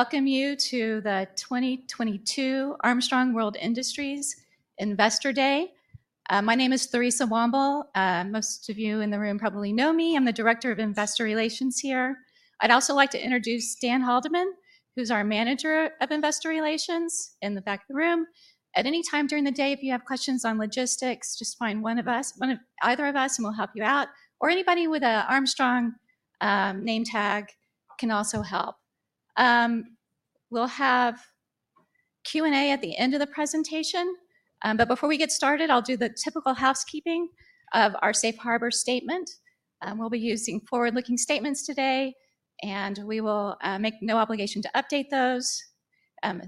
Welcome you to the 2022 Armstrong World Industries Investor Day. My name is Theresa Womble. Most of you in the room probably know me. I'm the director of investor relations here. I'd also like to introduce Dan Haldeman, who's our manager of investor relations in the back of the room. At any time during the day, if you have questions on logistics, just find one of us, either of us and we'll help you out, or anybody with an Armstrong name tag can also help. We'll have Q&A at the end of the presentation. Before we get started, I'll do the typical housekeeping of our safe harbor statement. We'll be using forward-looking statements today, and we will make no obligation to update those.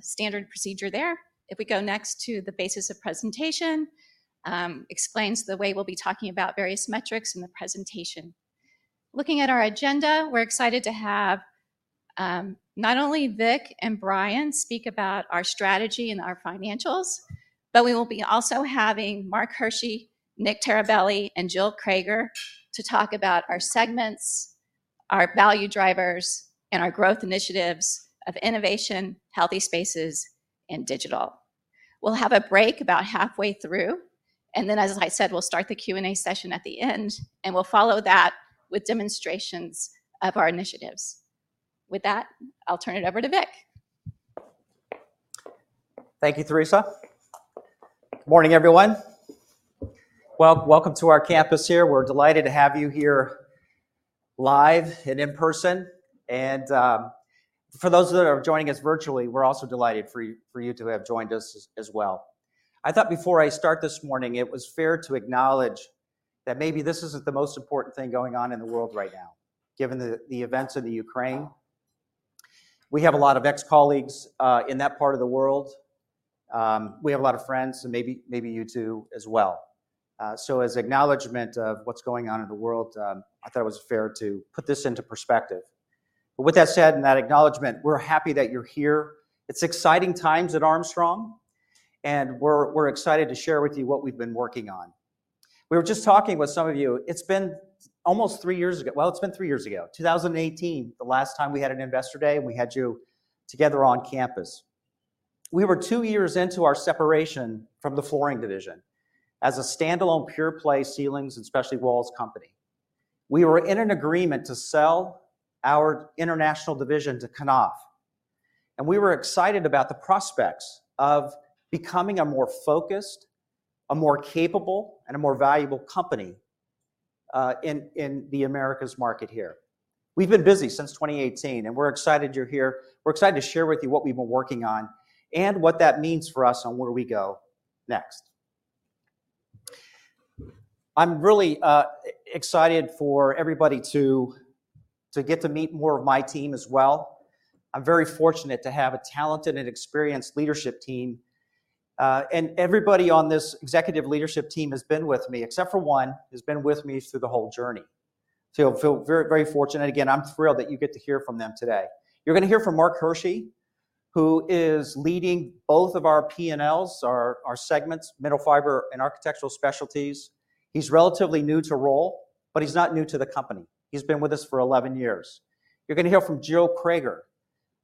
Standard procedure there. If we go next to the basis of presentation, explains the way we'll be talking about various metrics in the presentation. Looking at our agenda, we're excited to have not only Vic and Brian speak about our strategy and our financials, but we will be also having Mark Hershey, Nick Taraborelli, and Jill Crager to talk about our segments, our value drivers, and our growth initiatives of Innovation, Healthy Spaces, and Digital. We'll have a break about halfway through, and then, as I said, we'll start the Q&A session at the end, and we'll follow that with demonstrations of our initiatives. With that, I'll turn it over to Vic. Thank you, Theresa. Morning, everyone. Well, welcome to our campus here. We're delighted to have you here live and in person. For those that are joining us virtually, we're also delighted for you to have joined us as well. I thought before I start this morning, it was fair to acknowledge that maybe this isn't the most important thing going on in the world right now, given the events in the Ukraine. We have a lot of ex-colleagues in that part of the world. We have a lot of friends, so maybe you do as well. As acknowledgement of what's going on in the world, I thought it was fair to put this into perspective. With that said and that acknowledgement, we're happy that you're here. It's exciting times at Armstrong, and we're excited to share with you what we've been working on. We were just talking with some of you. It's been three years ago, 2018, the last time we had an Investor Day and we had you together on campus. We were two years into our separation from the flooring division as a standalone pure play ceilings and specialty walls company. We were in an agreement to sell our international division to Knauf, and we were excited about the prospects of becoming a more focused, a more capable, and a more valuable company in the Americas market here. We've been busy since 2018, and we're excited you're here. We're excited to share with you what we've been working on and what that means for us on where we go next. I'm really excited for everybody to get to meet more of my team as well. I'm very fortunate to have a talented and experienced leadership team, and everybody on this executive leadership team has been with me, except for one, through the whole journey. I feel very fortunate. Again, I'm thrilled that you get to hear from them today. You're gonna hear from Mark Hershey, who is leading both of our P&Ls, our segments, Mineral Fiber and Architectural Specialties. He's relatively new to the role, but he's not new to the company. He's been with us for 11 years. You're gonna hear from Jill Crager,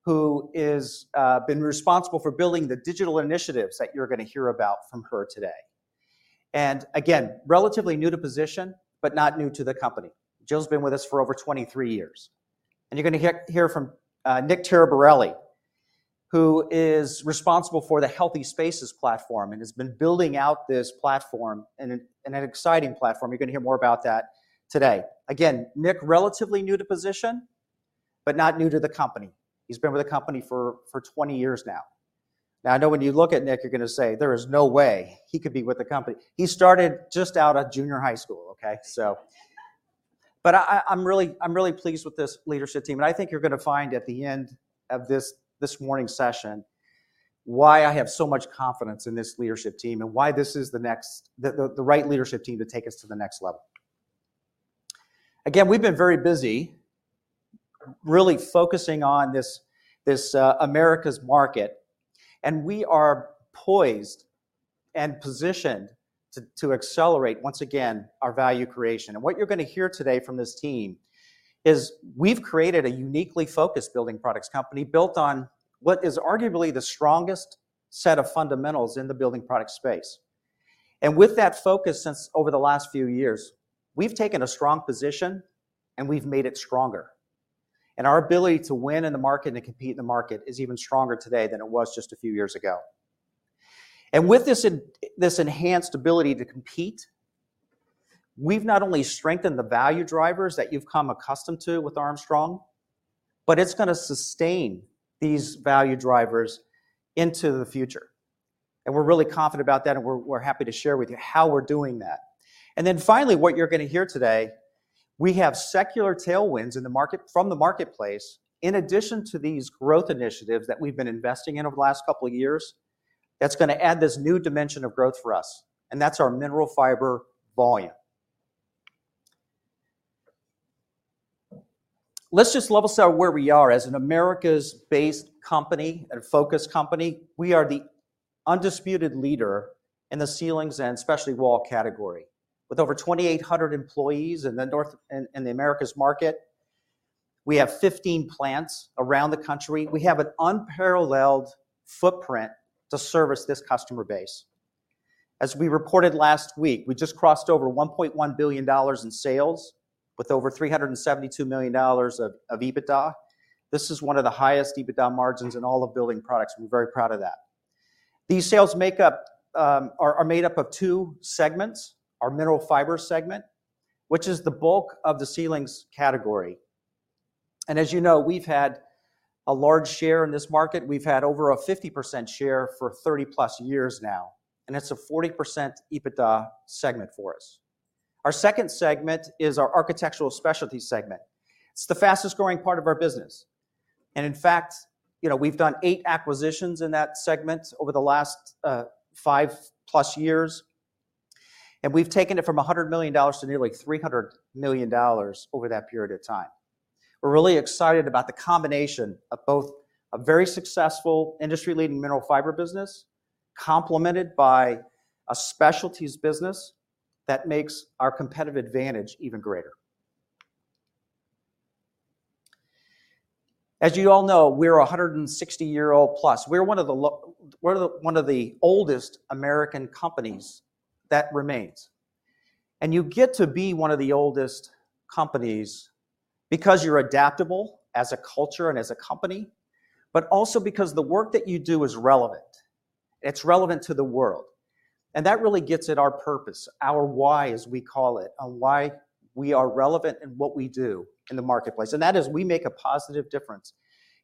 who has been responsible for building the digital initiatives that you're gonna hear about from her today. Again, relatively new to the position, but not new to the company. Jill's been with us for over 23 years. You're gonna hear from Nick Taraborelli, who is responsible for the Healthy Spaces platform and has been building out this platform, and an exciting platform. You're gonna hear more about that today. Again, Nick, relatively new to position, but not new to the company. He's been with the company for 20 years now. Now, I know when you look at Nick, you're gonna say, "There is no way he could be with the company." He started just out of junior high school, okay? I'm really pleased with this leadership team, and I think you're gonna find at the end of this morning's session why I have so much confidence in this leadership team and why this is the right leadership team to take us to the next level. Again, we've been very busy really focusing on this Americas market, and we are poised and positioned to accelerate once again our value creation. What you're gonna hear today from this team is we've created a uniquely focused building products company built on what is arguably the strongest set of fundamentals in the building product space. With that focus since over the last few years, we've taken a strong position, and we've made it stronger. Our ability to win in the market and compete in the market is even stronger today than it was just a few years ago. With this this enhanced ability to compete, we've not only strengthened the value drivers that you've come accustomed to with Armstrong, but it's gonna sustain these value drivers into the future. We're really confident about that, and we're happy to share with you how we're doing that. Then finally, what you're gonna hear today, we have secular tailwinds in the market, from the marketplace in addition to these growth initiatives that we've been investing in over the last couple of years that's gonna add this new dimension of growth for us, and that's our Mineral Fiber volume. Let's just level set where we are as an Americas-based company and a focused company. We are the undisputed leader in the ceilings and especially wall category. With over 2,800 employees in the North and the Americas market, we have 15 plants around the country. We have an unparalleled footprint to service this customer base. As we reported last week, we just crossed over $1.1 billion in sales with over $372 million of EBITDA. This is one of the highest EBITDA margins in all of building products. We're very proud of that. These sales make up, are made up of two segments, our Mineral Fiber segment, which is the bulk of the ceilings category. As you know, we've had a large share in this market. We've had over a 50% share for 30+ years now, and it's a 40% EBITDA segment for us. Our second segment is our Architectural Specialties segment. It's the fastest-growing part of our business. In fact we've done 8 acquisitions in that segment over the last five-plus years, and we've taken it from $100 million to nearly $300 million over that period of time. We're really excited about the combination of both a very successful industry-leading Mineral Fiber business complemented by a specialties business that makes our competitive advantage even greater. As you all know, we're a 160-year-old-plus. We're one of the oldest American companies that remains. You get to be one of the oldest companies because you're adaptable as a culture and as a company, but also because the work that you do is relevant. It's relevant to the world. That really gets at our purpose, our why, as we call it, on why we are relevant in what we do in the marketplace, and that is we make a positive difference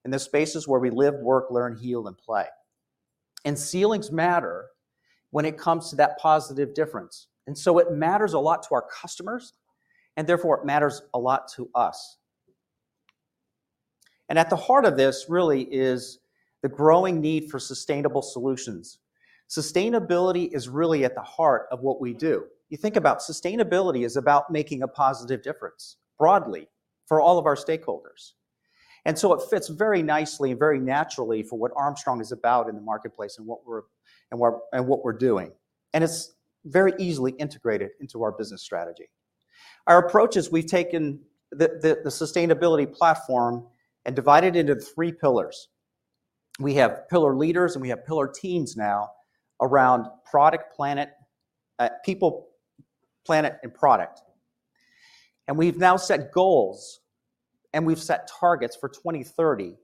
in the spaces where we live, work, learn, heal, and play. Ceilings matter when it comes to that positive difference. It matters a lot to our customers, and therefore it matters a lot to us. At the heart of this really is the growing need for sustainable solutions. Sustainability is really at the heart of what we do. You think about sustainability is about making a positive difference broadly for all of our stakeholders. It fits very nicely and very naturally for what Armstrong is about in the marketplace and what we're doing. It's very easily integrated into our business strategy. Our approach is we've taken the sustainability platform and divided it into three pillars. We have pillar leaders, and we have pillar teams now around people, planet, and product. We've now set goals, and we've set targets for 2030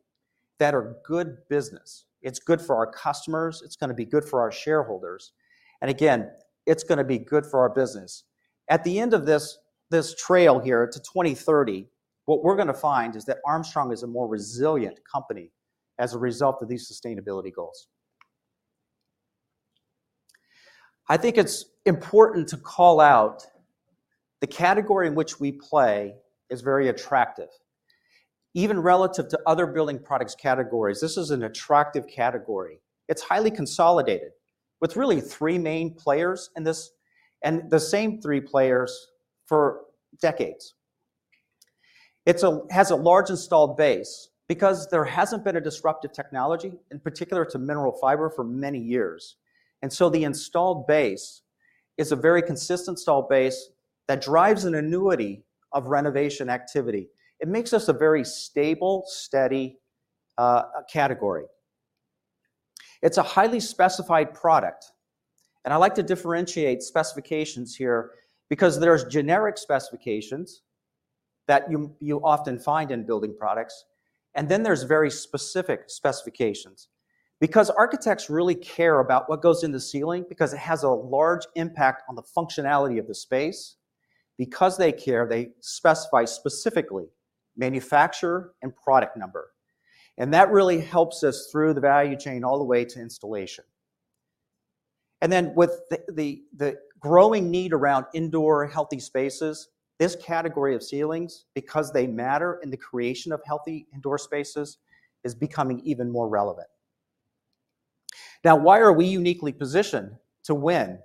that are good business. It's good for our customers, it's gonna be good for our shareholders, and again, it's gonna be good for our business. At the end of this trail here to 2030, what we're gonna find is that Armstrong is a more resilient company as a result of these sustainability goals. I think it's important to call out the category in which we play is very attractive. Even relative to other building products categories, this is an attractive category. It's highly consolidated, with really three main players in this, and the same three players for decades. It has a large installed base because there hasn't been a disruptive technology, in particular to mineral fiber, for many years. The installed base is a very consistent installed base that drives an annuity of renovation activity. It makes us a very stable, steady category. It's a highly specified product, and I like to differentiate specifications here because there's generic specifications that you often find in building products, and then there's very specific specifications. Because architects really care about what goes in the ceiling because it has a large impact on the functionality of the space. Because they care, they specify specifically manufacturer and product number. That really helps us through the value chain all the way to installation. With the growing need around indoor Healthy Spaces, this category of ceilings, because they matter in the creation of healthy indoor spaces, is becoming even more relevant. Now, why are we uniquely positioned to win?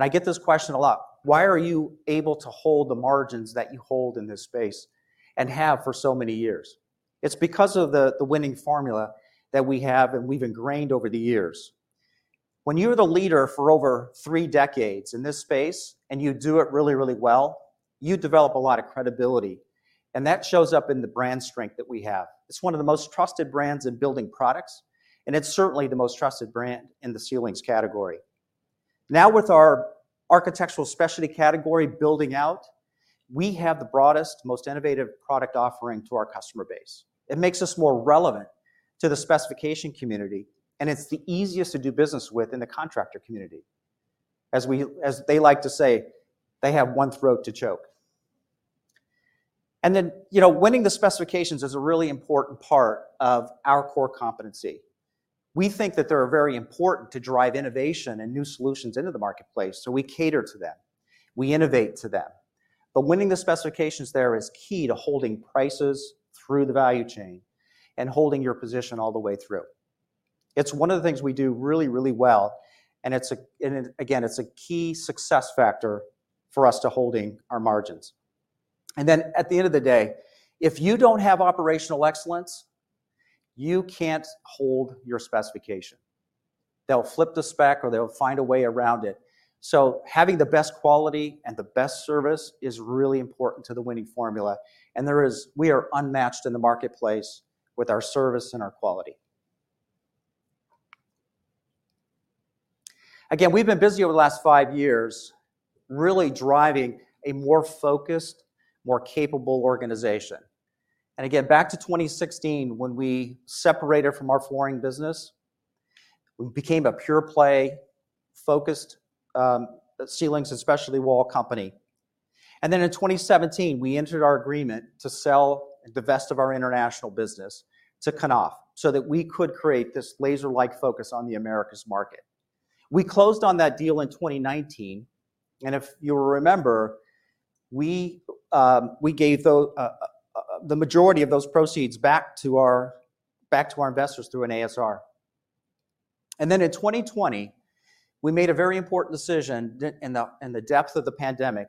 I get this question a lot. Why are you able to hold the margins that you hold in this space and have for so many years? It's because of the winning formula that we have and we've ingrained over the years. When you are the leader for over three decades in this space and you do it really well, you develop a lot of credibility, and that shows up in the brand strength that we have. It's one of the most trusted brands in building products, and it's certainly the most trusted brand in the ceilings category. Now, with our Architectural Specialties building out, we have the broadest, most innovative product offering to our customer base. It makes us more relevant to the specification community, and it's the easiest to do business with in the contractor community. As they like to say, they have one throat to choke. You know, winning the specifications is a really important part of our core competency. We think that they are very important to drive innovation and new solutions into the marketplace, so we cater to them. We innovate to them. Winning the specifications there is key to holding prices through the value chain and holding your position all the way through. It's one of the things we do really, really well, and it's again, it's a key success factor for us to holding our margins. At the end of the day, if you don't have operational excellence, you can't hold your specification. They'll flip the spec or they'll find a way around it. Having the best quality and the best service is really important to the winning formula. We are unmatched in the marketplace with our service and our quality. Again, we've been busy over the last five years really driving a more focused, more capable organization. Again, back to 2016 when we separated from our flooring business, we became a pure play, focused ceilings, especially wall company. In 2017, we entered our agreement to sell the best of our international business to Knauf so that we could create this laser-like focus on the Americas market. We closed on that deal in 2019, and if you remember, we gave the majority of those proceeds back to our investors through an ASR. In 2020, we made a very important decision in the depth of the pandemic.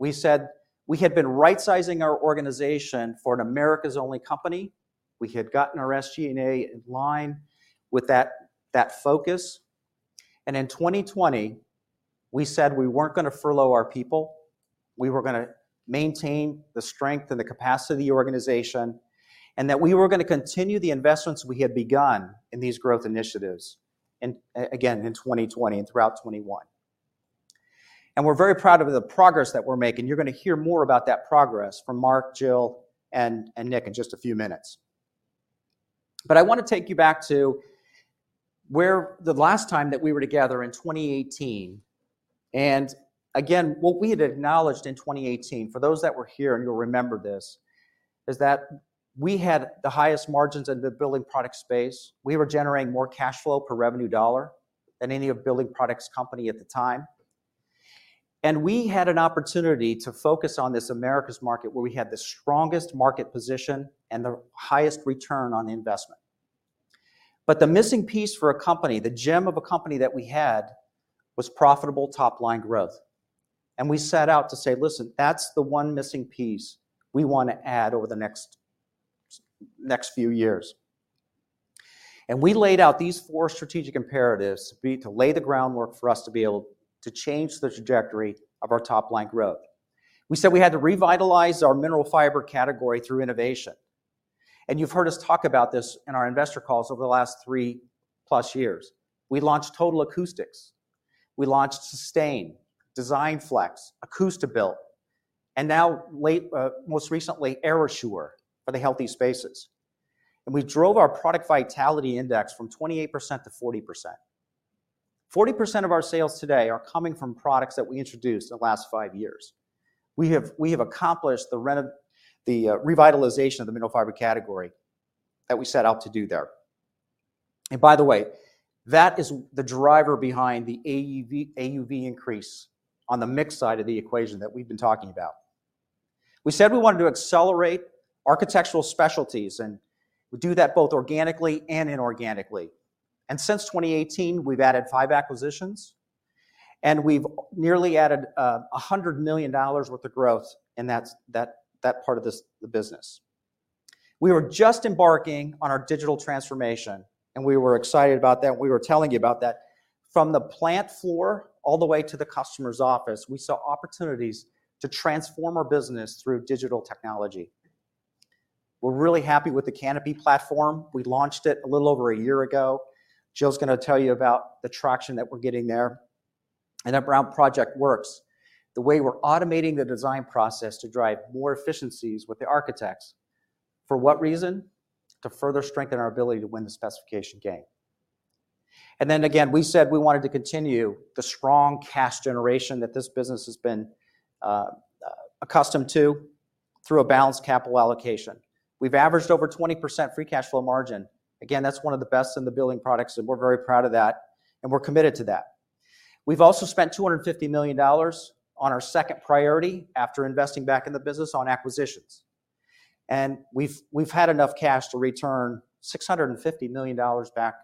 We said we had been rightsizing our organization for an Americas-only company. We had gotten our SG&A in line with that focus. In 2020, we said we weren't gonna furlough our people, we were gonna maintain the strength and the capacity of the organization, and that we were gonna continue the investments we had begun in these growth initiatives and again, in 2020 and throughout 2021. We're very proud of the progress that we're making. You're gonna hear more about that progress from Mark, Jill, and Nick in just a few minutes. I wanna take you back to where the last time that we were together in 2018, and again, what we had acknowledged in 2018, for those that were here, and you'll remember this, is that we had the highest margins in the building products space. We were generating more cash flow per revenue dollar than any other building products company at the time. We had an opportunity to focus on this Americas market where we had the strongest market position and the highest return on investment. The missing piece for a company, the gem of a company that we had, was profitable top-line growth. We set out to say, "Listen, that's the one missing piece we wanna add over the next few years." We laid out these four strategic imperatives to be, to lay the groundwork for us to be able to change the trajectory of our top-line growth. We said we had to revitalize our Mineral Fiber category through innovation. You've heard us talk about this in our investor calls over the last three-plus years. We launched Total Acoustics, we launched Sustain, DESIGNFlex, ACOUSTIBuilt, and now, most recently, AirAssure for the Healthy Spaces. We drove our product vitality index from 28% to 40%. 40% of our sales today are coming from products that we introduced in the last five years. We have accomplished the revitalization of the Mineral Fiber category that we set out to do there. By the way, that is the driver behind the AUV increase on the mix side of the equation that we've been talking about. We said we wanted to accelerate Architectural Specialties, and we do that both organically and inorganically. Since 2018, we've added 5 acquisitions, and we've nearly added $100 million worth of growth in that part of the business. We were just embarking on our digital transformation, and we were excited about that. We were telling you about that. From the plant floor all the way to the customer's office, we saw opportunities to transform our business through digital technology. We're really happy with the Kanopi platform. We launched it a little over a year ago. Jill's gonna tell you about the traction that we're getting there. ProjectWorks, the way we're automating the design process to drive more efficiencies with the architects. For what reason? To further strengthen our ability to win the specification game. We said we wanted to continue the strong cash generation that this business has been accustomed to through a balanced capital allocation. We've averaged over 20% free cash flow margin. Again, that's one of the best in the building products, and we're very proud of that, and we're committed to that. We've also spent $250 million on our second priority after investing back in the business on acquisitions. We've had enough cash to return $650 million back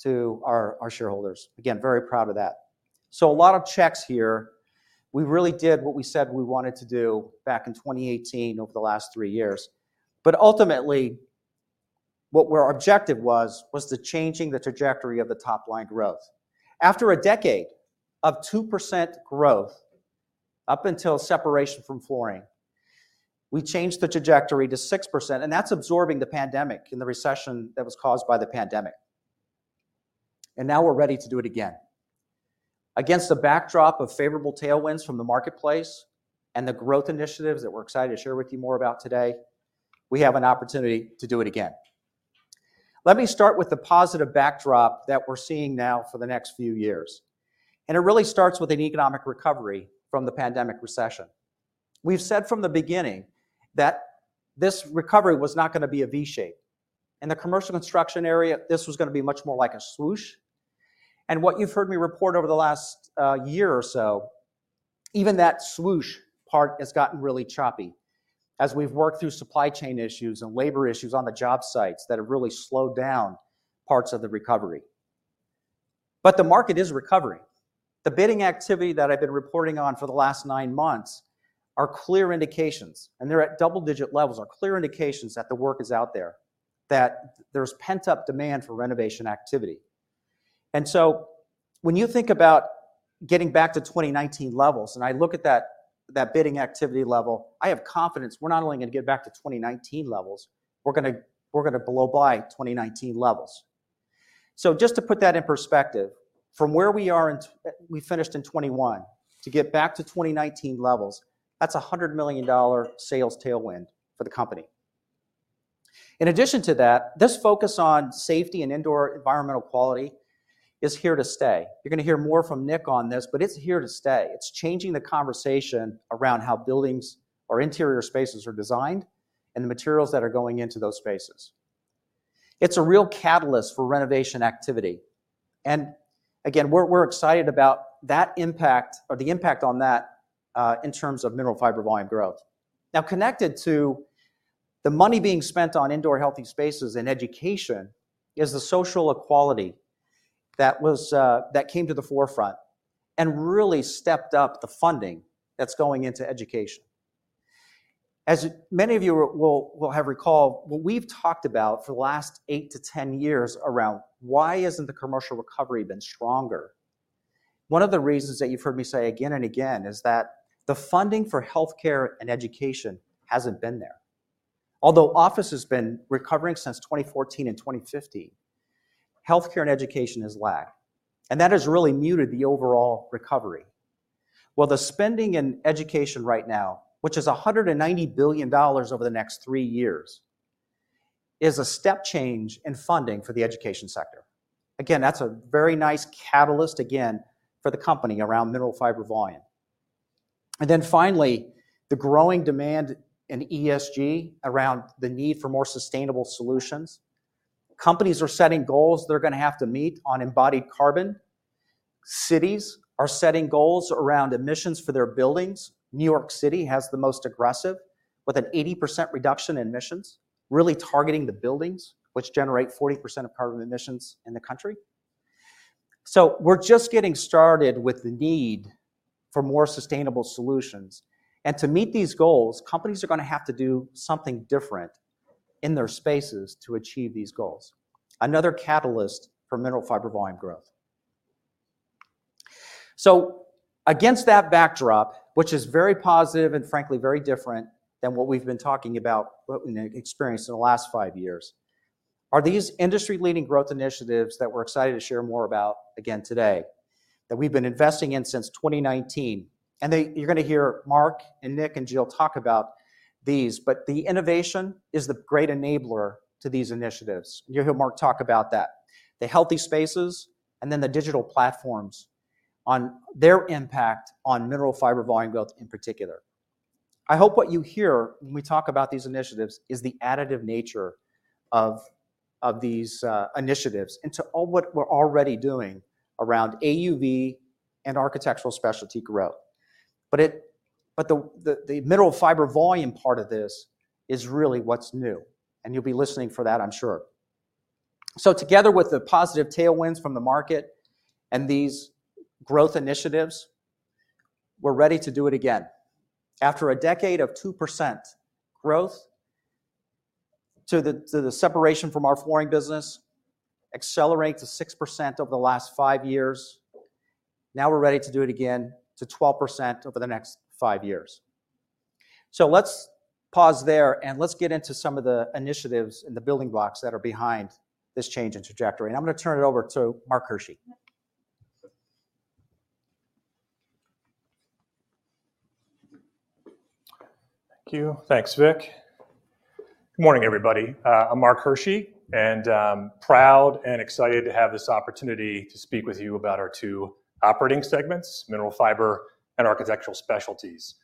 to our shareholders. Again, very proud of that. A lot of checks here. We really did what we said we wanted to do back in 2018 over the last 3 years. Ultimately, what our objective was the changing the trajectory of the top-line growth. After a decade of 2% growth up until separation from flooring, we changed the trajectory to 6%, and that's absorbing the pandemic and the recession that was caused by the pandemic. Now we're ready to do it again. Against the backdrop of favorable tailwinds from the marketplace and the growth initiatives that we're excited to share with you more about today, we have an opportunity to do it again. Let me start with the positive backdrop that we're seeing now for the next few years. It really starts with an economic recovery from the pandemic recession. We've said from the beginning that this recovery was not gonna be a V shape. In the commercial construction area, this was gonna be much more like a swoosh. What you've heard me report over the last year or so, even that swoosh part has gotten really choppy as we've worked through supply chain issues and labor issues on the job sites that have really slowed down parts of the recovery. The market is recovering. The bidding activity that I've been reporting on for the last 9 months is clear indications, and they're at double-digit levels, that the work is out there, that there's pent-up demand for renovation activity. When you think about getting back to 2019 levels, and I look at that bidding activity level, I have confidence we're not only gonna get back to 2019 levels, we're gonna blow by 2019 levels. Just to put that in perspective, from where we are, we finished in 2021 to get back to 2019 levels, that's a $100 million sales tailwind for the company. In addition to that, this focus on safety and indoor environmental quality is here to stay. You're gonna hear more from Nick on this, but it's here to stay. It's changing the conversation around how buildings or interior spaces are designed and the materials that are going into those spaces. It's a real catalyst for renovation activity. Again, we're excited about that impact or the impact on that in terms of Mineral Fiber volume growth. Now, connected to the money being spent on indoor healthy spaces and education is the social equality that was that came to the forefront and really stepped up the funding that's going into education. As many of you will have recalled, what we've talked about for the last 8-10 years around why isn't the commercial recovery been stronger, one of the reasons that you've heard me say again and again is that the funding for healthcare and education hasn't been there. Although office has been recovering since 2014 and 2015, healthcare and education has lagged, and that has really muted the overall recovery. Well, the spending in education right now, which is $190 billion over the next three years, is a step change in funding for the education sector. Again, that's a very nice catalyst, again, for the company around Mineral Fiber volume. Finally, the growing demand in ESG around the need for more sustainable solutions. Companies are setting goals they're gonna have to meet on embodied carbon. Cities are setting goals around emissions for their buildings. New York City has the most aggressive, with an 80% reduction in emissions, really targeting the buildings which generate 40% of carbon emissions in the country. We're just getting started with the need for more sustainable solutions. To meet these goals, companies are gonna have to do something different in their spaces to achieve these goals, another catalyst for Mineral Fiber volume growth. Against that backdrop, which is very positive and frankly very different than what we've been talking about, what we've experienced in the last five years, are these industry-leading growth initiatives that we're excited to share more about again today that we've been investing in since 2019. You're gonna hear Mark and Nick and Jill talk about these, but the innovation is the great enabler to these initiatives. You'll hear Mark talk about that, the Healthy Spaces and then the digital platforms on their impact on Mineral Fiber volume growth in particular. I hope what you hear when we talk about these initiatives is the additive nature of these initiatives into all what we're already doing around AUV and Architectural Specialties growth. The mineral fiber volume part of this is really what's new, and you'll be listening for that, I'm sure. Together with the positive tailwinds from the market and these growth initiatives, we're ready to do it again. After a decade of 2% growth to the separation from our flooring business, we accelerate to 6% over the last five years. We're ready to do it again to 12% over the next five years. Let's pause there, and let's get into some of the initiatives and the building blocks that are behind this change in trajectory. I'm gonna turn it over to Mark Hershey. Thank you. Thanks, Vic. Good morning, everybody. I'm Mark Hershey, and I'm proud and excited to have this opportunity to speak with you about our two operating segments, Mineral Fiber and Architectural Specialties.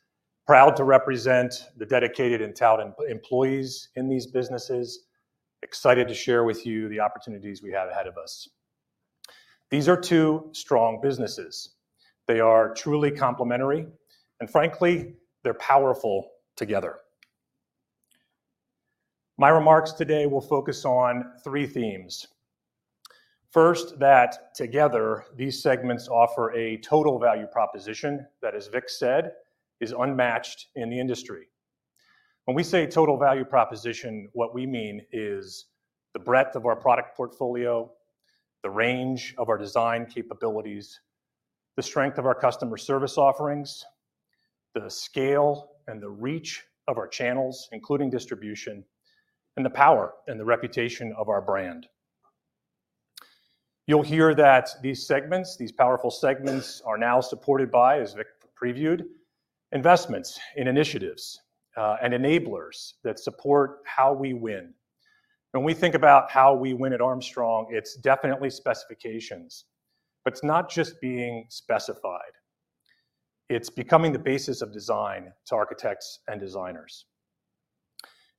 Proud to represent the dedicated and talented employees in these businesses. Excited to share with you the opportunities we have ahead of us. These are two strong businesses. They are truly complementary, and frankly, they're powerful together. My remarks today will focus on three themes. First, that together these segments offer a total value proposition that, as Vic said, is unmatched in the industry. When we say total value proposition, what we mean is the breadth of our product portfolio, the range of our design capabilities, the strength of our customer service offerings, the scale and the reach of our channels, including distribution, and the power and the reputation of our brand. You'll hear that these segments, these powerful segments, are now supported by, as Vic previewed, investments in initiatives and enablers that support how we win. When we think about how we win at Armstrong, it's definitely specifications, but it's not just being specified. It's becoming the basis of design to architects and designers.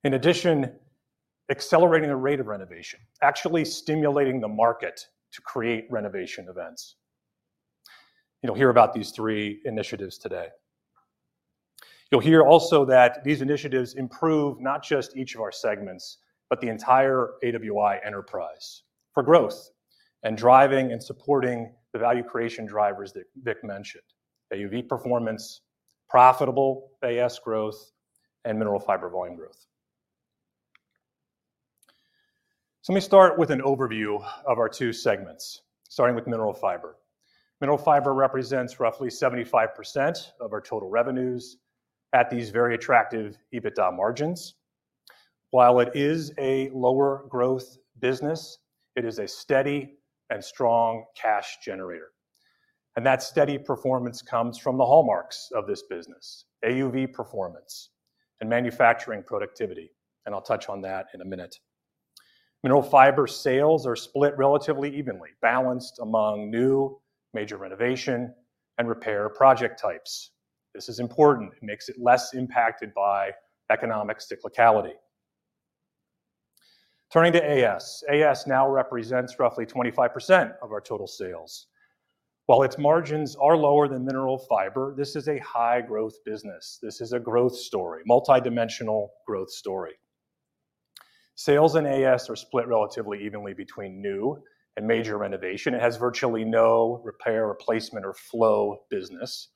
In addition, accelerating the rate of renovation, actually stimulating the market to create renovation events. You'll hear about these three initiatives today. You'll hear also that these initiatives improve not just each of our segments, but the entire AWI enterprise for growth and driving and supporting the value creation drivers that Vic mentioned, AUV performance, profitable AS growth, and Mineral Fiber volume growth. Let me start with an overview of our two segments, starting with Mineral Fiber. Mineral Fiber represents roughly 75% of our total revenues at these very attractive EBITDA margins. While it is a lower growth business, it is a steady and strong cash generator. That steady performance comes from the hallmarks of this business, AUV performance and manufacturing productivity. I'll touch on that in a minute. Mineral Fiber sales are split relatively evenly, balanced among new, major renovation, and repair project types. This is important. It makes it less impacted by economic cyclicality. Turning to AS. AS now represents roughly 25% of our total sales. While its margins are lower than Mineral Fiber, this is a high-growth business. This is a growth story, multidimensional growth story. Sales in AS are split relatively evenly between new and major renovation. It has virtually no repair, replacement, or flow business.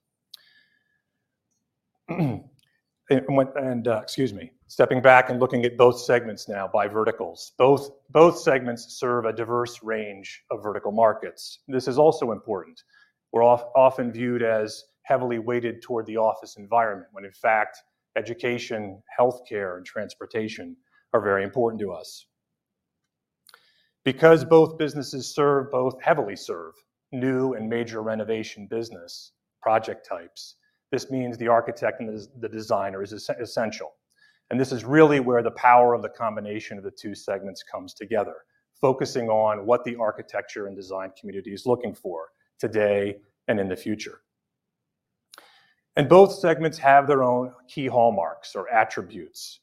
Stepping back and looking at both segments now by verticals. Both segments serve a diverse range of vertical markets. This is also important. We're often viewed as heavily weighted toward the office environment, when in fact, education, healthcare, and transportation are very important to us. Because both businesses heavily serve new and major renovation business project types, this means the architect and the designer is essential. This is really where the power of the combination of the two segments comes together, focusing on what the architecture and design community is looking for today and in the future. Both segments have their own key hallmarks or attributes.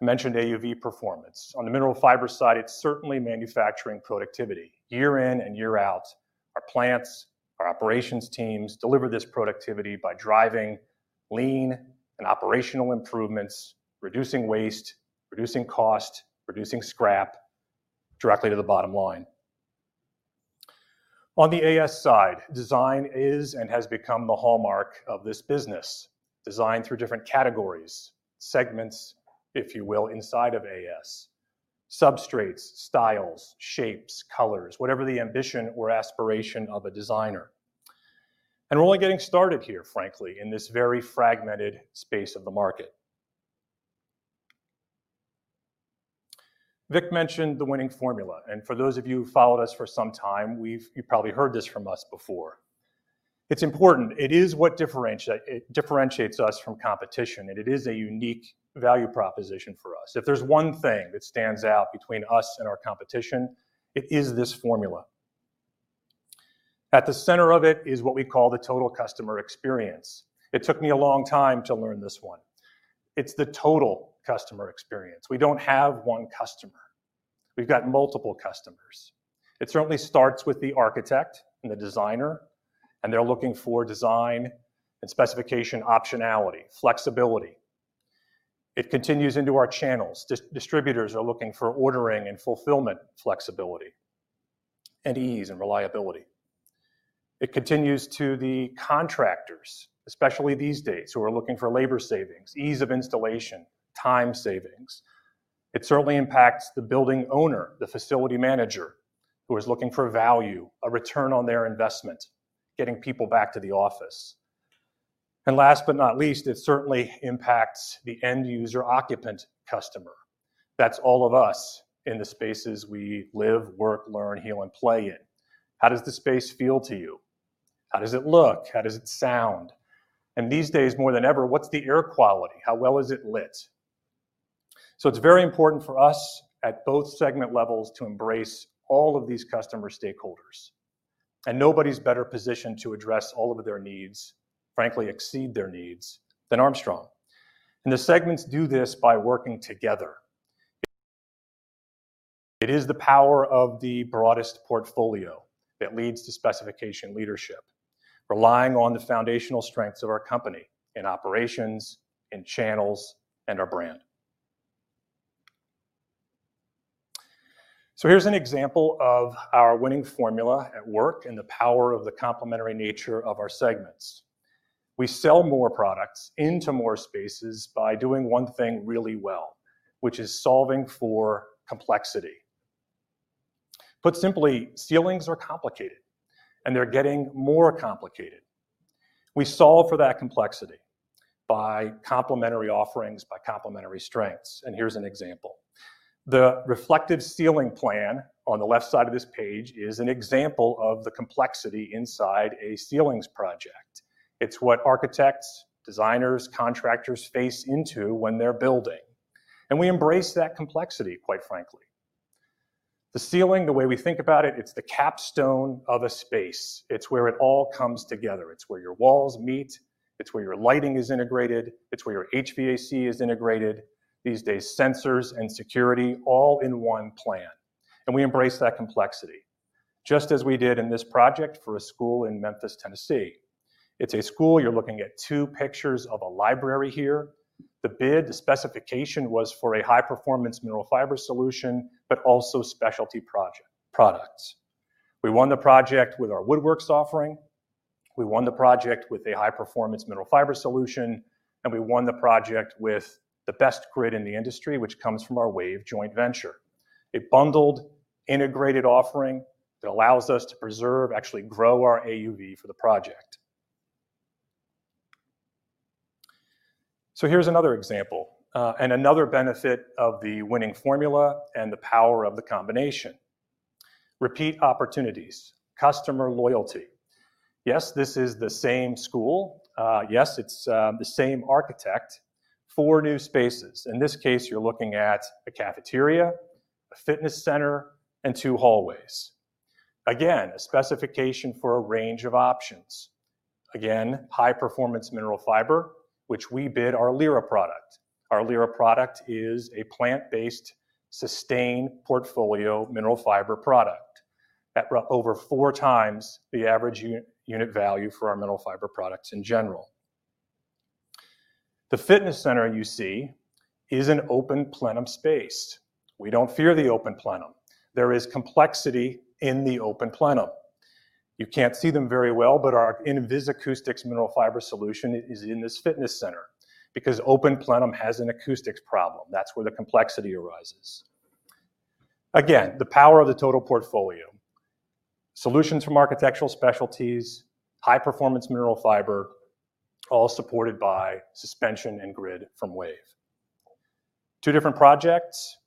I mentioned AUV performance. On the Mineral Fiber side, it's certainly manufacturing productivity. Year in and year out, our plants, our operations teams deliver this productivity by driving lean and operational improvements, reducing waste, reducing cost, reducing scrap directly to the bottom line. On the AS side, design is and has become the hallmark of this business. Design through different categories, segments, if you will, inside of AS. Substrates, styles, shapes, colors, whatever the ambition or aspiration of a designer. We're only getting started here, frankly, in this very fragmented space of the market. Vic mentioned the winning formula, and for those of you who followed us for some time, you probably heard this from us before. It's important. It is what it differentiates us from competition, and it is a unique value proposition for us. If there's one thing that stands out between us and our competition, it is this formula. At the center of it is what we call the total customer experience. It took me a long time to learn this one. It's the total customer experience. We don't have one customer. We've got multiple customers. It certainly starts with the architect and the designer, and they're looking for design and specification optionality, flexibility. It continues into our channels. Distributors are looking for ordering and fulfillment flexibility and ease and reliability. It continues to the contractors, especially these days, who are looking for labor savings, ease of installation, time savings. It certainly impacts the building owner, the facility manager, who is looking for value, a return on their investment, getting people back to the office. Last but not least, it certainly impacts the end user occupant customer. That's all of us in the spaces we live, work, learn, heal, and play in. How does the space feel to you? How does it look? How does it sound? And these days, more than ever, what's the air quality? How well is it lit? It's very important for us at both segment levels to embrace all of these customer stakeholders. Nobody's better positioned to address all of their needs, frankly, exceed their needs, than Armstrong. The segments do this by working together. It is the power of the broadest portfolio that leads to specification leadership, relying on the foundational strengths of our company in operations, in channels, and our brand. Here's an example of our winning formula at work and the power of the complementary nature of our segments. We sell more products into more spaces by doing one thing really well, which is solving for complexity. Put simply, ceilings are complicated, and they're getting more complicated. We solve for that complexity by complementary offerings, by complementary strengths. Here's an example. The reflective ceiling plan on the left side of this page is an example of the complexity inside a ceilings project. It's what architects, designers, contractors face into when they're building. We embrace that complexity, quite frankly. The ceiling, the way we think about it's the capstone of a space. It's where it all comes together. It's where your walls meet, it's where your lighting is integrated, it's where your HVAC is integrated, these days, sensors and security, all in one plan. We embrace that complexity just as we did in this project for a school in Memphis, Tennessee. It's a school. You're looking at two pictures of a library here. The bid, the specification was for a high-performance mineral fiber solution, but also specialty products. We won the project with our WOODWORKS offering, we won the project with a high-performance mineral fiber solution, and we won the project with the best grid in the industry, which comes from our WAVE joint venture. A bundled integrated offering that allows us to preserve, actually grow our AUV for the project. Here's another example, and another benefit of the winning formula and the power of the combination. Repeat opportunities, customer loyalty. Yes, this is the same school. Yes, it's the same architect. Four new spaces. In this case, you're looking at a cafeteria, a fitness center, and two hallways. Again, a specification for a range of options. Again, high-performance mineral fiber, which we bid our Lyra product. Our Lyra product is a plant-based Sustain portfolio mineral fiber product that brought over four times the average unit value for our mineral fiber products in general. The fitness center you see is an open plenum space. We don't fear the open plenum. There is complexity in the open plenum. You can't see them very well, but our INVISACOUSTICS mineral fiber solution is in this fitness center because open plenum has an acoustics problem. That's where the complexity arises. Again, the power of the total portfolio. Solutions from Architectural Specialties, high-performance Mineral Fiber, all supported by suspension and grid from WAVE. 2 different projects,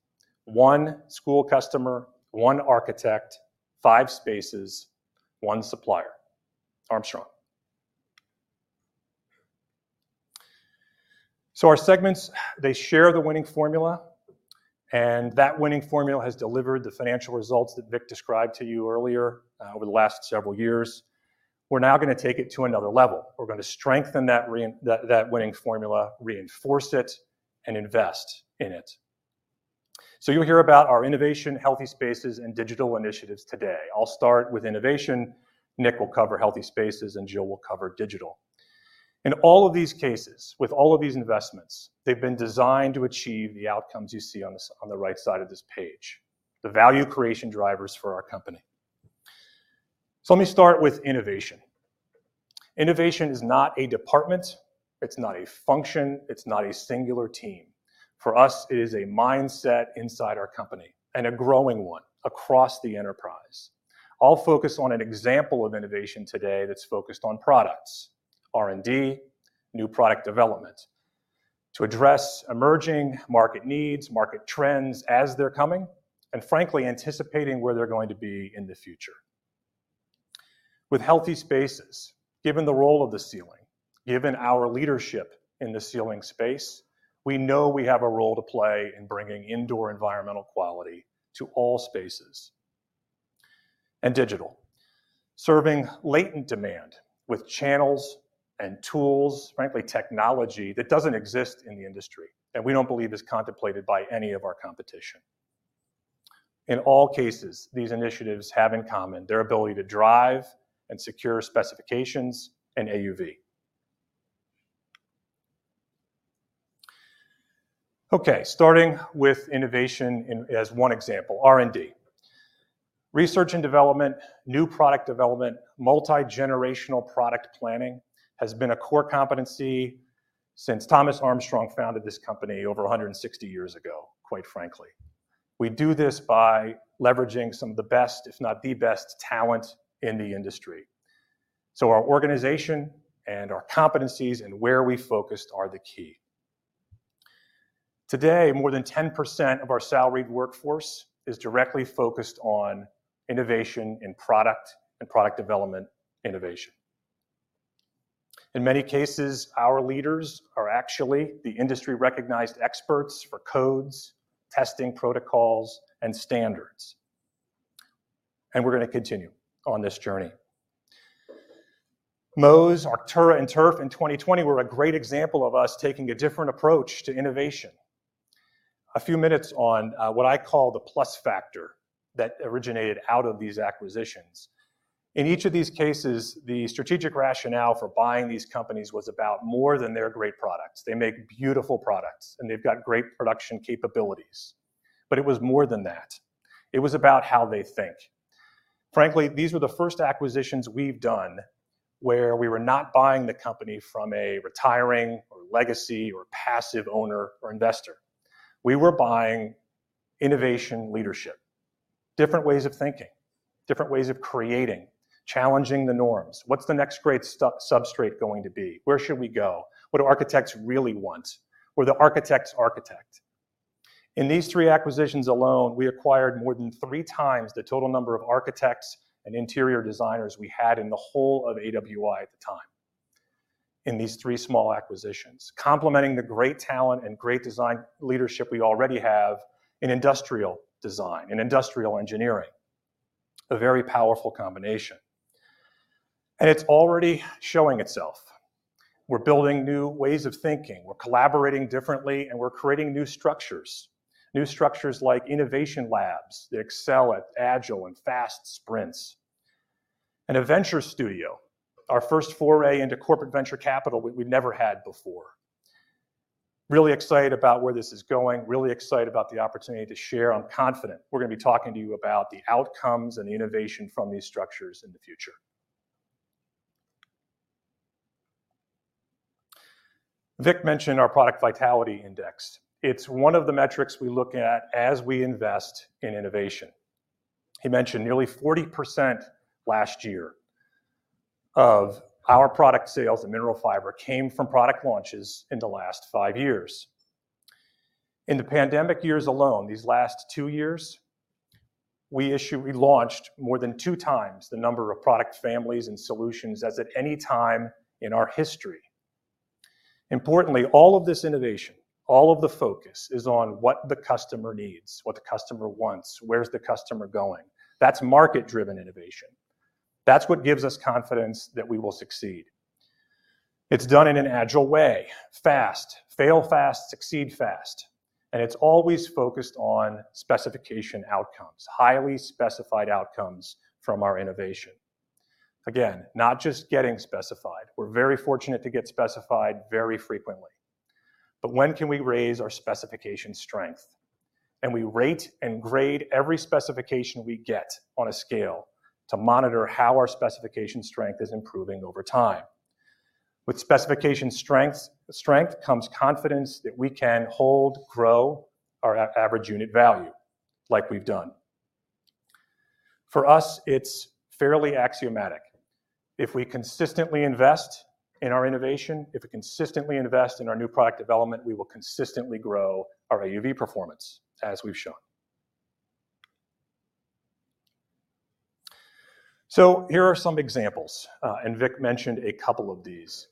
1 school customer, 1 architect, 5 spaces, 1 supplier, Armstrong. Our segments, they share the winning formula, and that winning formula has delivered the financial results that Vic described to you earlier, over the last several years. We're now gonna take it to another level. We're gonna strengthen that winning formula, reinforce it, and invest in it. You'll hear about our innovation, Healthy Spaces, and digital initiatives today. I'll start with innovation, Nick will cover Healthy Spaces, and Jill will cover digital. In all of these cases, with all of these investments, they've been designed to achieve the outcomes you see on the right side of this page, the value creation drivers for our company. Let me start with innovation. Innovation is not a department, it's not a function, it's not a singular team. For us, it is a mindset inside our company, and a growing one across the enterprise. I'll focus on an example of innovation today that's focused on products, R&D, new product development, to address emerging market needs, market trends as they're coming, and frankly, anticipating where they're going to be in the future. With Healthy Spaces, given the role of the ceiling, given our leadership in the ceiling space, we know we have a role to play in bringing indoor environmental quality to all spaces. Digital, serving latent demand with channels and tools, frankly, technology that doesn't exist in the industry, and we don't believe is contemplated by any of our competition. In all cases, these initiatives have in common their ability to drive and secure specifications and AUV. Okay, starting with innovation in, as one example, R&D. Research and development, new product development, multigenerational product planning has been a core competency since Thomas Armstrong founded this company over 160 years ago, quite frankly. We do this by leveraging some of the best, if not the best talent in the industry. Our organization and our competencies and where we focused are the key. Today, more than 10% of our salaried workforce is directly focused on innovation in product and product development innovation. In many cases, our leaders are actually the industry-recognized experts for codes, testing protocols, and standards. We're gonna continue on this journey. Móz, Arktura, and Turf in 2020 were a great example of us taking a different approach to innovation. A few minutes on, what I call the plus factor that originated out of these acquisitions. In each of these cases, the strategic rationale for buying these companies was about more than their great products. They make beautiful products, and they've got great production capabilities. It was more than that. It was about how they think. Frankly, these were the first acquisitions we've done where we were not buying the company from a retiring or legacy or passive owner or investor. We were buying innovation leadership, different ways of thinking, different ways of creating, challenging the norms. What's the next great sub-substrate going to be? Where should we go? What do architects really want? We're the architect's architect. In these three acquisitions alone, we acquired more than three times the total number of architects and interior designers we had in the whole of AWI at the time in these three small acquisitions, complementing the great talent and great design leadership we already have in industrial design and industrial engineering. A very powerful combination. It's already showing itself. We're building new ways of thinking, we're collaborating differently, and we're creating new structures. New structures like innovation labs that excel at agile and fast sprints. A venture studio, our first foray into corporate venture capital we've never had before. Really excited about where this is going, really excited about the opportunity to share. I'm confident we're gonna be talking to you about the outcomes and the innovation from these structures in the future. Vic mentioned our product vitality index. It's one of the metrics we look at as we invest in innovation. He mentioned nearly 40% last year of our product sales in Mineral Fiber came from product launches in the last 5 years. In the pandemic years alone, these last 2 years, we launched more than 2 times the number of product families and solutions as at any time in our history. Importantly, all of this innovation, all of the focus is on what the customer needs, what the customer wants, where's the customer going. That's market-driven innovation. That's what gives us confidence that we will succeed. It's done in an agile way, fast, fail fast, succeed fast, and it's always focused on specification outcomes, highly specified outcomes from our innovation. Again, not just getting specified. We're very fortunate to get specified very frequently. When can we raise our specification strength? We rate and grade every specification we get on a scale to monitor how our specification strength is improving over time. With specification strength comes confidence that we can hold, grow our average unit value like we've done. For us, it's fairly axiomatic. If we consistently invest in our innovation, if we consistently invest in our new product development, we will consistently grow our AUV performance as we've shown. Here are some examples, and Vic mentioned a couple of these.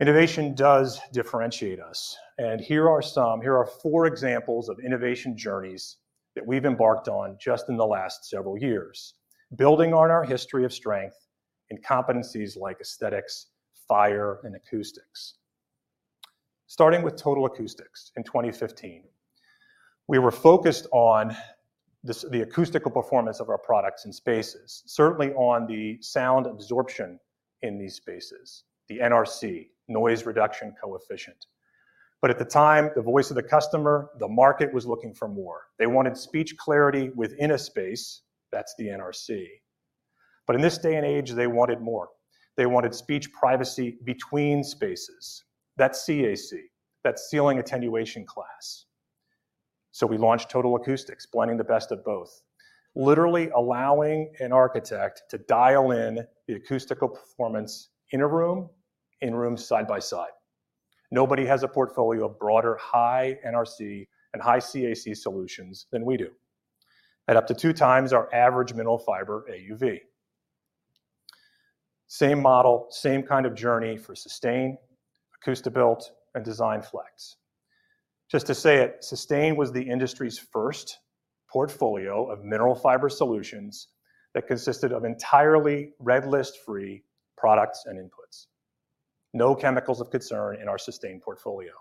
Innovation does differentiate us, and here are some. Here are four examples of innovation journeys that we've embarked on just in the last several years, building on our history of strength in competencies like aesthetics, fire, and acoustics. Starting with Total Acoustics in 2015, we were focused on the acoustical performance of our products in spaces, certainly on the sound absorption in these spaces, the NRC, noise reduction coefficient. At the time, the voice of the customer, the market was looking for more. They wanted speech clarity within a space, that's the NRC. In this day and age, they wanted more. They wanted speech privacy between spaces. That's CAC, that ceiling attenuation class. We launched Total Acoustics, blending the best of both, literally allowing an architect to dial in the acoustical performance in a room, in rooms side by side. Nobody has a portfolio of broader high NRC and high CAC solutions than we do at up to 2 times our average mineral fiber AUV. Same model, same kind of journey for Sustain, ACOUSTIBuilt, and DESIGNFlex. Just to say it, Sustain was the industry's first portfolio of mineral fiber solutions that consisted of entirely Red List free products and inputs. No chemicals of concern in our Sustain portfolio,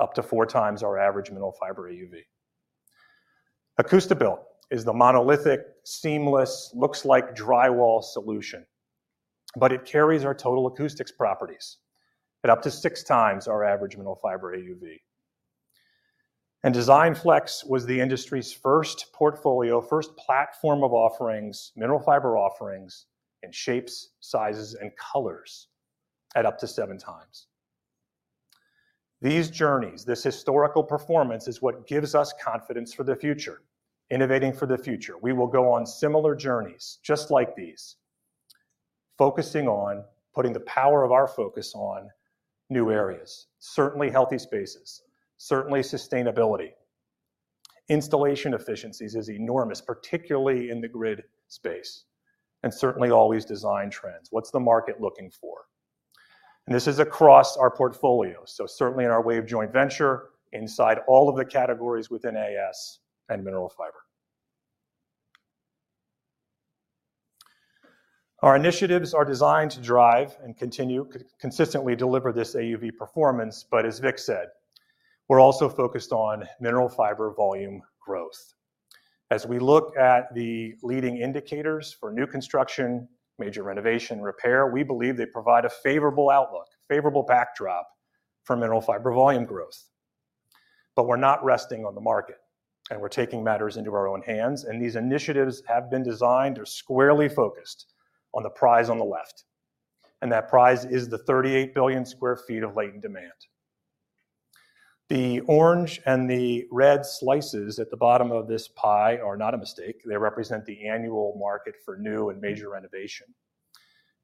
up to 4 times our average mineral fiber AUV. ACOUSTIBuilt is the monolithic, seamless, looks like drywall solution, but it carries our Total Acoustics properties at up to 6 times our average mineral fiber AUV. DESIGNFlex was the industry's first portfolio, first platform of offerings, mineral fiber offerings in shapes, sizes, and colors at up to 7 times. These journeys, this historical performance is what gives us confidence for the future, innovating for the future. We will go on similar journeys just like these, focusing on putting the power of our focus on new areas, certainly Healthy Spaces, certainly sustainability. Installation efficiencies is enormous, particularly in the grid space, and certainly always design trends. What's the market looking for? This is across our portfolio, so certainly in our WAVE joint venture, inside all of the categories within AS and Mineral Fiber. Our initiatives are designed to drive and continue consistently deliver this AUV performance, but as Vic said, we're also focused on Mineral Fiber volume growth. As we look at the leading indicators for new construction, major renovation, repair, we believe they provide a favorable outlook, favorable backdrop for Mineral Fiber volume growth. We're not resting on the market, and we're taking matters into our own hands, and these initiatives have been designed to squarely focus on the prize on the left, and that prize is the 38 billion sq ft of latent demand. The orange and the red slices at the bottom of this pie are not a mistake. They represent the annual market for new and major renovation.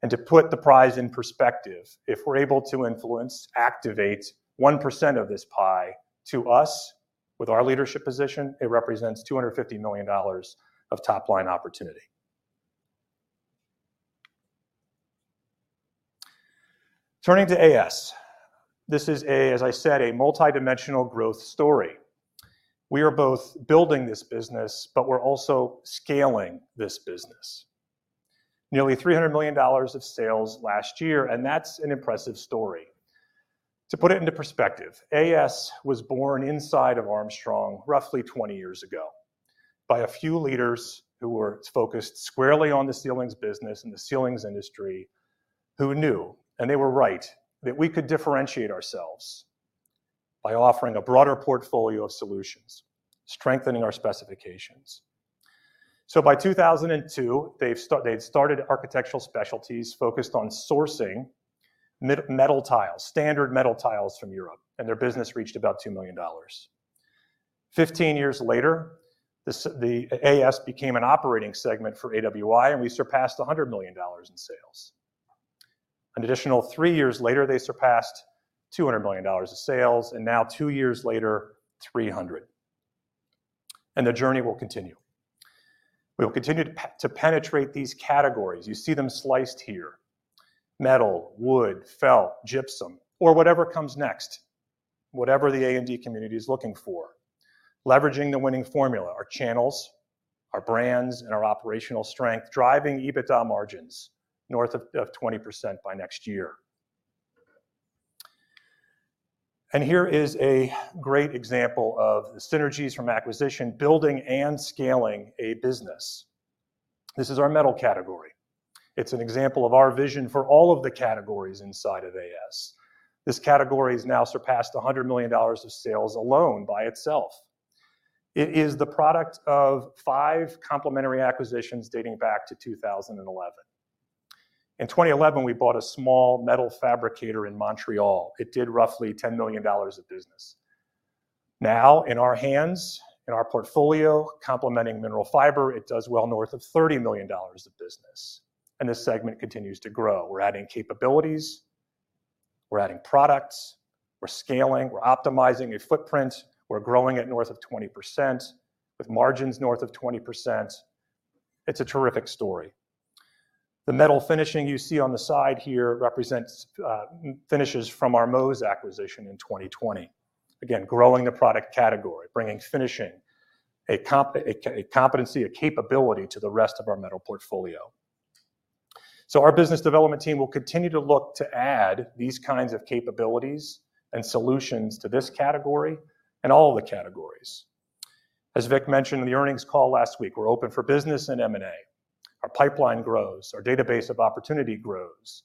To put the prize in perspective, if we're able to influence, activate 1% of this pie to us with our leadership position, it represents $250 million of top-line opportunity. Turning to AS. This is a, as I said, a multidimensional growth story. We are both building this business, but we're also scaling this business. Nearly $300 million of sales last year, and that's an impressive story. To put it into perspective, AS was born inside of Armstrong roughly 20 years ago by a few leaders who were focused squarely on the ceilings business and the ceilings industry who knew, and they were right, that we could differentiate ourselves by offering a broader portfolio of solutions, strengthening our specifications. By 2002, they'd started Architectural Specialties focused on sourcing metal tiles, standard metal tiles from Europe, and their business reached about $2 million. 15 years later, the AS became an operating segment for AWI, and we surpassed $100 million in sales. An additional three years later, they surpassed $200 million in sales, and now two years later, $300 million. The journey will continue. We will continue to penetrate these categories. You see them sliced here. Metal, wood, felt, gypsum or whatever comes next, whatever the A&D community is looking for. Leveraging the winning formula, our channels, our brands, and our operational strength, driving EBITDA margins north of 20% by next year. Here is a great example of synergies from acquisition, building and scaling a business. This is our metal category. It's an example of our vision for all of the categories inside of AS. This category has now surpassed $100 million of sales alone by itself. It is the product of five complementary acquisitions dating back to 2011. In 2011, we bought a small metal fabricator in Montreal. It did roughly $10 million of business. Now, in our hands, in our portfolio, complementing Mineral Fiber, it does well north of $30 million of business, and this segment continues to grow. We're adding capabilities, we're adding products, we're scaling, we're optimizing a footprint, we're growing it north of 20% with margins north of 20%. It's a terrific story. The metal finishing you see on the side here represents finishes from our Móz's acquisition in 2020. Again, growing the product category, bringing finishing, a competency, a capability to the rest of our metal portfolio. Our business development team will continue to look to add these kinds of capabilities and solutions to this category and all of the categories. As Vic mentioned in the earnings call last week, we're open for business and M&A. Our pipeline grows, our database of opportunity grows,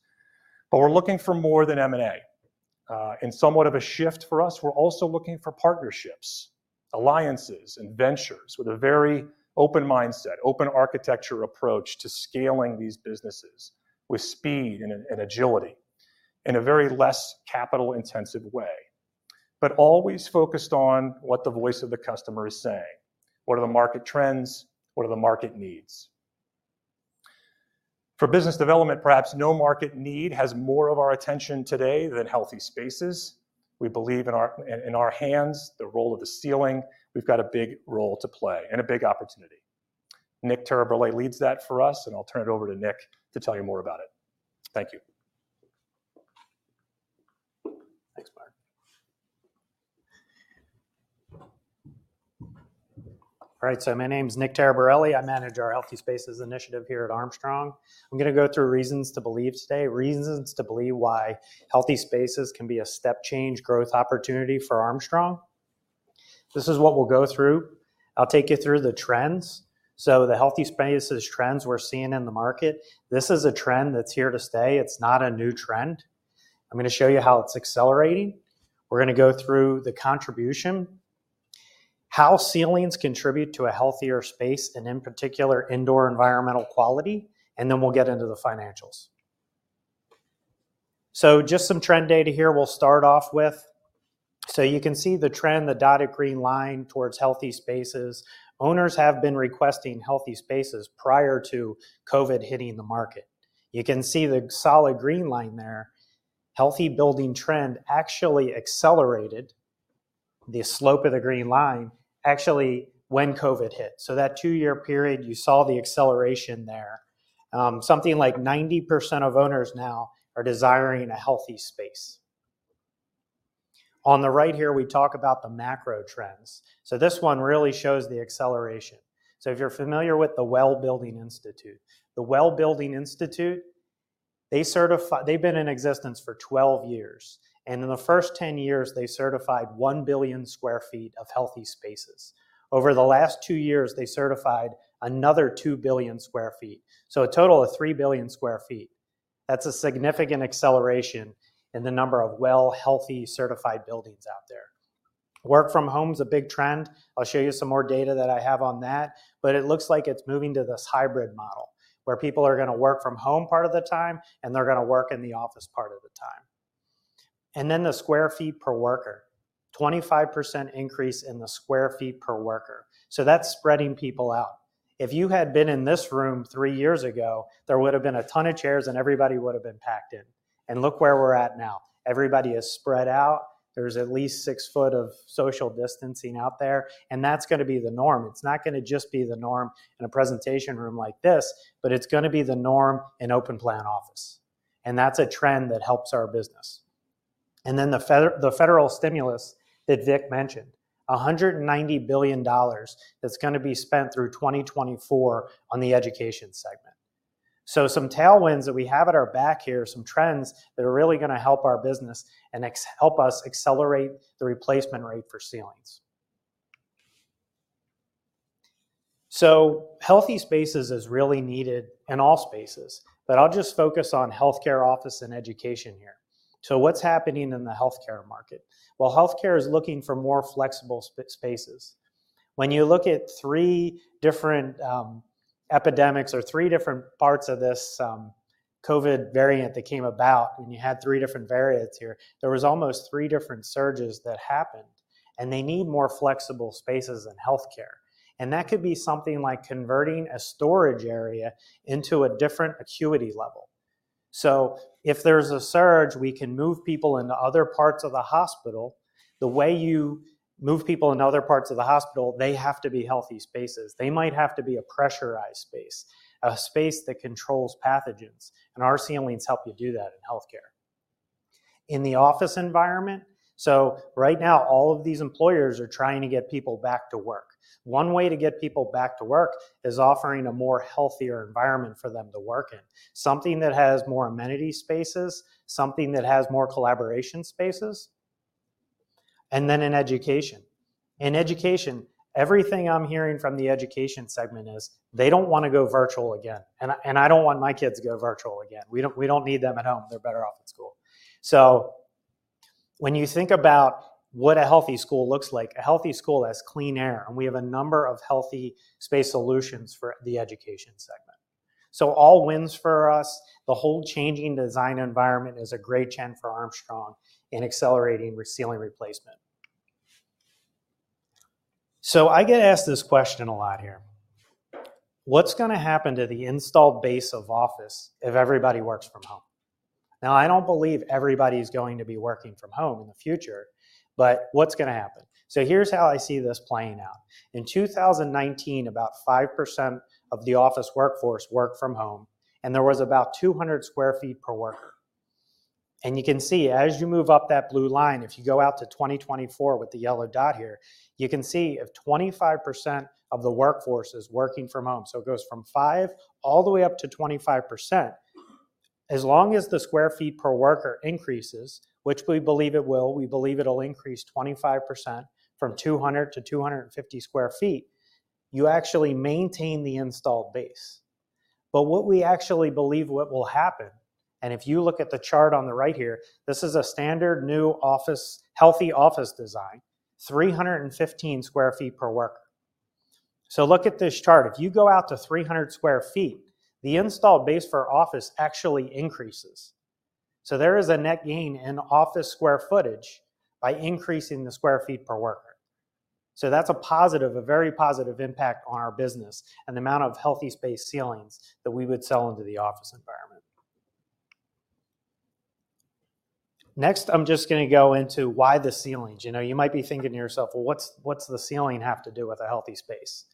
but we're looking for more than M&A. In somewhat of a shift for us, we're also looking for partnerships, alliances, and ventures with a very open mindset, open architecture approach to scaling these businesses with speed and agility in a very less capital-intensive way. Always focused on what the voice of the customer is saying. What are the market trends? What are the market needs? For business development, perhaps no market need has more of our attention today than Healthy Spaces. We believe in our hands, the role of the ceiling, we've got a big role to play and a big opportunity. Nick Taraborelli leads that for us, and I'll turn it over to Nick to tell you more about it. Thank you. Thanks, Mark. All right, my name is Nick Taraborelli. I manage our Healthy Spaces initiative here at Armstrong. I'm gonna go through reasons to believe today, reasons to believe why healthy spaces can be a step change growth opportunity for Armstrong. This is what we'll go through. I'll take you through the trends. The healthy spaces trends we're seeing in the market, this is a trend that's here to stay. It's not a new trend. I'm gonna show you how it's accelerating. We're gonna go through the contribution, how ceilings contribute to a healthier space, and in particular, indoor environmental quality, and then we'll get into the financials. Just some trend data here we'll start off with. You can see the trend, the dotted green line towards healthy spaces. Owners have been requesting healthy spaces prior to COVID hitting the market. You can see the solid green line there. Healthy building trend actually accelerated the slope of the green line, actually, when COVID hit. That 2-year period, you saw the acceleration there. Something like 90% of owners now are desiring a healthy space. On the right here, we talk about the macro trends. This one really shows the acceleration. If you're familiar with the WELL Building Institute. The WELL Building Institute, they've been in existence for 12 years. In the first 10 years, they certified 1 billion sq ft of healthy spaces. Over the last 2 years, they certified another 2 billion sq ft. A total of 3 billion sq ft. That's a significant acceleration in the number of WELL healthy certified buildings out there. Work from home is a big trend. I'll show you some more data that I have on that, but it looks like it's moving to this hybrid model, where people are gonna work from home part of the time, and they're gonna work in the office part of the time. The square feet per worker, 25% increase in the square feet per worker. That's spreading people out. If you had been in this room 3 years ago, there would have been a ton of chairs, and everybody would have been packed in. Look where we're at now. Everybody is spread out. There's at least 6 feet of social distancing out there, and that's gonna be the norm. It's not gonna just be the norm in a presentation room like this, but it's gonna be the norm in open plan office. That's a trend that helps our business. The federal stimulus that Vic mentioned. $190 billion that's gonna be spent through 2024 on the education segment. Some tailwinds that we have at our back here are some trends that are really gonna help our business and help us accelerate the replacement rate for ceilings. Healthy Spaces is really needed in all spaces, but I'll just focus on healthcare, office, and education here. What's happening in the healthcare market? Well, healthcare is looking for more flexible spaces. When you look at three different epidemics or three different parts of this COVID variant that came about, when you had three different variants here, there was almost three different surges that happened, and they need more flexible spaces in healthcare. That could be something like converting a storage area into a different acuity level. If there's a surge, we can move people into other parts of the hospital. The way you move people into other parts of the hospital, they have to be healthy spaces. They might have to be a pressurized space, a space that controls pathogens, and our ceilings help you do that in healthcare. In the office environment, right now, all of these employers are trying to get people back to work. One way to get people back to work is offering a more healthier environment for them to work in, something that has more amenity spaces, something that has more collaboration spaces. In education, everything I'm hearing from the education segment is they don't wanna go virtual again, and I don't want my kids to go virtual again. We don't need them at home. They're better off at school. When you think about what a healthy school looks like, a healthy school has clean air, and we have a number of healthy space solutions for the education segment. All wins for us. The whole changing design environment is a great trend for Armstrong in accelerating ceiling replacement. I get asked this question a lot here. What's gonna happen to the installed base of office if everybody works from home? Now, I don't believe everybody's going to be working from home in the future, but what's gonna happen? Here's how I see this playing out. In 2019, about 5% of the office workforce worked from home, and there was about 200 sq ft per worker. You can see, as you move up that blue line, if you go out to 2024 with the yellow dot here, you can see if 25% of the workforce is working from home. It goes from 5 all the way up to 25%. As long as the square feet per worker increases, which we believe it will, we believe it'll increase 25% from 200 to 250 sq ft, you actually maintain the installed base. But what we actually believe will happen, and if you look at the chart on the right here, this is a standard new office, healthy office design, 315 sq ft per worker. Look at this chart. If you go out to 300 sq ft, the installed base per office actually increases. There is a net gain in office square footage by increasing the square feet per worker. That's a positive, a very positive impact on our business and the amount of Healthy Spaces ceilings that we would sell into the office environment. Next, I'm just gonna go into why the ceilings. You know, you might be thinking to yourself, "Well, what's the ceiling have to do with a healthy space?"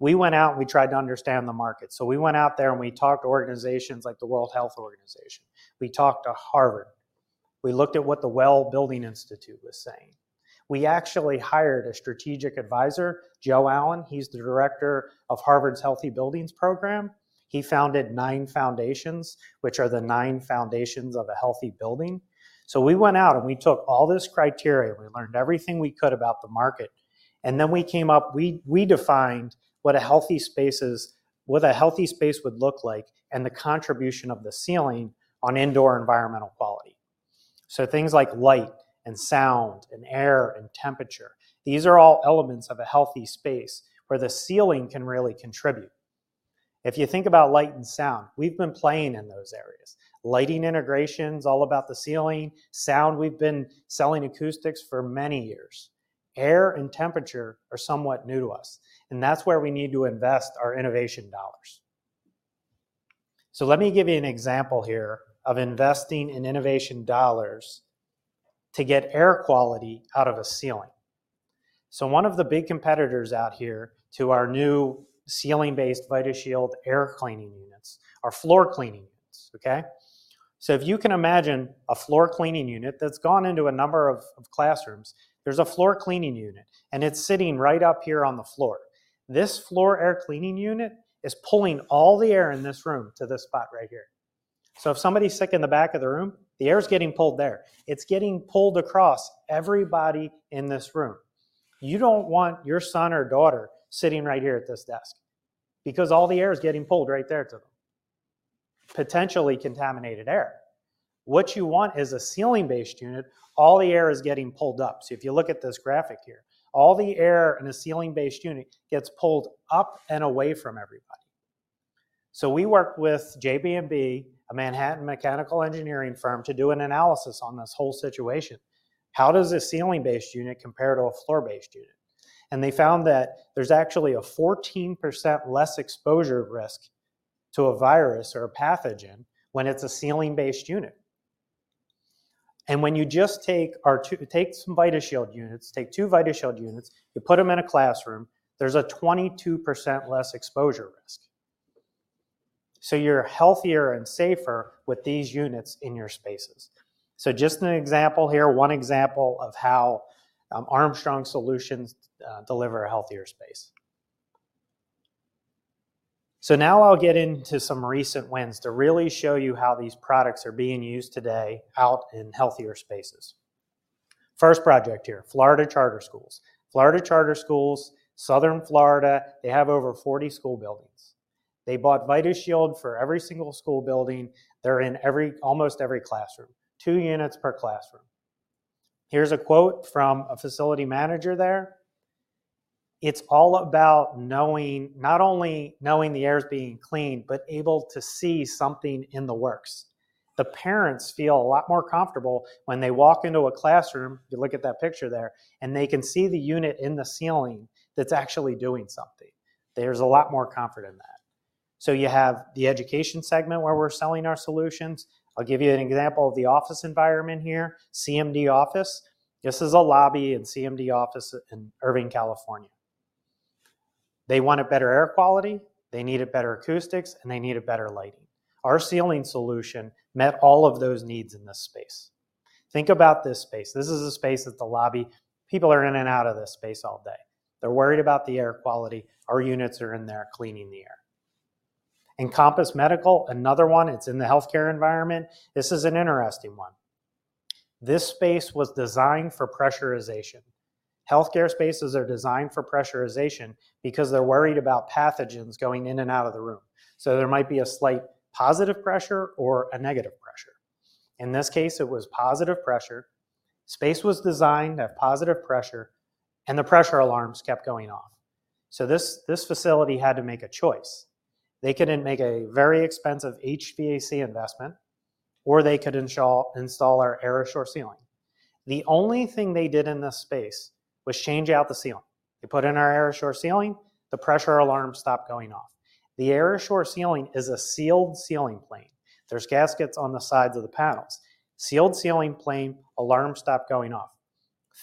We went out, and we talked to organizations like the World Health Organization. We talked to Harvard. We looked at what the International WELL Building Institute was saying. We actually hired a strategic advisor, Joe Allen. He's the director of Harvard's Healthy Buildings Program. He founded 9 Foundations, which are the 9 Foundations of a Healthy Building. We went out, and we took all this criteria. We learned everything we could about the market, and then we defined what a healthy space is, what a healthy space would look like and the contribution of the ceiling on indoor environmental quality. Things like light and sound and air and temperature. These are all elements of a healthy space where the ceiling can really contribute. If you think about light and sound, we've been playing in those areas. Lighting integration's all about the ceiling. Sound, we've been selling acoustics for many years. Air and temperature are somewhat new to us, and that's where we need to invest our innovation dollars. Let me give you an example here of investing in innovation dollars to get air quality out of a ceiling. One of the big competitors out here to our new ceiling-based VidaShield air cleaning units are floor cleaning units, okay? If you can imagine a floor cleaning unit that's gone into a number of classrooms, there's a floor cleaning unit, and it's sitting right up here on the floor. This floor air cleaning unit is pulling all the air in this room to this spot right here. If somebody's sick in the back of the room, the air's getting pulled there. It's getting pulled across everybody in this room. You don't want your son or daughter sitting right here at this desk because all the air is getting pulled right there to them, potentially contaminated air. What you want is a ceiling-based unit. All the air is getting pulled up. If you look at this graphic here, all the air in a ceiling-based unit gets pulled up and away from everybody. We worked with JB&B, a Manhattan mechanical engineering firm, to do an analysis on this whole situation. How does a ceiling-based unit compare to a floor-based unit? They found that there's actually a 14% less exposure risk to a virus or a pathogen when it's a ceiling-based unit. When you just take two VidaShield units, you put them in a classroom, there's a 22% less exposure risk. You're healthier and safer with these units in your spaces. Just an example here, one example of how Armstrong solutions deliver a healthier space. Now I'll get into some recent wins to really show you how these products are being used today out in healthier spaces. First project here, Florida Charter Schools. Florida Charter Schools, Southern Florida, they have over 40 school buildings. They bought VidaShield for every single school building. They're in every, almost every classroom, two units per classroom. Here's a quote from a facility manager there. It's all about knowing, not only knowing the air is being cleaned, but able to see something in the works. The parents feel a lot more comfortable when they walk into a classroom, you look at that picture there, and they can see the unit in the ceiling that's actually doing something. There's a lot more comfort in that. You have the education segment where we're selling our solutions. I'll give you an example of the office environment here, CMD Office. This is a lobby in CMD Office in Irvine, California. They wanted better air quality, they needed better acoustics, and they needed better lighting. Our ceiling solution met all of those needs in this space. Think about this space. This is a space at the lobby. People are in and out of this space all day. They're worried about the air quality. Our units are in there cleaning the air. Encompass Medical, another one. It's in the healthcare environment. This is an interesting one. This space was designed for pressurization. Healthcare spaces are designed for pressurization because they're worried about pathogens going in and out of the room. There might be a slight positive pressure or a negative pressure. In this case, it was positive pressure. Space was designed at positive pressure, and the pressure alarms kept going off. This facility had to make a choice. They could then make a very expensive HVAC investment, or they could install our AirAssure ceiling. The only thing they did in this space was change out the ceiling. They put in our AirAssure ceiling. The pressure alarm stopped going off. The AirAssure ceiling is a sealed ceiling plane. There's gaskets on the sides of the panels. Sealed ceiling plane, alarm stopped going off.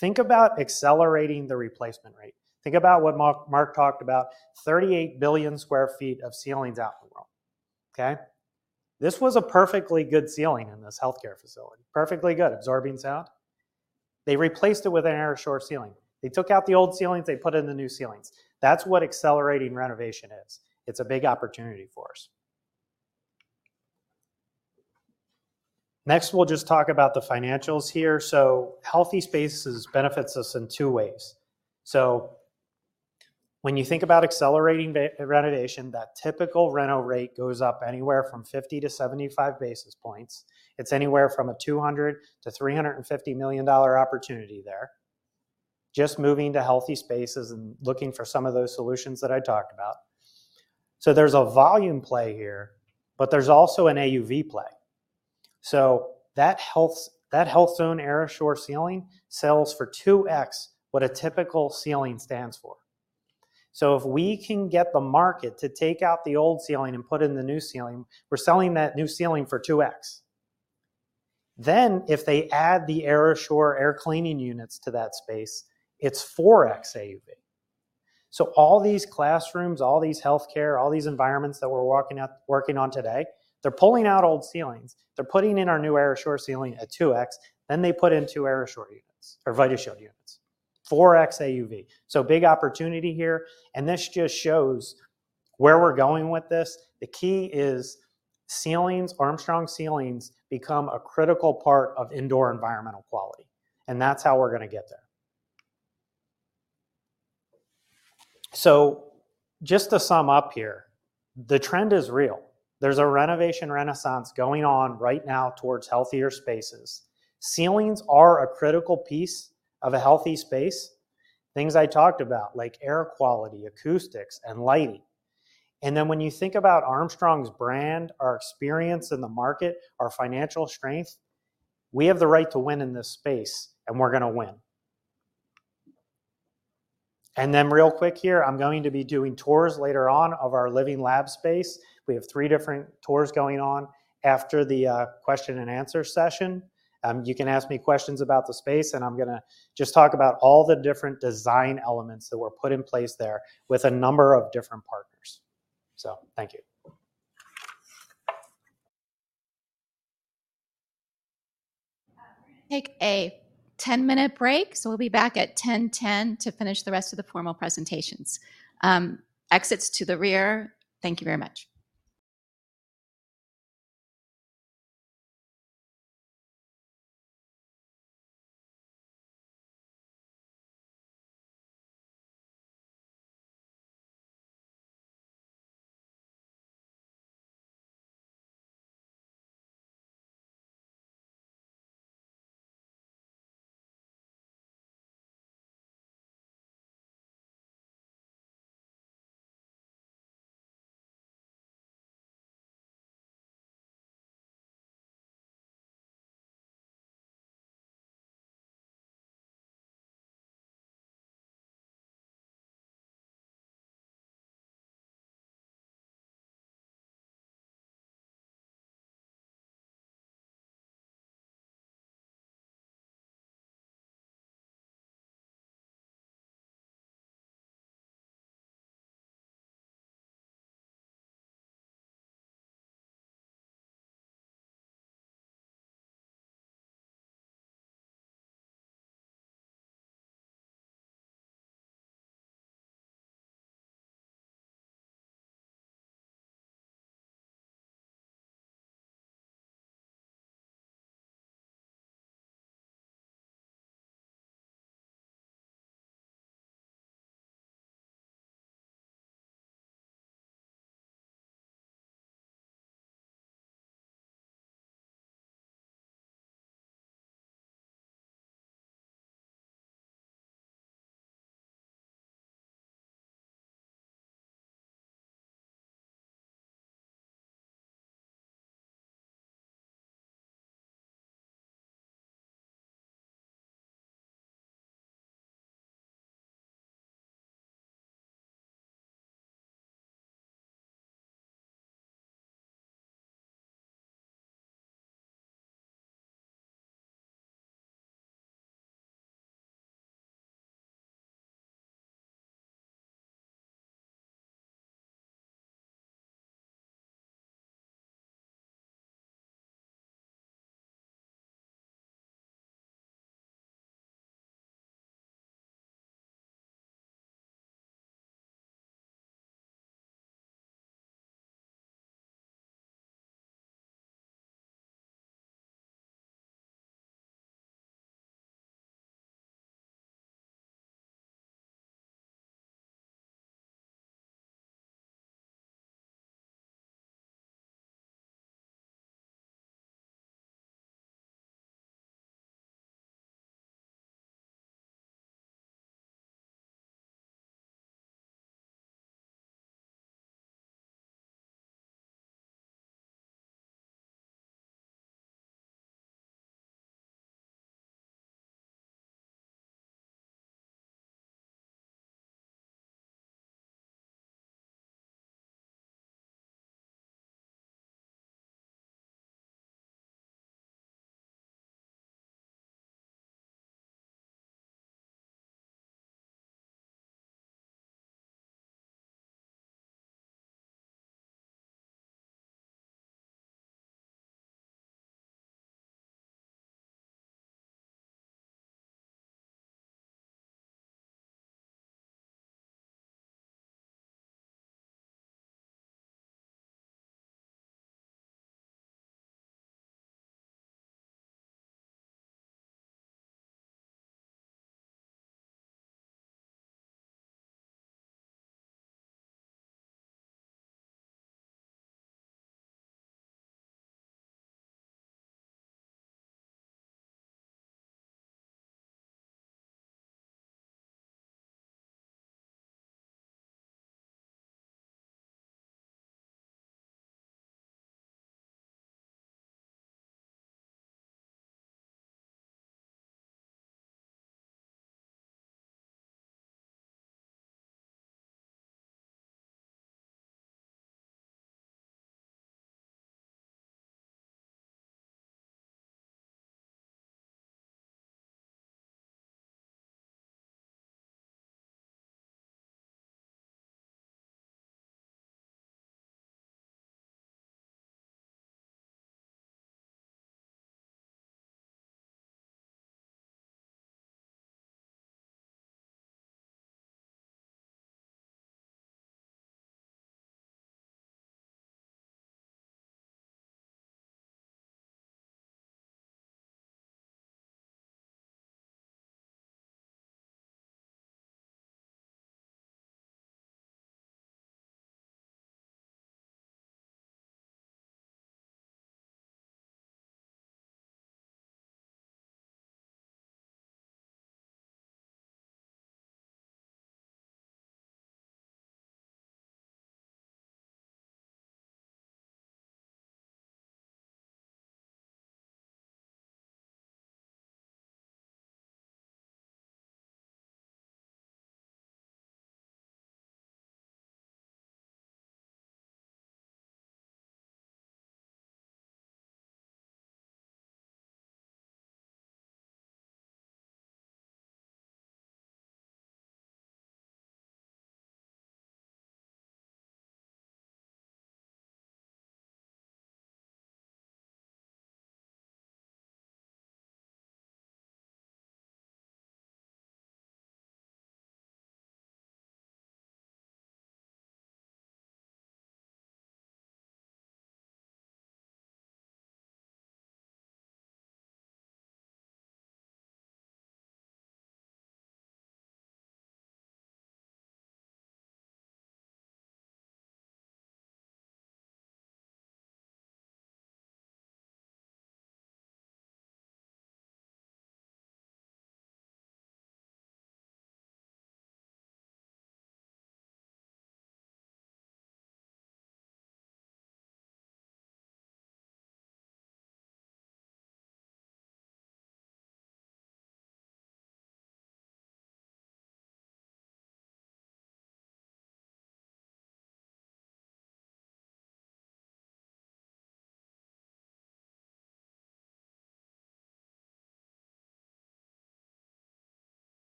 Think about accelerating the replacement rate. Think about what Mark talked about, 38 billion sq ft of ceilings out in the world. Okay? This was a perfectly good ceiling in this healthcare facility. Perfectly good, absorbing sound. They replaced it with an AirAssure ceiling. They took out the old ceilings, they put in the new ceilings. That's what accelerating renovation is. It's a big opportunity for us. Next, we'll just talk about the financials here. Healthy Spaces benefits us in two ways. When you think about accelerating renovation, that typical reno rate goes up anywhere from 50-75 basis points. It's anywhere from a $200-$350 million opportunity there. Just moving to Healthy Spaces and looking for some of those solutions that I talked about. There's a volume play here, but there's also an AUV play. That health, that Health Zone AirAssure ceiling sells for 2x what a typical ceiling sells for. If we can get the market to take out the old ceiling and put in the new ceiling, we're selling that new ceiling for 2x. If they add the AirAssure air cleaning units to that space, it's 4x AUV. All these classrooms, all these healthcare, all these environments that we're working on today, they're pulling out old ceilings. They're putting in our new AirAssure ceiling at 2x, then they put in two AirAssure units or VidaShield units, 4x AUV. Big opportunity here, and this just shows where we're going with this. The key is ceilings, Armstrong ceilings, become a critical part of indoor environmental quality, and that's how we're gonna get there. Just to sum up here, the trend is real. There's a renovation renaissance going on right now towards healthier spaces. Ceilings are a critical piece of a healthy space. Things I talked about, like air quality, acoustics, and lighting. When you think about Armstrong's brand, our experience in the market, our financial strength, we have the right to win in this space, and we're gonna win. Real quick here, I'm going to be doing tours later on of our living lab space. We have three different tours going on after the question and answer session. You can ask me questions about the space, and I'm gonna just talk about all the different design elements that were put in place there with a number of different partners. Thank you. We're gonna take a 10-minute break, so we'll be back at 10:10 to finish the rest of the formal presentations. Exits to the rear. Thank you very much.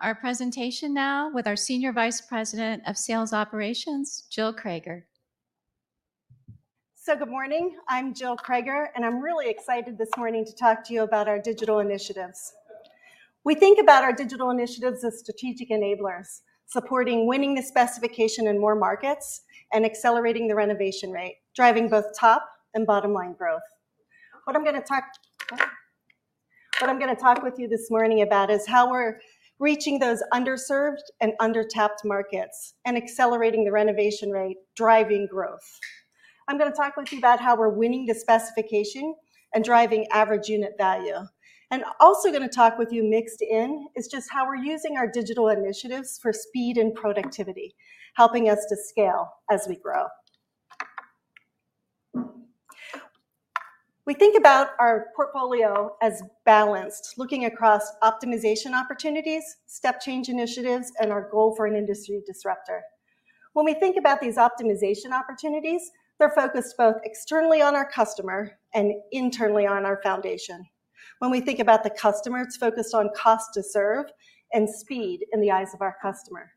Our presentation now with our Senior Vice President of Sales Operations, Jill Crager. Good morning. I'm Jill Crager, and I'm really excited this morning to talk to you about our digital initiatives. We think about our digital initiatives as strategic enablers, supporting winning the specification in more markets and accelerating the renovation rate, driving both top and bottom-line growth. What I'm gonna talk with you this morning about is how we're reaching those underserved and undertapped markets and accelerating the renovation rate, driving growth. I'm gonna talk with you about how we're winning the specification and driving average unit value. Also gonna talk with you mixed in is just how we're using our digital initiatives for speed and productivity, helping us to scale as we grow. We think about our portfolio as balanced, looking across optimization opportunities, step change initiatives, and our goal for an industry disruptor. When we think about these optimization opportunities, they're focused both externally on our customer and internally on our foundation. When we think about the customer, it's focused on cost to serve and speed in the eyes of our customer.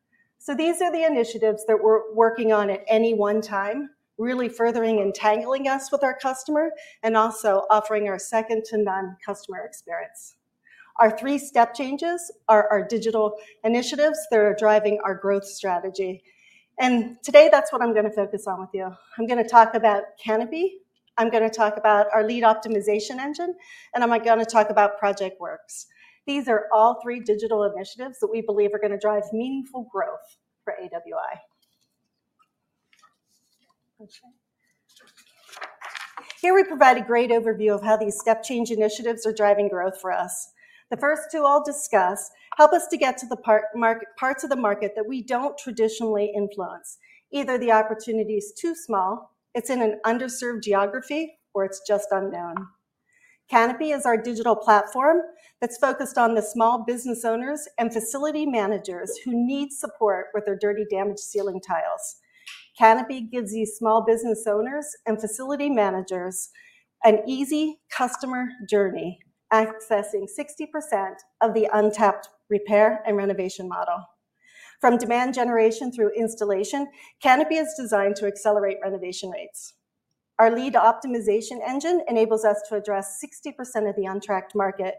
These are the initiatives that we're working on at any one time, really furthering entangling us with our customer and also offering our second to none customer experience. Our three-step changes are our digital initiatives that are driving our growth strategy. Today, that's what I'm gonna focus on with you. I'm gonna talk about Kanopi, I'm gonna talk about our Lead Optimization Engine, and I'm gonna talk about ProjectWorks. These are all three digital initiatives that we believe are gonna drive meaningful growth for AWI. Okay. Here we provide a great overview of how these step change initiatives are driving growth for us. The first two I'll discuss help us to get to parts of the market that we don't traditionally influence. Either the opportunity is too small, it's in an underserved geography, or it's just unknown. Kanopi is our digital platform that's focused on the small business owners and facility managers who need support with their dirty, damaged ceiling tiles. Kanopi gives these small business owners and facility managers an easy customer journey, accessing 60% of the untapped repair and renovation model. From demand generation through installation, Kanopi is designed to accelerate renovation rates. Our lead optimization engine enables us to address 60% of the untracked market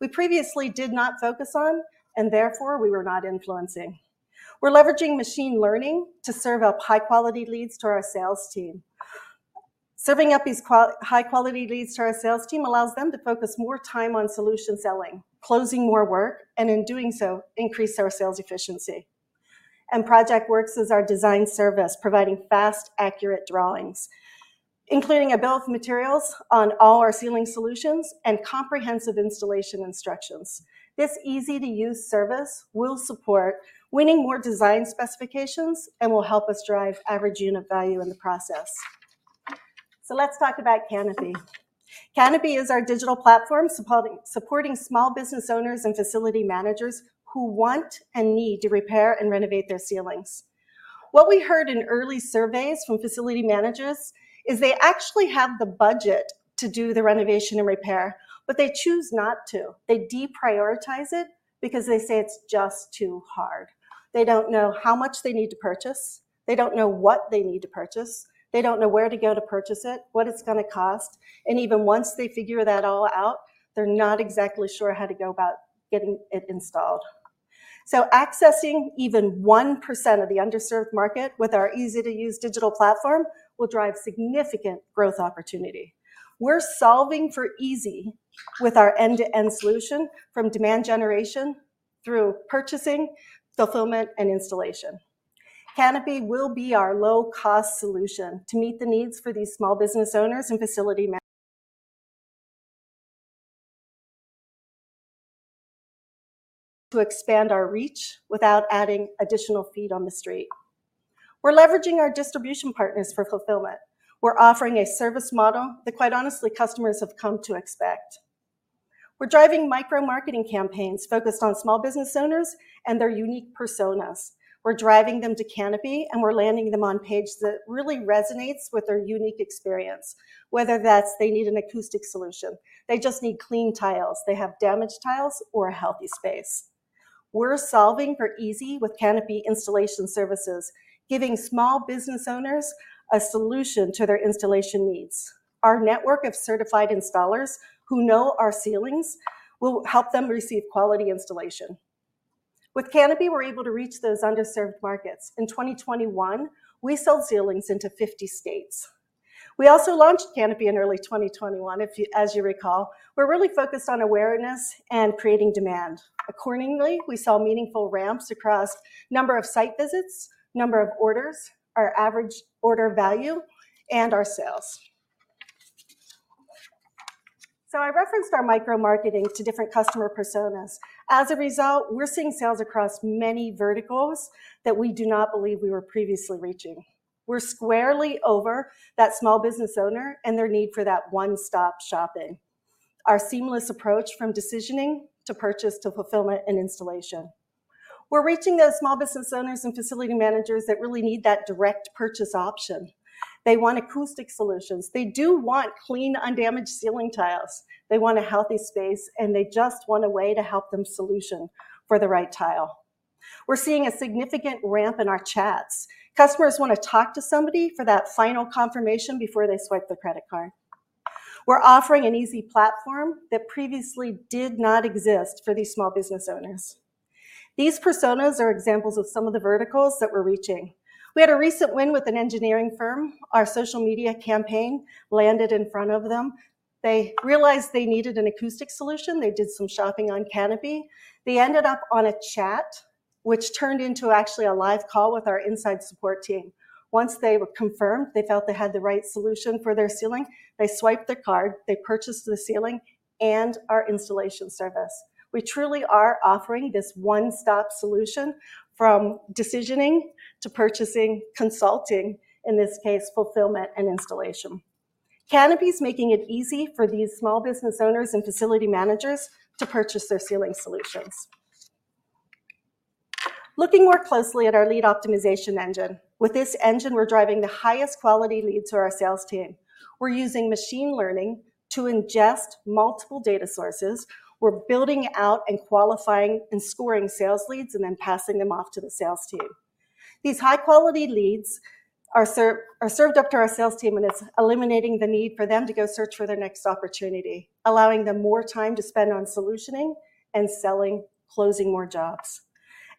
we previously did not focus on and therefore we were not influencing. We're leveraging machine learning to serve up high-quality leads to our sales team. Serving up these high-quality leads to our sales team allows them to focus more time on solution selling, closing more work, and in doing so, increase our sales efficiency. ProjectWorks is our design service providing fast, accurate drawings, including a bill of materials on all our ceiling solutions and comprehensive installation instructions. This easy-to-use service will support winning more design specifications and will help us drive average unit value in the process. Let's talk about Kanopi. Kanopi is our digital platform supporting small business owners and facility managers who want and need to repair and renovate their ceilings. What we heard in early surveys from facility managers is they actually have the budget to do the renovation and repair, but they choose not to. They deprioritize it because they say it's just too hard. They don't know how much they need to purchase, they don't know what they need to purchase, they don't know where to go to purchase it, what it's gonna cost, and even once they figure that all out, they're not exactly sure how to go about getting it installed. Accessing even 1% of the underserved market with our easy-to-use digital platform will drive significant growth opportunity. We're solving for easy with our end-to-end solution from demand generation through purchasing, fulfillment, and installation. Kanopi will be our low-cost solution to meet the needs for these small business owners and facility managers to expand our reach without adding additional feet on the street. We're leveraging our distribution partners for fulfillment. We're offering a service model that quite honestly customers have come to expect. We're driving micro-marketing campaigns focused on small business owners and their unique personas. We're driving them to Kanopi, and we're landing them on pages that really resonate with their unique experience, whether that's they need an acoustic solution, they just need clean tiles, they have damaged tiles or a healthy space. We're solving for easy with Kanopi installation services, giving small business owners a solution to their installation needs. Our network of certified installers who know our ceilings will help them receive quality installation. With Kanopi, we're able to reach those underserved markets. In 2021, we sold ceilings into 50 states. We also launched Kanopi in early 2021, if you, as you recall. We're really focused on awareness and creating demand. Accordingly, we saw meaningful ramps across number of site visits, number of orders, our average order value, and our sales. I referenced our micro-marketing to different customer personas. As a result, we're seeing sales across many verticals that we do not believe we were previously reaching. We're squarely over that small business owner and their need for that one-stop shopping, our seamless approach from decisioning to purchase to fulfillment and installation. We're reaching those small business owners and facility managers that really need that direct purchase option. They want acoustic solutions. They do want clean, undamaged ceiling tiles. They want a Healthy Spaces, and they just want a way to help them solution for the right tile. We're seeing a significant ramp in our chats. Customers wanna talk to somebody for that final confirmation before they swipe their credit card. We're offering an easy platform that previously did not exist for these small business owners. These personas are examples of some of the verticals that we're reaching. We had a recent win with an engineering firm. Our social media campaign landed in front of them. They realized they needed an acoustic solution. They did some shopping on Kanopi. They ended up on a chat, which turned into actually a live call with our inside support team. Once they were confirmed, they felt they had the right solution for their ceiling, they swiped their card, they purchased the ceiling and our installation service. We truly are offering this one-stop solution from decisioning to purchasing, consulting, in this case, fulfillment and installation. Kanopi's making it easy for these small business owners and facility managers to purchase their ceiling solutions. Looking more closely at our lead optimization engine. With this engine, we're driving the highest quality leads to our sales team. We're using machine learning to ingest multiple data sources. We're building out and qualifying and scoring sales leads and then passing them off to the sales team. These high-quality leads are served up to our sales team, and it's eliminating the need for them to go search for their next opportunity, allowing them more time to spend on solutioning and selling, closing more jobs.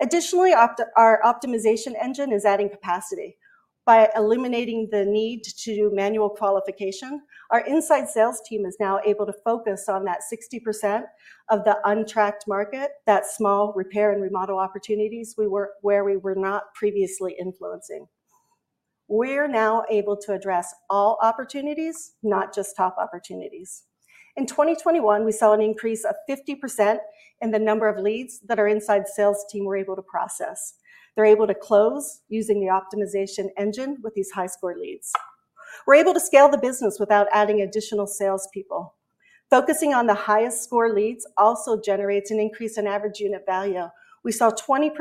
Our optimization engine is adding capacity. By eliminating the need to do manual qualification, our inside sales team is now able to focus on that 60% of the untracked market, that small repair and remodel opportunities where we were not previously influencing. We're now able to address all opportunities, not just top opportunities. In 2021, we saw an increase of 50% in the number of leads that our inside sales team were able to process. They're able to close using the optimization engine with these high-score leads. We're able to scale the business without adding additional salespeople. Focusing on the highest score leads also generates an increase in average unit value. We saw 20%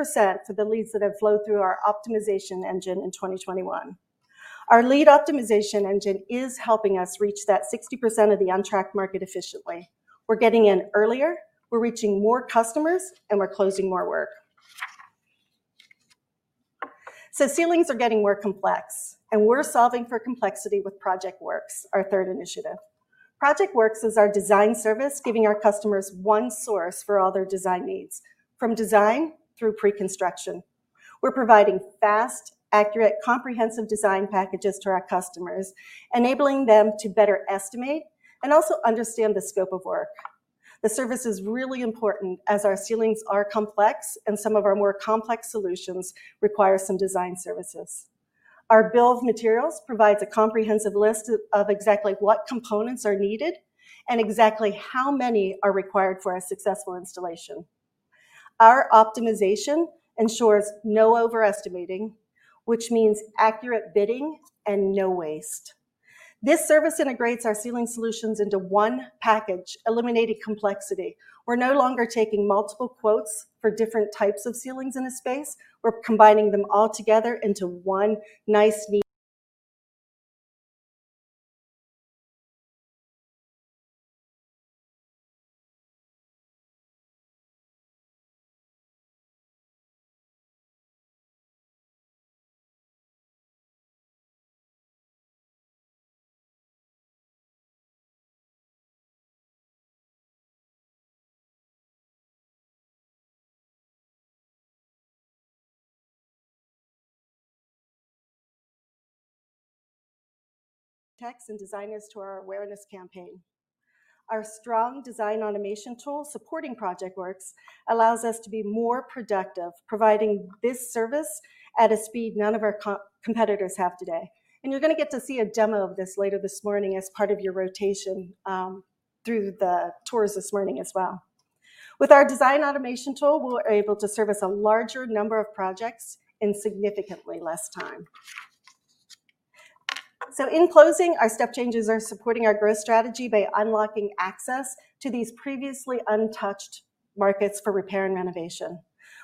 for the leads that have flowed through our optimization engine in 2021. Our lead optimization engine is helping us reach that 60% of the untracked market efficiently. We're getting in earlier, we're reaching more customers, and we're closing more work. Ceilings are getting more complex, and we're solving for complexity with ProjectWorks, our third initiative. ProjectWorks is our design service giving our customers one source for all their design needs, from design through pre-construction. We're providing fast, accurate, comprehensive design packages to our customers, enabling them to better estimate and also understand the scope of work. The service is really important as our ceilings are complex, and some of our more complex solutions require some design services. Our bill of materials provides a comprehensive list of exactly what components are needed and exactly how many are required for a successful installation. Our optimization ensures no overestimating, which means accurate bidding and no waste. This service integrates our ceiling solutions into one package, eliminating complexity. We're no longer taking multiple quotes for different types of ceilings in a space. We're combining them all together into one nice, neat package. Our strong design automation tool supporting ProjectWorks allows us to be more productive, providing this service at a speed none of our competitors have today. You're gonna get to see a demo of this later this morning as part of your rotation through the tours this morning as well. With our design automation tool, we're able to service a larger number of projects in significantly less time. In closing, our step changes are supporting our growth strategy by unlocking access to these previously untouched markets for repair and renovation.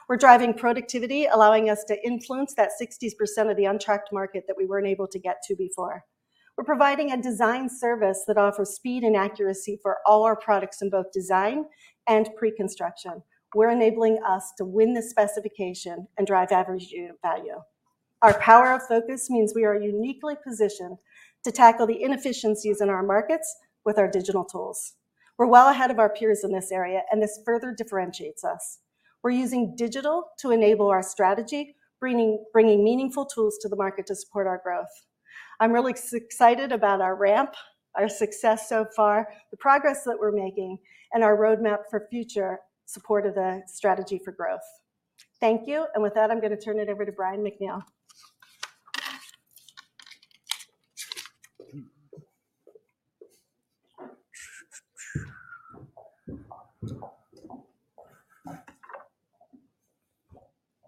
We're driving productivity, allowing us to influence that 60% of the untracked market that we weren't able to get to before. We're providing a design service that offers speed and accuracy for all our products in both design and pre-construction. We're enabling us to win the specification and drive average unit value. Our power of focus means we are uniquely positioned to tackle the inefficiencies in our markets with our digital tools. We're well ahead of our peers in this area, and this further differentiates us. We're using digital to enable our strategy, bringing meaningful tools to the market to support our growth. I'm really excited about our ramp, our success so far, the progress that we're making, and our roadmap for future support of the strategy for growth. Thank you. With that, I'm gonna turn it over to Brian MacNeal.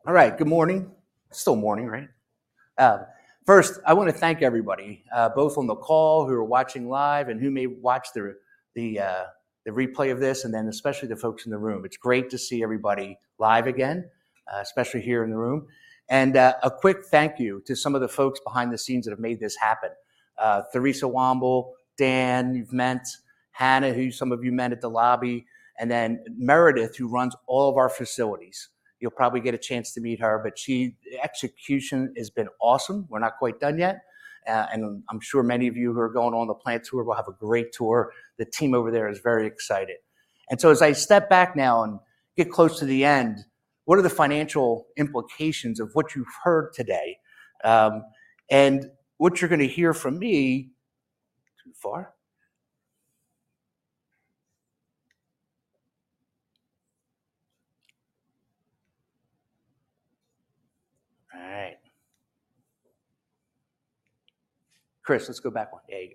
All right. Good morning. Still morning, right? First, I wanna thank everybody, both on the call who are watching live and who may watch the replay of this, and then especially the folks in the room. It's great to see everybody live again, especially here in the room. A quick thank you to some of the folks behind the scenes that have made this happen. Theresa Womble, Dan, you've met, Hannah, who some of you met at the lobby, and then Meredith, who runs all of our facilities. You'll probably get a chance to meet her, but execution has been awesome. We're not quite done yet. I'm sure many of you who are going on the plant tour will have a great tour. The team over there is very excited. As I step back now and get close to the end, what are the financial implications of what you've heard today, and what you're gonna hear from me. Too far? All right. Chris, let's go back one. There you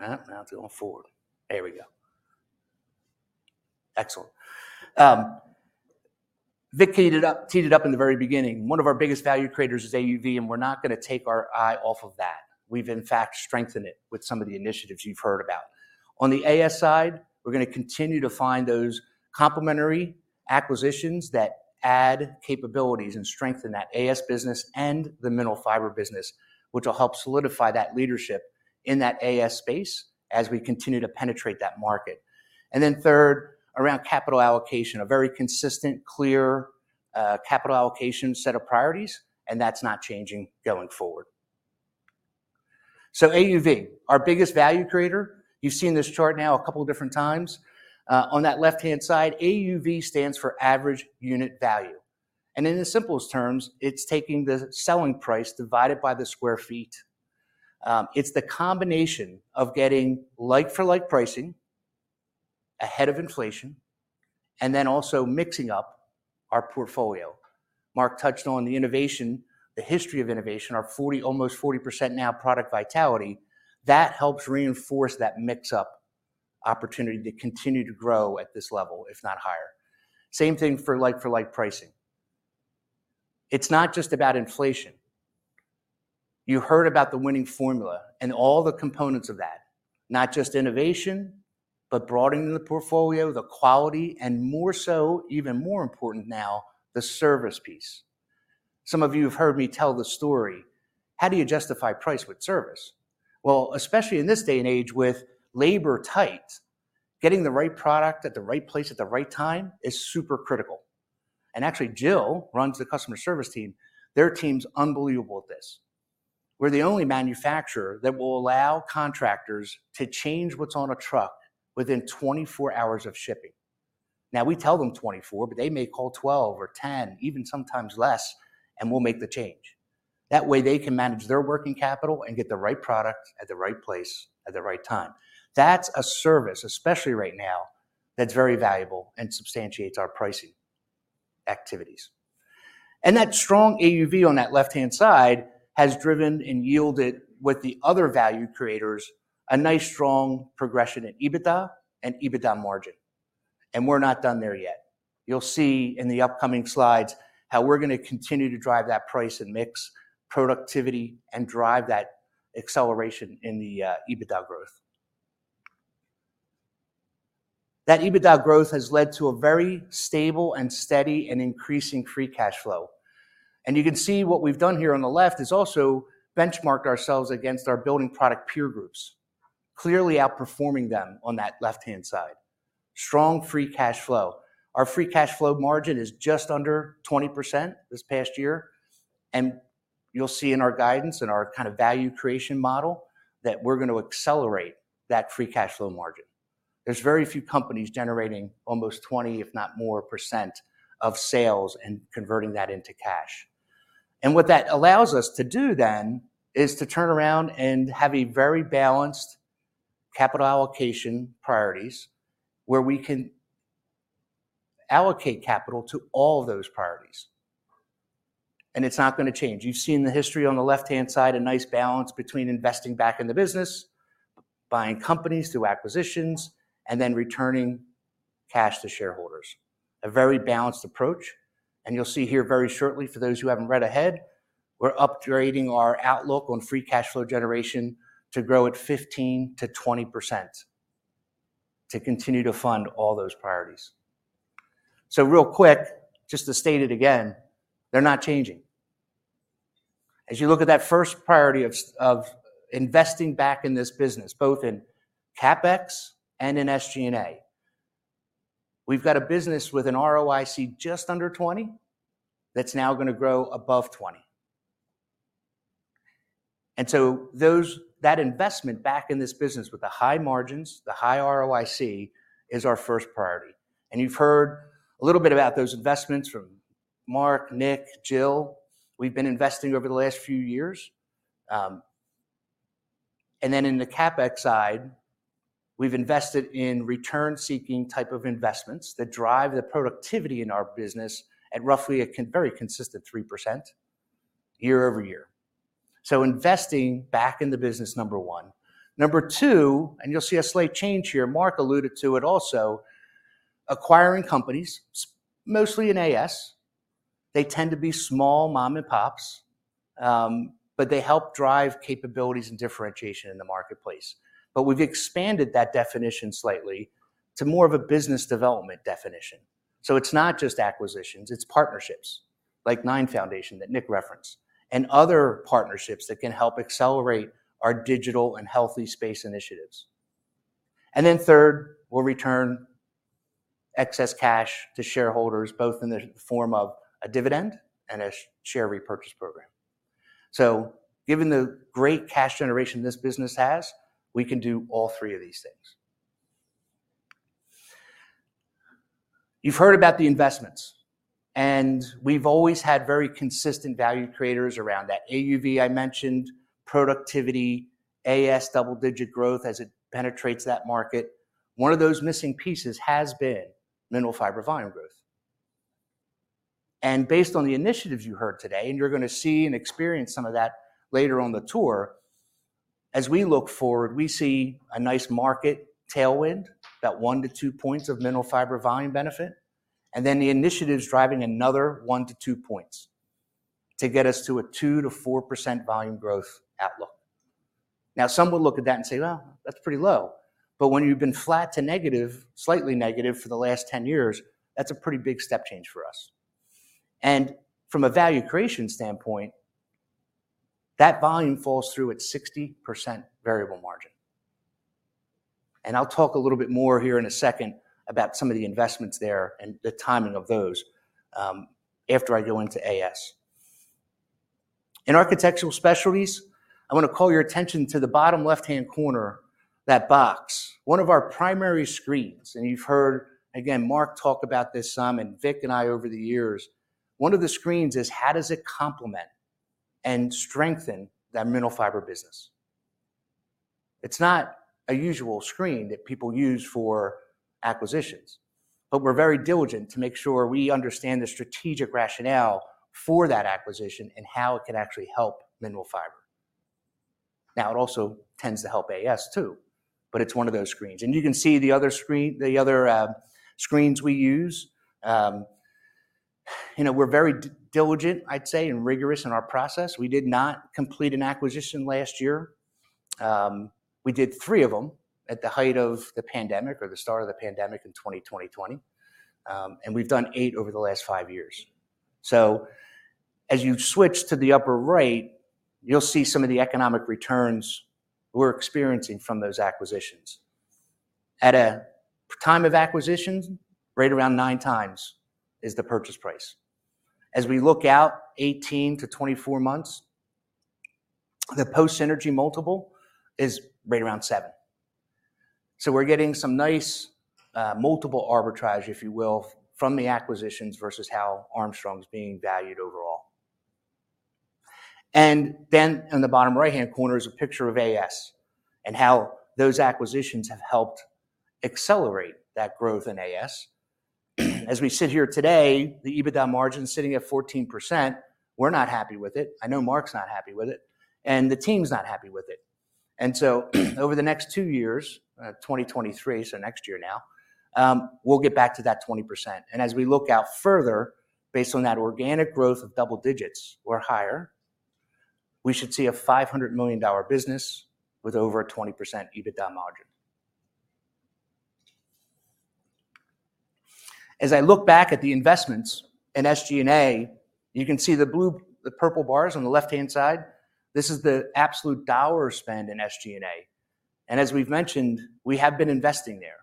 go. Now it's going forward. There we go. Excellent. Vic teed it up in the very beginning. One of our biggest value creators is AUV, and we're not gonna take our eye off of that. We've in fact strengthened it with some of the initiatives you've heard about. On the AS side, we're gonna continue to find those complementary acquisitions that add capabilities and strengthen that AS business and the Mineral Fiber business, which will help solidify that leadership in that AS space as we continue to penetrate that market. Then third, around capital allocation, a very consistent, clear, capital allocation set of priorities, and that's not changing going forward. AUV, our biggest value creator. You've seen this chart now a couple different times. On that left-hand side, AUV stands for average unit value. In the simplest terms, it's taking the selling price divided by the square feet. It's the combination of getting like for like pricing ahead of inflation and then also mixing up our portfolio. Mark touched on the innovation, the history of innovation, our 40, almost 40% now product vitality. That helps reinforce that mix up opportunity to continue to grow at this level, if not higher. Same thing for like for like pricing. It's not just about inflation. You heard about the winning formula and all the components of that. Not just innovation, but broadening the portfolio, the quality, and more so, even more important now, the service piece. Some of you have heard me tell the story. How do you justify price with service? Well, especially in this day and age with labor tight, getting the right product at the right place at the right time is super critical. Actually, Jill runs the customer service team. Their team's unbelievable at this. We're the only manufacturer that will allow contractors to change what's on a truck within 24 hours of shipping. Now we tell them 24, but they may call 12 or 10, even sometimes less, and we'll make the change. That way, they can manage their working capital and get the right product at the right place at the right time. That's a service, especially right now, that's very valuable and substantiates our pricing activities. That strong AUV on that left-hand side has driven and yielded with the other value creators a nice strong progression in EBITDA and EBITDA margin. We're not done there yet. You'll see in the upcoming slides how we're gonna continue to drive that price and mix productivity and drive that acceleration in the EBITDA growth. That EBITDA growth has led to a very stable and steady and increasing free cash flow. You can see what we've done here on the left is also benchmarked ourselves against our building product peer groups, clearly outperforming them on that left-hand side. Strong free cash flow. Our free cash flow margin is just under 20% this past year, and you'll see in our guidance and our kind of value creation model that we're going to accelerate that free cash flow margin. There's very few companies generating almost 20, if not more, % of sales and converting that into cash. What that allows us to do then is to turn around and have a very balanced capital allocation priorities where we can allocate capital to all of those priorities, and it's not gonna change. You've seen the history on the left-hand side, a nice balance between investing back in the business, buying companies through acquisitions, and then returning cash to shareholders. Very balanced approach, and you'll see here very shortly for those who haven't read ahead, we're upgrading our outlook on free cash flow generation to grow at 15%-20% to continue to fund all those priorities. Real quick, just to state it again, they're not changing. As you look at that first priority of investing back in this business, both in CapEx and in SG&A, we've got a business with an ROIC just under 20 that's now gonna grow above 20. That investment back in this business with the high margins, the high ROIC is our first priority. You've heard a little bit about those investments from Mark, Nick, Jill. We've been investing over the last few years. Then in the CapEx side, we've invested in return-seeking type of investments that drive the productivity in our business at roughly a very consistent 3% year-over-year. Investing back in the business, number one. Number two, you'll see a slight change here. Mark alluded to it also, acquiring companies, mostly in AS. They tend to be small mom and pops, but they help drive capabilities and differentiation in the marketplace. We've expanded that definition slightly to more of a business development definition. It's not just acquisitions, it's partnerships like 9 Foundations that Nick referenced and other partnerships that can help accelerate our digital and Healthy Spaces initiatives. Third, we'll return excess cash to shareholders, both in the form of a dividend and a share repurchase program. Given the great cash generation this business has, we can do all three of these things. You've heard about the investments, and we've always had very consistent value creators around that. AUV, I mentioned, productivity, AS double-digit growth as it penetrates that market. One of those missing pieces has been Mineral Fiber volume growth. Based on the initiatives you heard today, and you're gonna see and experience some of that later on the tour, as we look forward, we see a nice market tailwind, that 1-2 points of mineral fiber volume benefit, and then the initiatives driving another 1-2 points to get us to a 2%-4% volume growth outlook. Now, some will look at that and say, "Well, that's pretty low." When you've been flat to negative, slightly negative for the last 10 years, that's a pretty big step change for us. From a value creation standpoint, that volume falls through at 60% variable margin. I'll talk a little bit more here in a second about some of the investments there and the timing of those, after I go into AS. In Architectural Specialties, I wanna call your attention to the bottom left-hand corner, that box. One of our primary screens, and you've heard, again, Mark talk about this some and Vic and I over the years, one of the screens is how does it complement and strengthen that Mineral Fiber business? It's not a usual screen that people use for acquisitions, but we're very diligent to make sure we understand the strategic rationale for that acquisition and how it can actually help Mineral Fiber. Now, it also tends to help AS too, but it's one of those screens. You can see the other screen, the other screens we use. You know, we're very diligent, I'd say, and rigorous in our process. We did not complete an acquisition last year. We did 3 of them at the height of the pandemic or the start of the pandemic in 2020. We've done 8 over the last 5 years. As you switch to the upper right, you'll see some of the economic returns we're experiencing from those acquisitions. At a time of acquisitions, right around 9x is the purchase price. As we look out 18-24 months, the post synergy multiple is right around 7x. We're getting some nice multiple arbitrage, if you will, from the acquisitions versus how Armstrong's being valued overall. In the bottom right-hand corner is a picture of AS, and how those acquisitions have helped accelerate that growth in AS. As we sit here today, the EBITDA margin sitting at 14%, we're not happy with it. I know Mark's not happy with it, and the team's not happy with it. Over the next two years, 2023, so next year now, we'll get back to that 20%. As we look out further based on that organic growth of double digits or higher, we should see a $500 million business with over a 20% EBITDA margin. As I look back at the investments in SG&A, you can see the purple bars on the left-hand side, this is the absolute dollar spend in SG&A. As we've mentioned, we have been investing there.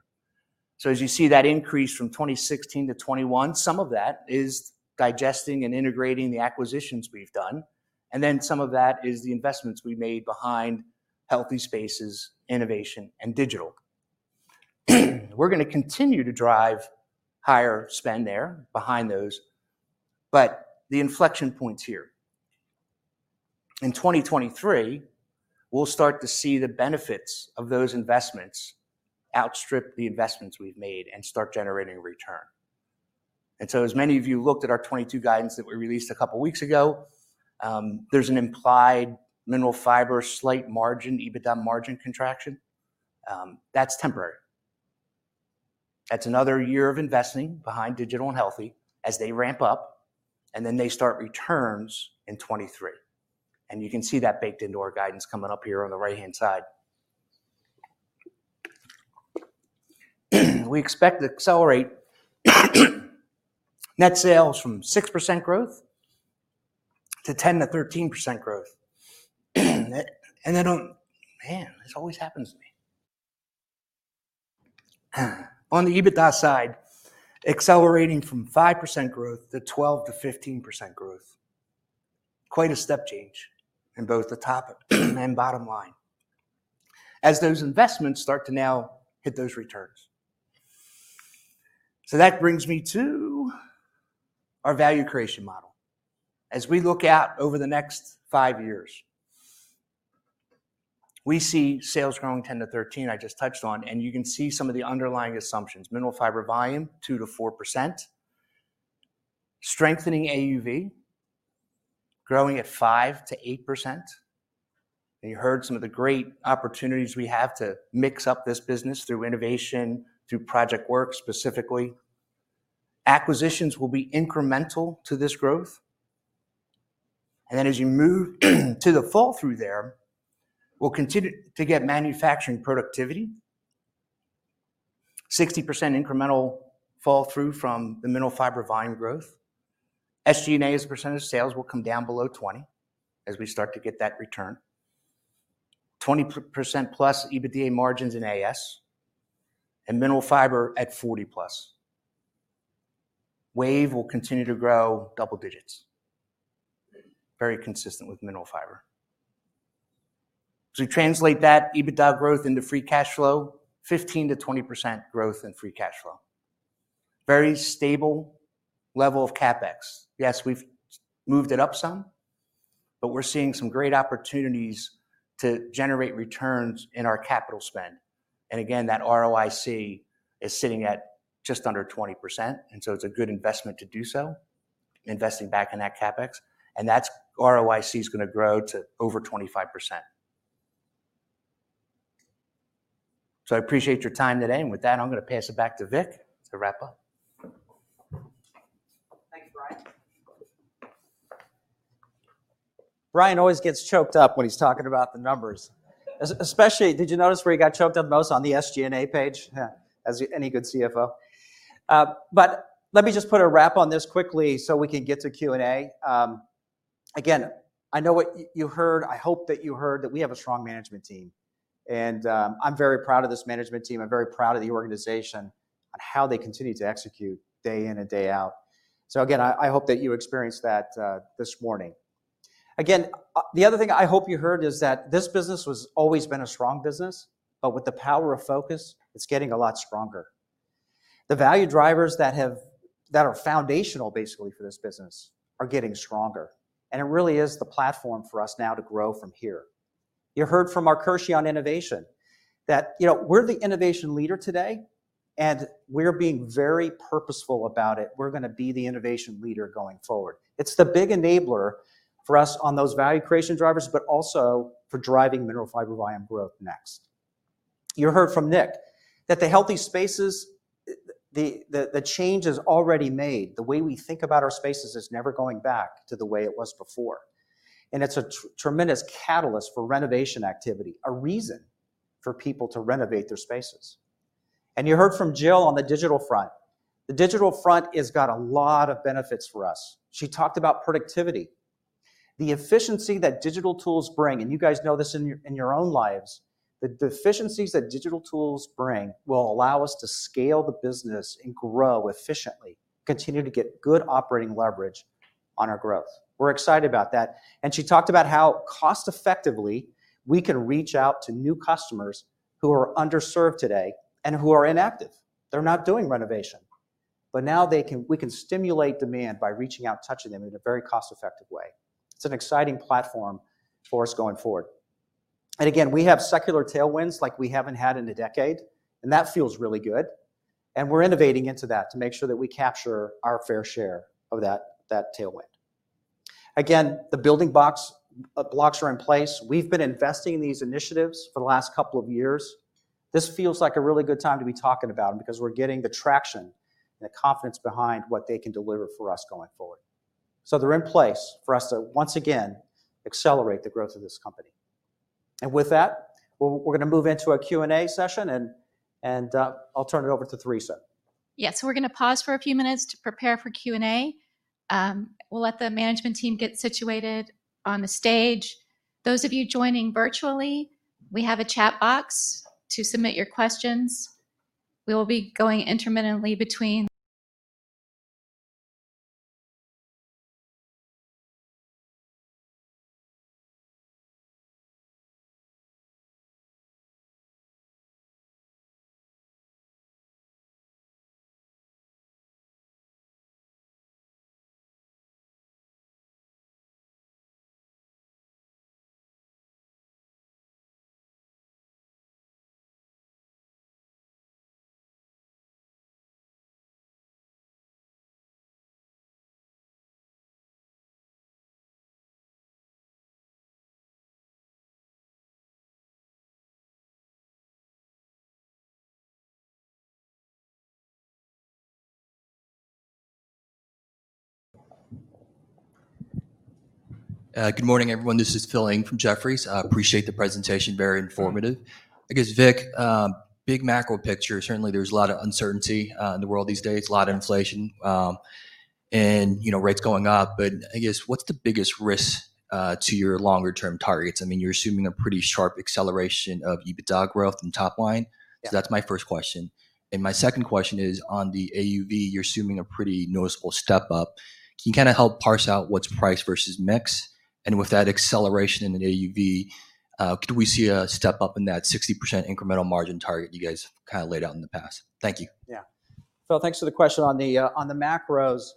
As you see that increase from 2016 to 2021, some of that is digesting and integrating the acquisitions we've done, and then some of that is the investments we made behind Healthy Spaces, innovation, and digital. We're gonna continue to drive higher spend there behind those, but the inflection point's here. In 2023, we'll start to see the benefits of those investments outstrip the investments we've made and start generating return. As many of you looked at our 2022 guidance that we released a couple weeks ago, there's an implied Mineral Fiber slight margin, EBITDA margin contraction, that's temporary. That's another year of investing behind digital and healthy as they ramp up, and then they start returns in 2023. You can see that baked into our guidance coming up here on the right-hand side. We expect to accelerate net sales from 6% growth to 10%-13% growth. On the EBITDA side, accelerating from 5% growth to 12%-15% growth. Quite a step change in both the top and bottom line as those investments start to now hit those returns. That brings me to our value creation model. As we look out over the next 5 years, we see sales growing 10%-13%, I just touched on, and you can see some of the underlying assumptions. Mineral Fiber volume, 2%-4%. Strengthening AUV, growing at 5%-8%. You heard some of the great opportunities we have to mix up this business through innovation, through project work specifically. Acquisitions will be incremental to this growth. As you move to the flow-through there, we'll continue to get manufacturing productivity, 60% incremental flow-through from the Mineral Fiber volume growth. SG&A as a percentage of sales will come down below 20% as we start to get that return. 20%-plus EBITDA margins in AS, and mineral fiber at 40+. WAVE will continue to grow double digits, very consistent with mineral fiber. As we translate that EBITDA growth into free cash flow, 15%-20% growth in free cash flow. Very stable level of CapEx. Yes, we've moved it up some, but we're seeing some great opportunities to generate returns in our capital spend. Again, that ROIC is sitting at just under 20%, and so it's a good investment to do so, investing back in that CapEx. That's ROIC is gonna grow to over 25%. I appreciate your time today. With that, I'm gonna pass it back to Vic to wrap up. Thanks, Brian. Brian always gets choked up when he's talking about the numbers. Especially, did you notice where he got choked up most on the SG&A page? Yeah. As any good CFO. Let me just put a wrap on this quickly so we can get to Q&A. Again, I know what you heard. I hope that you heard that we have a strong management team, and I'm very proud of this management team. I'm very proud of the organization on how they continue to execute day in and day out. Again, I hope that you experienced that this morning. Again, the other thing I hope you heard is that this business was always been a strong business, but with the power of focus, it's getting a lot stronger. The value drivers that are foundational basically for this business are getting stronger, and it really is the platform for us now to grow from here. You heard from Mark Hershey on innovation, that we're the innovation leader today, and we're being very purposeful about it. We're gonna be the innovation leader going forward. It's the big enabler for us on those value creation drivers, but also for driving Mineral Fiber volume growth next. You heard from Nick that the Healthy Spaces, the change is already made. The way we think about our spaces is never going back to the way it was before. It's a tremendous catalyst for renovation activity, a reason for people to renovate their spaces. You heard from Jill on the digital front. The digital front has got a lot of benefits for us. She talked about productivity. The deficiencies that digital tools bring will allow us to scale the business and grow efficiently, continue to get good operating leverage on our growth. We're excited about that. She talked about how cost-effectively we can reach out to new customers who are underserved today and who are inactive. They're not doing renovation. Now they can, we can stimulate demand by reaching out and touching them in a very cost-effective way. It's an exciting platform for us going forward. Again, we have secular tailwinds like we haven't had in a decade, and that feels really good, and we're innovating into that to make sure that we capture our fair share of that tailwind. Again, the building blocks are in place. We've been investing in these initiatives for the last couple of years. This feels like a really good time to be talking about them because we're getting the traction and the confidence behind what they can deliver for us going forward. They're in place for us to once again accelerate the growth of this company. With that, we're gonna move into a Q&A session, and I'll turn it over to Theresa. Yes. We're gonna pause for a few minutes to prepare for Q&A. We'll let the management team get situated on the stage. Those of you joining virtually, we have a chat box to submit your questions. We will be going intermittently between- Good morning, everyone. This is Philip Ng from Jefferies. I appreciate the presentation, very informative. I guess, Vic, big macro picture, certainly there's a lot of uncertainty in the world these days, a lot of inflation, and rates going up. I guess what's the biggest risk to your longer-term targets? I mean, you're assuming a pretty sharp acceleration of EBITDA growth from top line. Yeah. That's my first question. My second question is, on the AUV, you're assuming a pretty noticeable step-up. Can you kinda help parse out what's price versus mix? With that acceleration in the AUV, could we see a step-up in that 60% incremental margin target you guys kinda laid out in the past? Thank you. Yeah. Phil, thanks for the question. On the macros,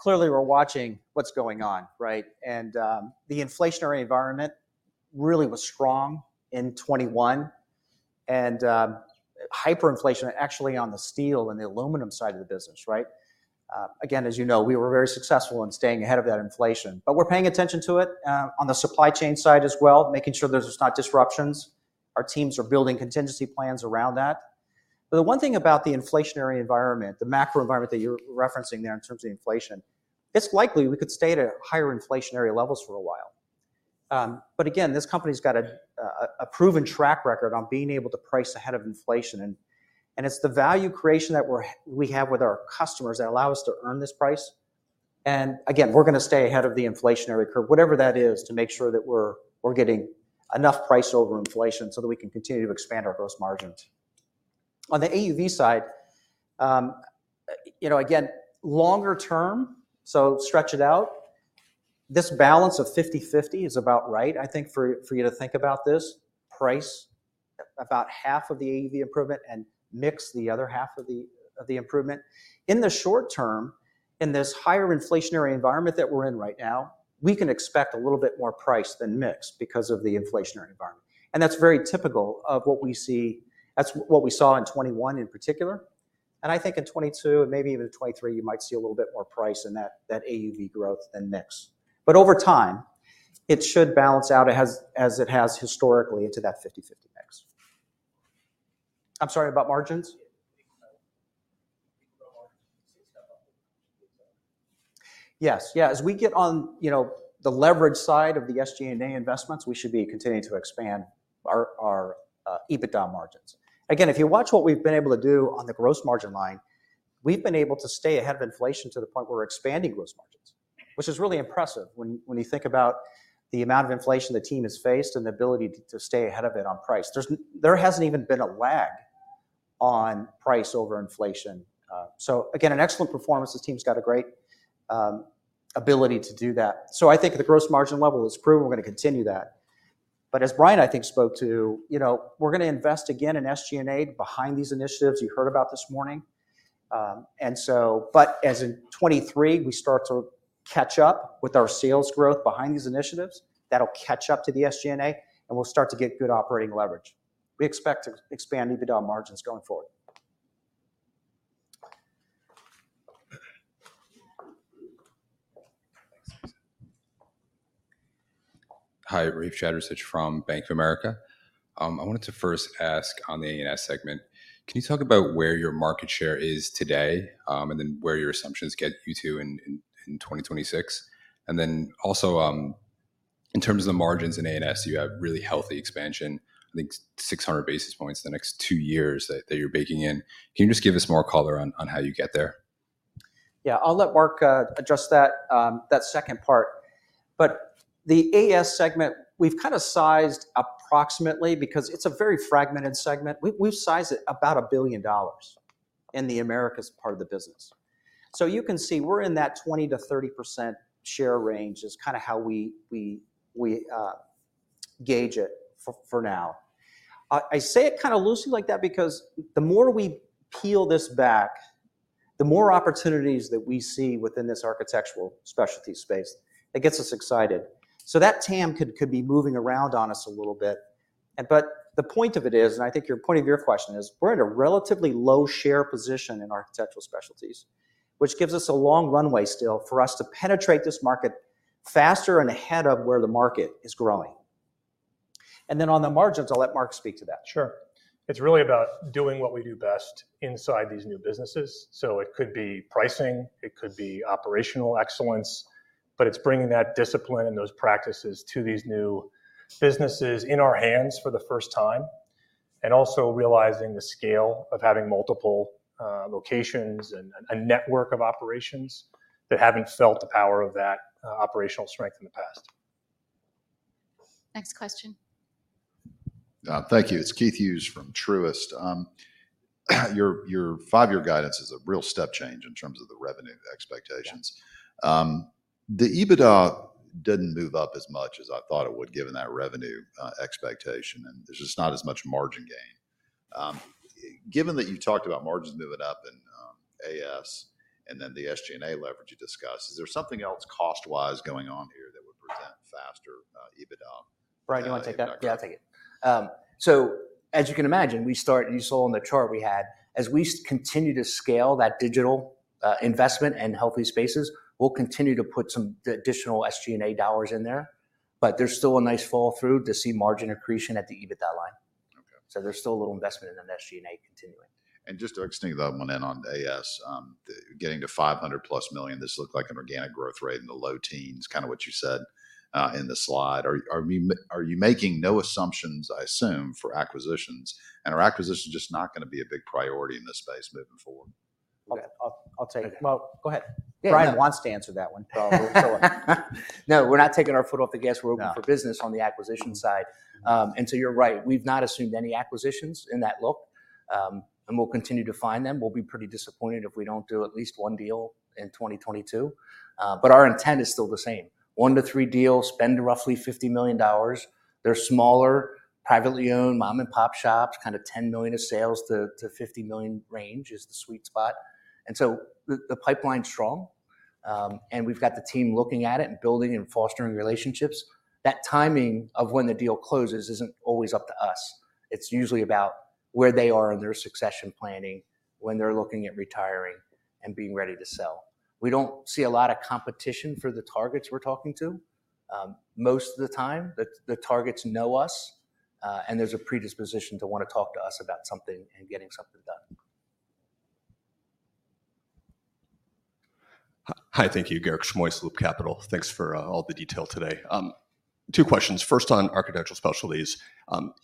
clearly we're watching what's going on, right? The inflationary environment really was strong in 2021 and hyperinflation actually on the steel and the aluminum side of the business, right? Again, as you know, we were very successful in staying ahead of that inflation. We're paying attention to it on the supply chain side as well, making sure there are no disruptions. Our teams are building contingency plans around that. The one thing about the inflationary environment, the macro environment that you're referencing there in terms of inflation, it's likely we could stay at a higher inflationary levels for a while. Again, this company's got a proven track record on being able to price ahead of inflation. It's the value creation that we have with our customers that allow us to earn this price. Again, we're gonna stay ahead of the inflationary curve, whatever that is, to make sure that we're getting enough price over inflation so that we can continue to expand our gross margins. On the AUV side again, longer term, so stretch it out, this balance of 50/50 is about right, I think for you to think about this. Price, about half of the AUV improvement and mix the other half of the improvement. In the short term, in this higher inflationary environment that we're in right now, we can expect a little bit more price than mix because of the inflationary environment. That's very typical of what we see. That's what we saw in 2021 in particular. I think in 2022 and maybe even 2023, you might see a little bit more price in that AUV growth than mix. Over time, it should balance out as it has historically into that 50/50 mix. I'm sorry, about margins? Yeah. Yes. Yeah. As we get on the leverage side of the SG&A investments, we should be continuing to expand our EBITDA margins. Again, if you watch what we've been able to do on the gross margin line, we've been able to stay ahead of inflation to the point we're expanding gross margins, which is really impressive when you think about the amount of inflation the team has faced and the ability to stay ahead of it on price. There hasn't even been a lag on price over inflation. Again, an excellent performance. This team's got a great ability to do that. I think at the gross margin level, it's proven we're gonna continue that. As Brian, I think, spoke to we're gonna invest again in SG&A behind these initiatives you heard about this morning. As in 2023, we start to catch up with our sales growth behind these initiatives, that'll catch up to the SG&A, and we'll start to get good operating leverage. We expect to expand EBITDA margins going forward. Thanks. Thanks. Hi, Rafe Jadrosich from Bank of America. I wanted to first ask on the AS segment. Can you talk about where your market share is today, and then where your assumptions get you to in 2026? In terms of the margins in AS, you have really healthy expansion, I think 600 basis points in the next two years that you're baking in. Can you just give us more color on how you get there? Yeah, I'll let Mark address that second part. The AS segment, we've kinda sized approximately because it's a very fragmented segment. We've sized it about $1 billion in the Americas part of the business. You can see we're in that 20%-30% share range is kinda how we gauge it for now. I say it kinda loosely like that because the more we peel this back, the more opportunities that we see within this Architectural Specialties space. It gets us excited. That TAM could be moving around on us a little bit, but the point of it is, and I think your point of your question is, we're at a relatively low share position in Architectural Specialties, which gives us a long runway still for us to penetrate this market faster and ahead of where the market is growing. Then on the margins, I'll let Mark speak to that. Sure. It's really about doing what we do best inside these new businesses. It could be pricing, it could be operational excellence, but it's bringing that discipline and those practices to these new businesses in our hands for the first time, and also realizing the scale of having multiple locations and a network of operations that haven't felt the power of that operational strength in the past. Next question. Thank you. It's Keith Hughes from Truist. Your five-year guidance is a real step change in terms of the revenue expectations. Yeah. The EBITDA didn't move up as much as I thought it would given that revenue expectation, and there's just not as much margin gain. Given that you talked about margins moving up in AS and then the SG&A leverage you discussed, is there something else cost-wise going on here that would present faster EBITDA than I- Brian, do you wanna take that? Yeah, I'll take it. As you can imagine, we start, and you saw on the chart we had, as we continue to scale that digital investment in Healthy Spaces, we'll continue to put some additional SG&A dollars in there. There's still a nice flow-through to see margin accretion at the EBITDA line. Okay. There's still a little investment in that SG&A continuing. Just to extend the other one in on AS, the getting to $500+ million, this looked like an organic growth rate in the low teens%, kinda what you said, in the slide. Are you making no assumptions, I assume, for acquisitions? Are acquisitions just not gonna be a big priority in this space moving forward? Go ahead. I'll take it. Well, go ahead. Yeah, Brian wants to answer that one. We'll let him. No, we're not taking our foot off the gas. No. We're open for business on the acquisition side. You're right. We've not assumed any acquisitions in that look, and we'll continue to find them. We'll be pretty disappointed if we don't do at least one deal in 2022. Our intent is still the same. 1-3 deals, spend roughly $50 million. They're smaller, privately-owned, mom-and-pop shops, kinda $10 million of sales to $50 million range is the sweet spot. The pipeline's strong, and we've got the team looking at it and building and fostering relationships. That timing of when the deal closes isn't always up to us. It's usually about where they are in their succession planning, when they're looking at retiring and being ready to sell. We don't see a lot of competition for the targets we're talking to. Most of the time the targets know us, and there's a predisposition to wanna talk to us about something and getting something done. Hi. Thank you. Garik Shmois, Loop Capital. Thanks for all the detail today. Two questions. First on Architectural Specialties.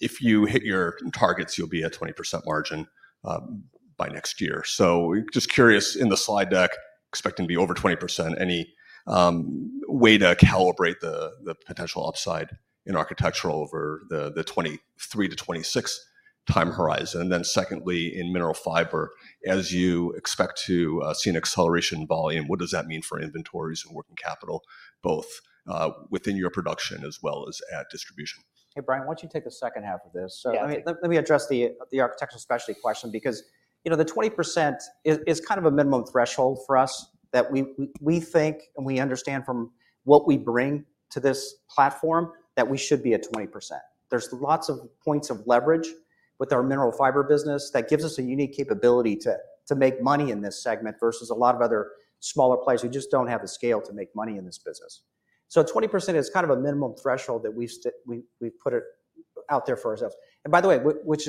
If you hit your targets, you'll be at 20% margin by next year. Just curious, in the slide deck, expecting to be over 20%, any way to calibrate the potential upside in Architectural over the 2023 to 2026 time horizon? Secondly, in Mineral Fiber, as you expect to see an acceleration in volume, what does that mean for inventories and working capital, both within your production as well as at distribution? Hey, Brian, why don't you take the second half of this? Yeah. Let me address the Architectural Specialties question because the 20% is kind of a minimum threshold for us that we think and we understand from what we bring to this platform that we should be at 20%. There's lots of points of leverage with our Mineral Fiber business that gives us a unique capability to make money in this segment versus a lot of other smaller players who just don't have the scale to make money in this business. 20% is kind of a minimum threshold that we've put out there for ourselves. By the way, which,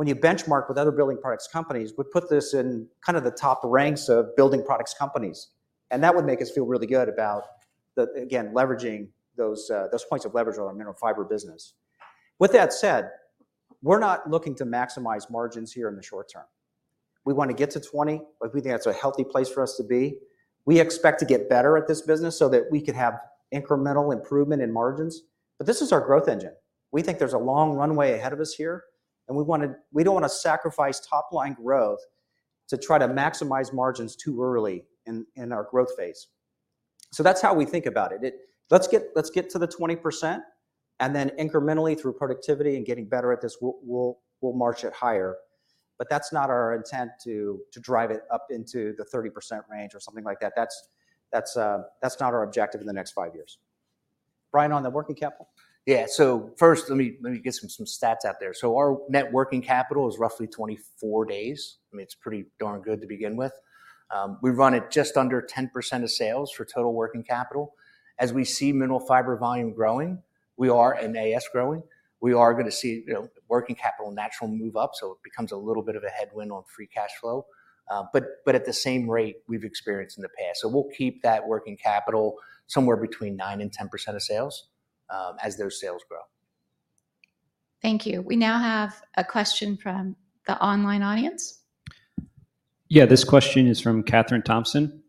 when you benchmark with other building products companies, would put this in kind of the top ranks of building products companies. That would make us feel really good about the, again, leveraging those points of leverage on our Mineral Fiber business. With that said, we're not looking to maximize margins here in the short term. We wanna get to 20, but we think that's a healthy place for us to be. We expect to get better at this business so that we can have incremental improvement in margins, but this is our growth engine. We think there's a long runway ahead of us here, and we wanna. We don't wanna sacrifice top-line growth to try to maximize margins too early in our growth phase. That's how we think about it. Let's get to the 20%, and then incrementally through productivity and getting better at this, we'll march it higher. That's not our intent to drive it up into the 30% range or something like that. That's not our objective in the next five years. Brian, on the working capital. Yeah. First, let me get some stats out there. Our net working capital is roughly 24 days. I mean, it's pretty darn good to begin with. We run at just under 10% of sales for total working capital. As we see Mineral Fiber volume growing and AS growing, we are gonna see working capital naturally move up, so it becomes a little bit of a headwind on free cash flow, but at the same rate we've experienced in the past. We'll keep that working capital somewhere between 9%-10% of sales as those sales grow. Thank you. We now have a question from the online audience. Yeah, this question is from Catherine Thompson.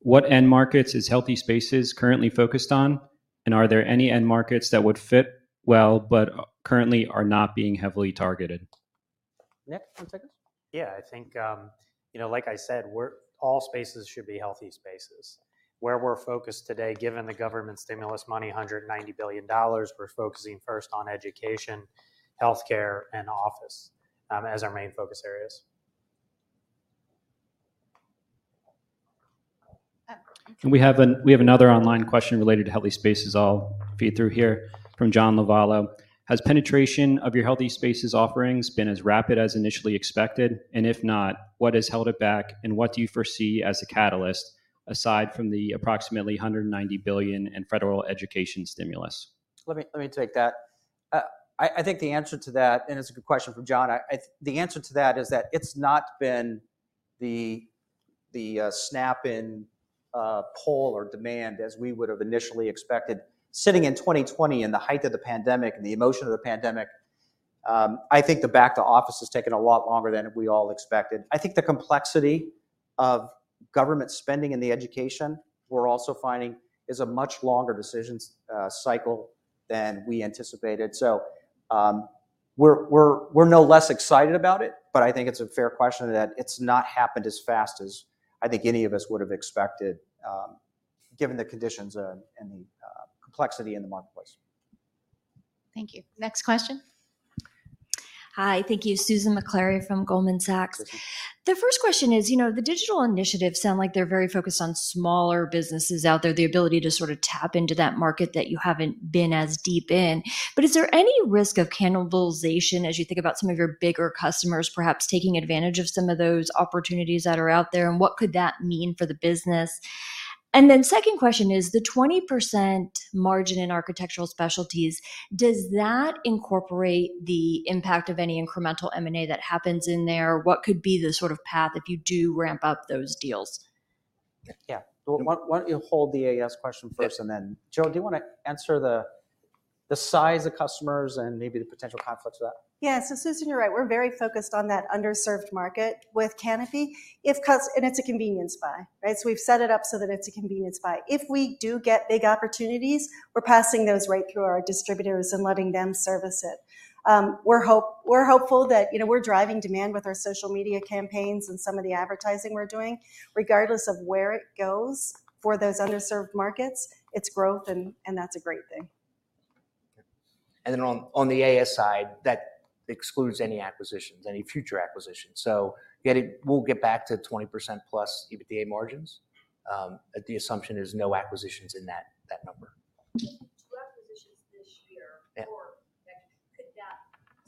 What end markets is Healthy Spaces currently focused on? And are there any end markets that would fit well but currently are not being heavily targeted? Nick, wanna take this? Yeah. I think like I said, all spaces should be Healthy Spaces. Where we're focused today, given the government stimulus money, $190 billion, we're focusing first on education, healthcare, and office as our main focus areas. Um. We have another online question related to Healthy Spaces. I'll feed through here from John Lovallo. Has penetration of your Healthy Spaces offerings been as rapid as initially expected? If not, what has held it back, and what do you foresee as the catalyst, aside from the approximately $190 billion in federal education stimulus? Let me take that. I think the answer to that, and it's a good question from John. The answer to that is that it's not been the snapback in pull-through demand as we would have initially expected. Sitting in 2020 in the height of the pandemic and the emotion of the pandemic, I think the back-to-office has taken a lot longer than we all expected. I think the complexity of government spending in education, we're also finding, is a much longer decision cycle than we anticipated. We're no less excited about it, but I think it's a fair question that it's not happened as fast as I think any of us would have expected, given the conditions and the complexity in the marketplace. Thank you. Next question. Hi. Thank you. Susan Maklari from Goldman Sachs. Okay. The first question the digital initiatives sound like they're very focused on smaller businesses out there, the ability to sort of tap into that market that you haven't been as deep in. Is there any risk of cannibalization as you think about some of your bigger customers perhaps taking advantage of some of those opportunities that are out there, and what could that mean for the business? Second question is, the 20% margin in Architectural Specialties, does that incorporate the impact of any incremental M&A that happens in there? What could be the sort of path if you do ramp up those deals? Yeah. Why don't you hold the AS question first, and then Jill, do you wanna answer the size of customers and maybe the potential conflicts of that? Yeah. Susan, you're right. We're very focused on that underserved market with Kanopi. It's a convenience buy, right? We've set it up so that it's a convenience buy. If we do get big opportunities, we're passing those right through our distributors and letting them service it. We're hopeful that we're driving demand with our social media campaigns and some of the advertising we're doing. Regardless of where it goes for those underserved markets, it's growth and that's a great thing. On the AS side, that excludes any acquisitions, any future acquisitions. We'll get back to 20%+ EBITDA margins, but the assumption is no acquisitions in that number. 2 acquisitions this year or next, could that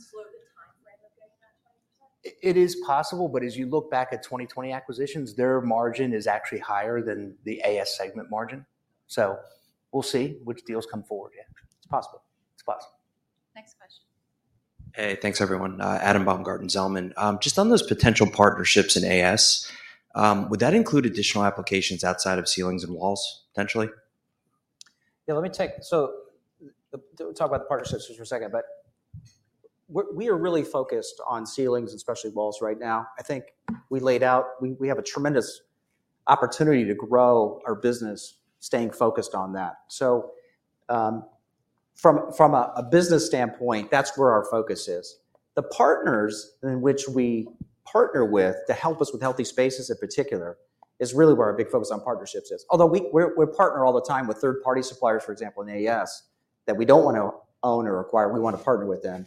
slow the timeline of getting back to 20%? It is possible, but as you look back at 2020 acquisitions, their margin is actually higher than the AS segment margin. We'll see which deals come forward. Yeah, it's possible. It's possible. Next question. Hey, thanks everyone. Adam Baumgarten, Zelman. Just on those potential partnerships in AS, would that include additional applications outside of ceilings and walls, potentially? Talk about the partnerships just for a second, but we are really focused on ceilings and specialty walls right now. I think we laid out we have a tremendous opportunity to grow our business staying focused on that. From a business standpoint, that's where our focus is. The partners in which we partner with to help us with Healthy Spaces in particular is really where our big focus on partnerships is. Although we partner all the time with third-party suppliers, for example, in AS, that we don't wanna own or acquire, we wanna partner with them.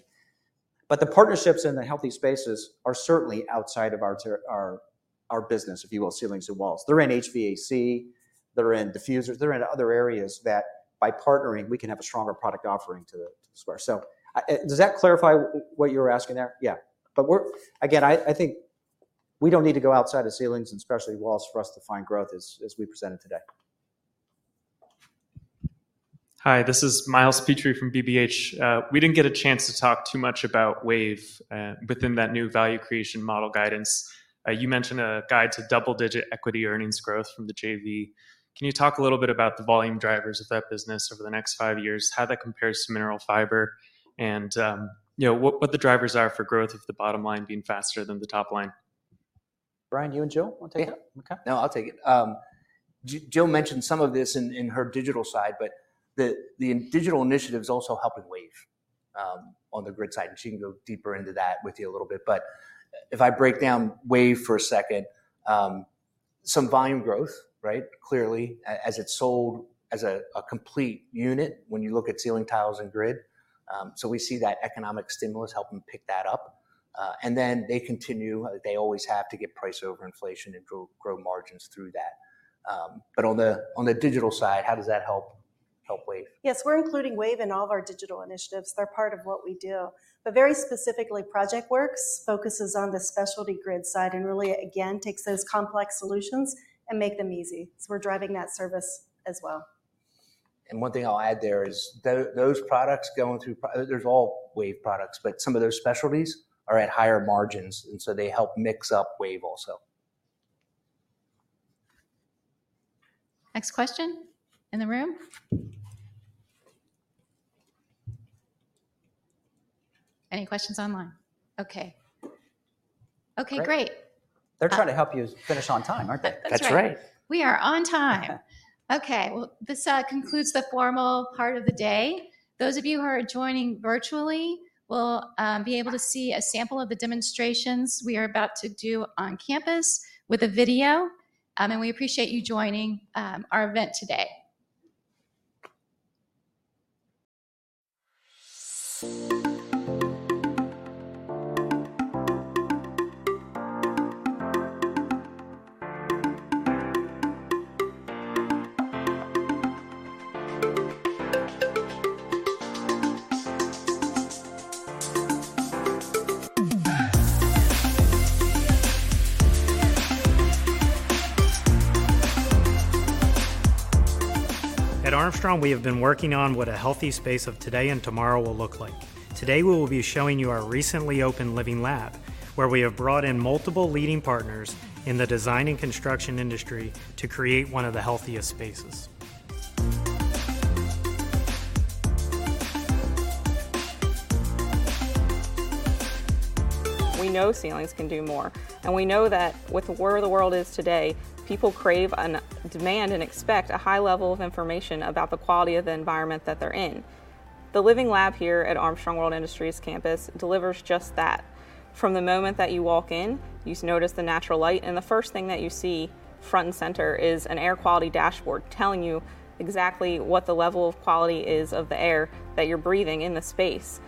The partnerships in the Healthy Spaces are certainly outside of our business, if you will, ceilings and walls. They're in HVAC, they're in diffusers, they're in other areas that by partnering, we can have a stronger product offering to the spec. Does that clarify what you were asking there? Yeah. Again, I think we don't need to go outside of ceilings and specialty walls for us to find growth as we presented today. Hi, this is Miles Petrie from BBH. We didn't get a chance to talk too much about WAVE within that new value creation model guidance. You mentioned a guide to double-digit equity earnings growth from the JV. Can you talk a little bit about the volume drivers of that business over the next five years, how that compares to Mineral Fiber and what the drivers are for growth if the bottom line being faster than the top line? Brian, you and Jill wanna take that? Yeah. Okay. No, I'll take it. Jill mentioned some of this in her digital side, but the digital initiative is also helping WAVE on the grid side, and she can go deeper into that with you a little bit. If I break down WAVE for a second, some volume growth, right? Clearly as it's sold as a complete unit when you look at ceiling tiles and grid. We see that economic stimulus helping pick that up. Then they continue. They always have to get price over inflation and grow margins through that. On the digital side, how does that help WAVE? Yes. We're including WAVE in all of our digital initiatives. They're part of what we do. Very specifically, ProjectWorks focuses on the specialty grid side and really again, takes those complex solutions and make them easy. We're driving that service as well. One thing I'll add there is those products. Those are all WAVE products, but some of their specialties are at higher margins, and so they help mix up WAVE also. Next question in the room? Any questions online? Okay. Okay, great. They're trying to help you finish on time, aren't they? That's right. That's right. We are on time. Okay. Okay. Well, this concludes the formal part of the day. Those of you who are joining virtually will be able to see a sample of the demonstrations we are about to do on campus with a video, and we appreciate you joining our event today. At Armstrong, we have been working on what a healthy space of today and tomorrow will look like. Today, we will be showing you our recently opened Living Lab, where we have brought in multiple leading partners in the design and construction industry to create one of the healthiest spaces. We know ceilings can do more, and we know that with where the world is today, people crave and demand and expect a high level of information about the quality of the environment that they're in. The Living Lab here at Armstrong World Industries campus delivers just that. From the moment that you walk in, you notice the natural light, and the first thing that you see front and center is an air quality dashboard telling you exactly what the level of quality is of the air that you're breathing in the space.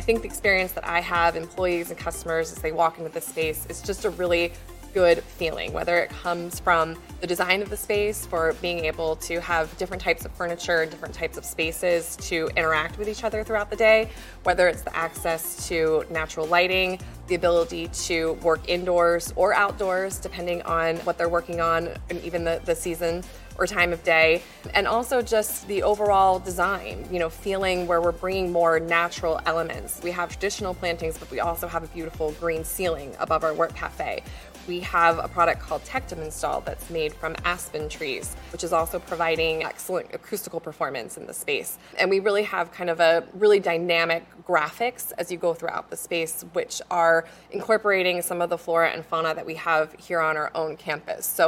I think the experience that employees and customers have as they walk into the space. It's just a really good feeling, whether it comes from the design of the space for being able to have different types of furniture and different types of spaces to interact with each other throughout the day, whether it's the access to natural lighting, the ability to work indoors or outdoors, depending on what they're working on, and even the season or time of day, and also just the overall design. You know, feeling where we're bringing more natural elements. We have traditional plantings, but we also have a beautiful green ceiling above our work cafe. We have a product called TECTUM installed that's made from aspen trees, which is also providing excellent acoustical performance in the space, and we really have kind of a really dynamic graphics as you go throughout the space, which are incorporating some of the flora and fauna that we have here on our own campus.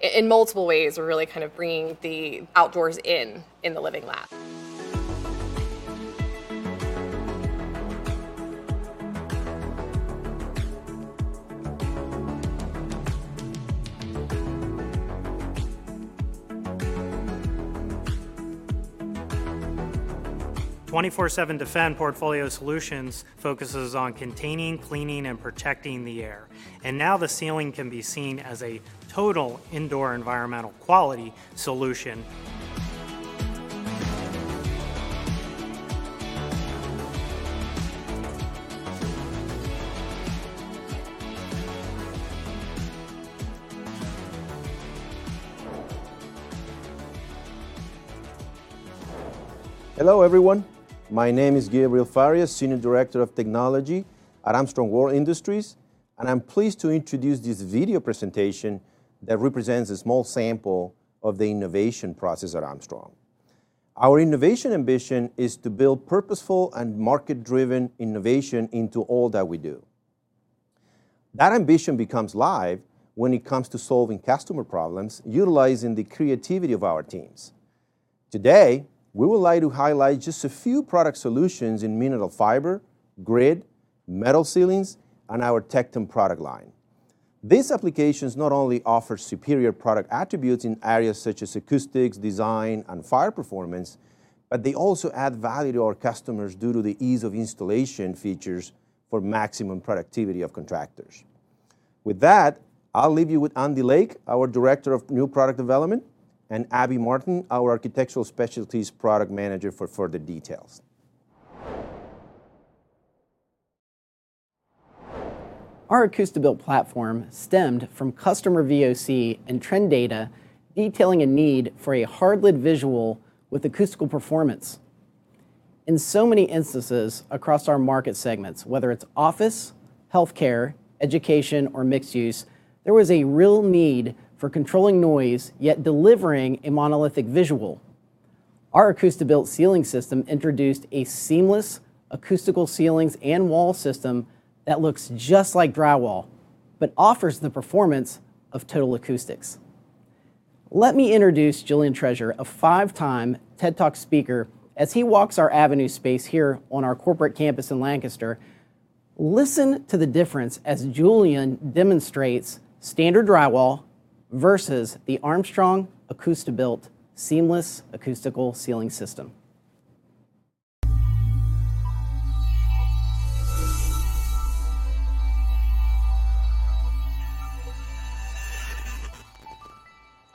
In multiple ways, we're really kind of bringing the outdoors in in the Living Lab. 24/7 Defend portfolio solutions focuses on containing, cleaning, and protecting the air, and now the ceiling can be seen as a total indoor environmental quality solution. Hello, everyone. My name is Gabriel Farias, Senior Director of Technology at Armstrong World Industries, and I'm pleased to introduce this video presentation that represents a small sample of the innovation process at Armstrong. Our innovation ambition is to build purposeful and market-driven innovation into all that we do. That ambition becomes live when it comes to solving customer problems, utilizing the creativity of our teams. Today, we would like to highlight just a few product solutions in Mineral Fiber, grid, metal ceilings, and our TECTUM product line. These applications not only offer superior product attributes in areas such as acoustics, design, and fire performance, but they also add value to our customers due to the ease-of-installation features for maximum productivity of contractors. With that, I'll leave you with Andy Lake, our Director of New Product Development, and Abby Martin, our Architectural Specialties Product Manager, for further details. Our ACOUSTIBuilt platform stemmed from customer VOC and trend data detailing a need for a hard-lid visual with acoustic performance. In so many instances across our market segments, whether it's office, healthcare, education, or mixed use, there was a real need for controlling noise, yet delivering a monolithic visual. Our ACOUSTIBuilt ceiling system introduced a seamless acoustical ceilings and wall system that looks just like drywall but offers the performance of Total Acoustics. Let me introduce Julian Treasure, a five-time TED Talk speaker. As he walks our avenue space here on our corporate campus in Lancaster, listen to the difference as Julian demonstrates standard drywall versus the Armstrong ACOUSTIBuilt seamless acoustical ceiling system.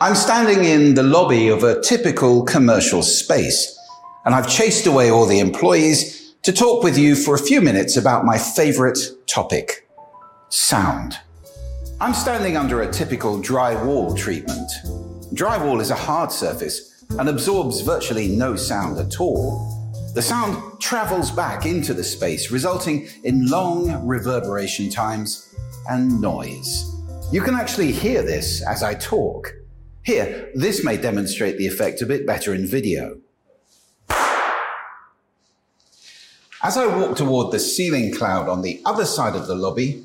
I'm standing in the lobby of a typical commercial space, and I've chased away all the employees to talk with you for a few minutes about my favorite topic, sound. I'm standing under a typical drywall treatment. Drywall is a hard surface and absorbs virtually no sound at all. The sound travels back into the space, resulting in long reverberation times and noise. You can actually hear this as I talk. Here, this may demonstrate the effect a bit better in video. As I walk toward the ceiling cloud on the other side of the lobby,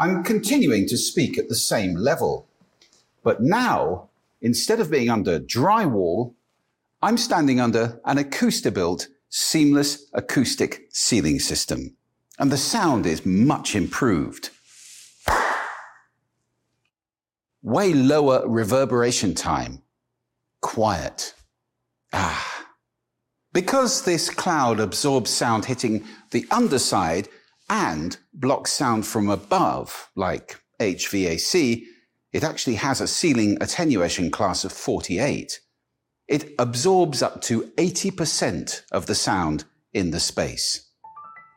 I'm continuing to speak at the same level. Now, instead of being under drywall, I'm standing under an ACOUSTIBuilt seamless acoustic ceiling system, and the sound is much improved. Way lower reverberation time. Quiet. Because this cloud absorbs sound hitting the underside and blocks sound from above, like HVAC, it actually has a ceiling attenuation class of 48. It absorbs up to 80% of the sound in the space.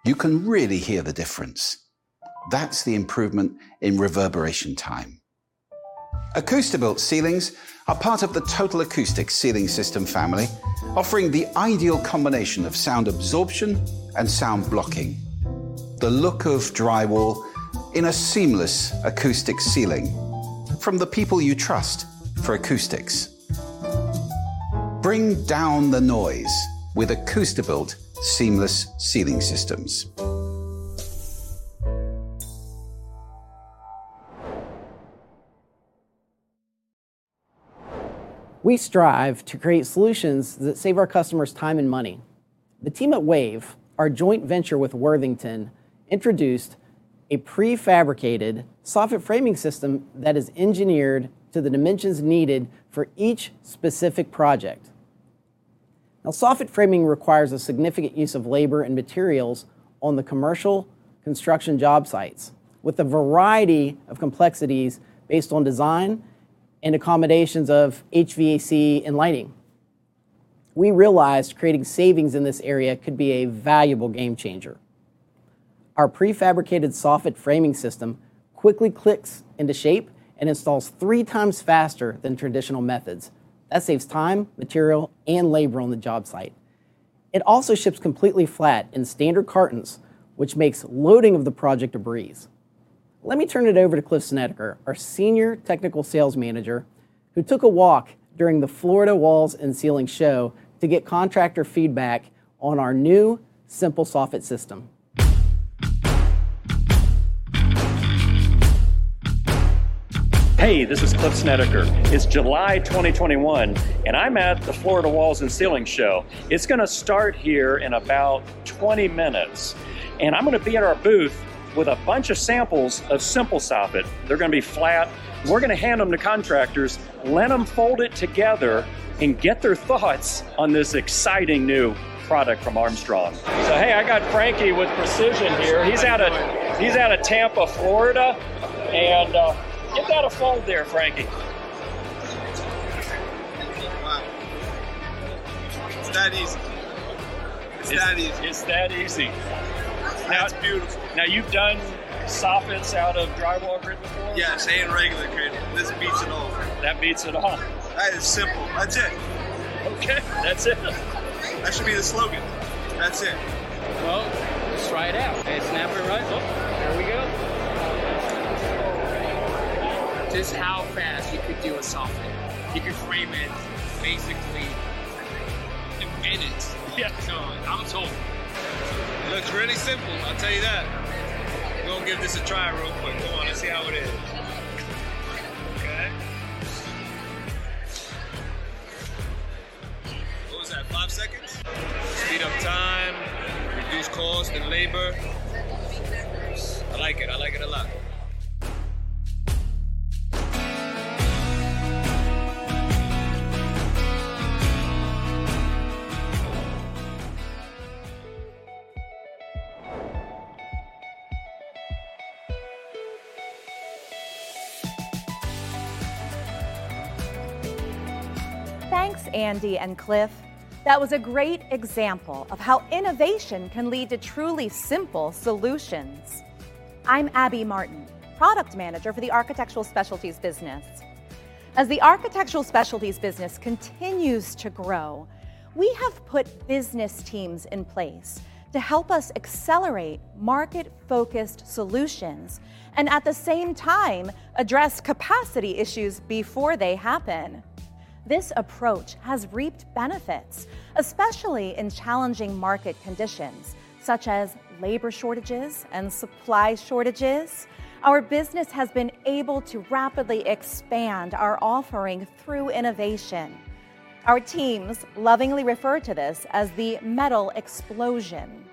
You can really hear the difference. That's the improvement in reverberation time. ACOUSTIBuilt ceilings are part of the Total Acoustics ceiling system family, offering the ideal combination of sound absorption and sound blocking, the look of drywall in a seamless acoustic ceiling from the people you trust for acoustics. Bring down the noise with ACOUSTIBuilt seamless ceiling systems. We strive to create solutions that save our customers time and money. The team at WAVE, our joint venture with Worthington, introduced a prefabricated soffit framing system that is engineered to the dimensions needed for each specific project. Now, soffit framing requires a significant use of labor and materials on the commercial construction job sites with a variety of complexities based on design and accommodations of HVAC and lighting. We realized creating savings in this area could be a valuable game changer. Our prefabricated soffit framing system quickly clicks into shape and installs three times faster than traditional methods. That saves time, material, and labor on the job site. It also ships completely flat in standard cartons, which makes loading of the project a breeze. Let me turn it over to Cliff Snedeker, our Senior Technical Sales Manager, who took a walk during the Florida Wall and Ceiling Show to get contractor feedback on our new SIMPLESOFFIT system. Hey, this is Cliff Snedeker. It's July 2021, and I'm at the Florida Wall and Ceiling Show. It's gonna start here in about 20 minutes, and I'm gonna be at our booth with a bunch of samples of SIMPLESOFFIT. They're gonna be flat. We're gonna hand them to contractors, let them fold it together, and get their thoughts on this exciting new product from Armstrong. Hey, I got Frankie with Precision here. How you doing? He's out of Tampa, Florida. Give that a fold there, Frankie. It's that easy. It's that easy. That's beautiful. Now you've done soffits out of drywall grid before? Yes, regular grid. This beats it all. That beats it all. That is simple. That's it. Okay. That's it. That should be the slogan. That's it. Well, let's try it out. Okay, snap it right. Oh, there we go. This is how fast you could do a soffit. You could frame it basically in minutes. Yeah. I'm sold. It looks really simple, I'll tell you that. We're gonna give this a try real quick. Come on, let's see how it is. Okay. What was that? 5 seconds? Speed up time, reduce cost and labor. I like it. I like it a lot. Thanks, Andy and Cliff. That was a great example of how innovation can lead to truly simple solutions. I'm Abby Martin, Product Manager for the Architectural Specialties business. As the Architectural Specialties business continues to grow, we have put business teams in place to help us accelerate market-focused solutions and, at the same time, address capacity issues before they happen. This approach has reaped benefits, especially in challenging market conditions such as labor shortages and supply shortages. Our business has been able to rapidly expand our offering through innovation. Our teams lovingly refer to this as the metal explosion.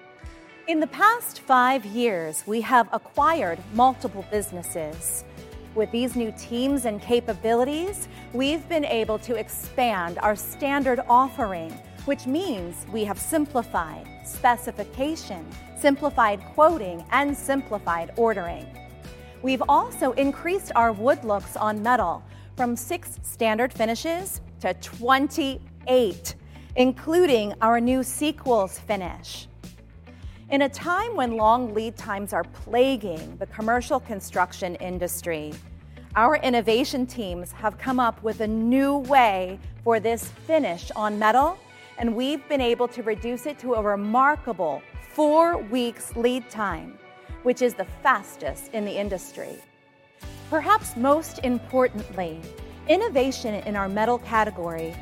In the past five years, we have acquired multiple businesses. With these new teams and capabilities, we've been able to expand our standard offering, which means we have simplified specification, simplified quoting, and simplified ordering. We've also increased our wood looks on metal from 6 standard finishes to 28, including our new SEQUELS finish. In a time when long lead times are plaguing the commercial construction industry, our innovation teams have come up with a new way for this finish on metal, and we've been able to reduce it to a remarkable 4 weeks lead time, which is the fastest in the industry. Perhaps most importantly, innovation in our metal category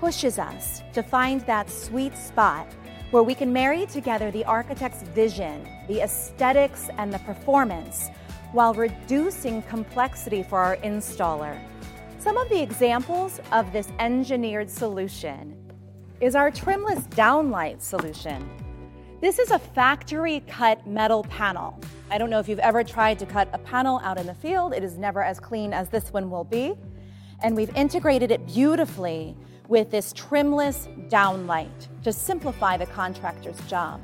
pushes us to find that sweet spot where we can marry together the architect's vision, the aesthetics, and the performance while reducing complexity for our installer. Some of the examples of this engineered solution is our trimless downlight solution. This is a factory-cut metal panel. I don't know if you've ever tried to cut a panel out in the field. It is never as clean as this one will be. We've integrated it beautifully with this trimless downlight to simplify the contractor's job.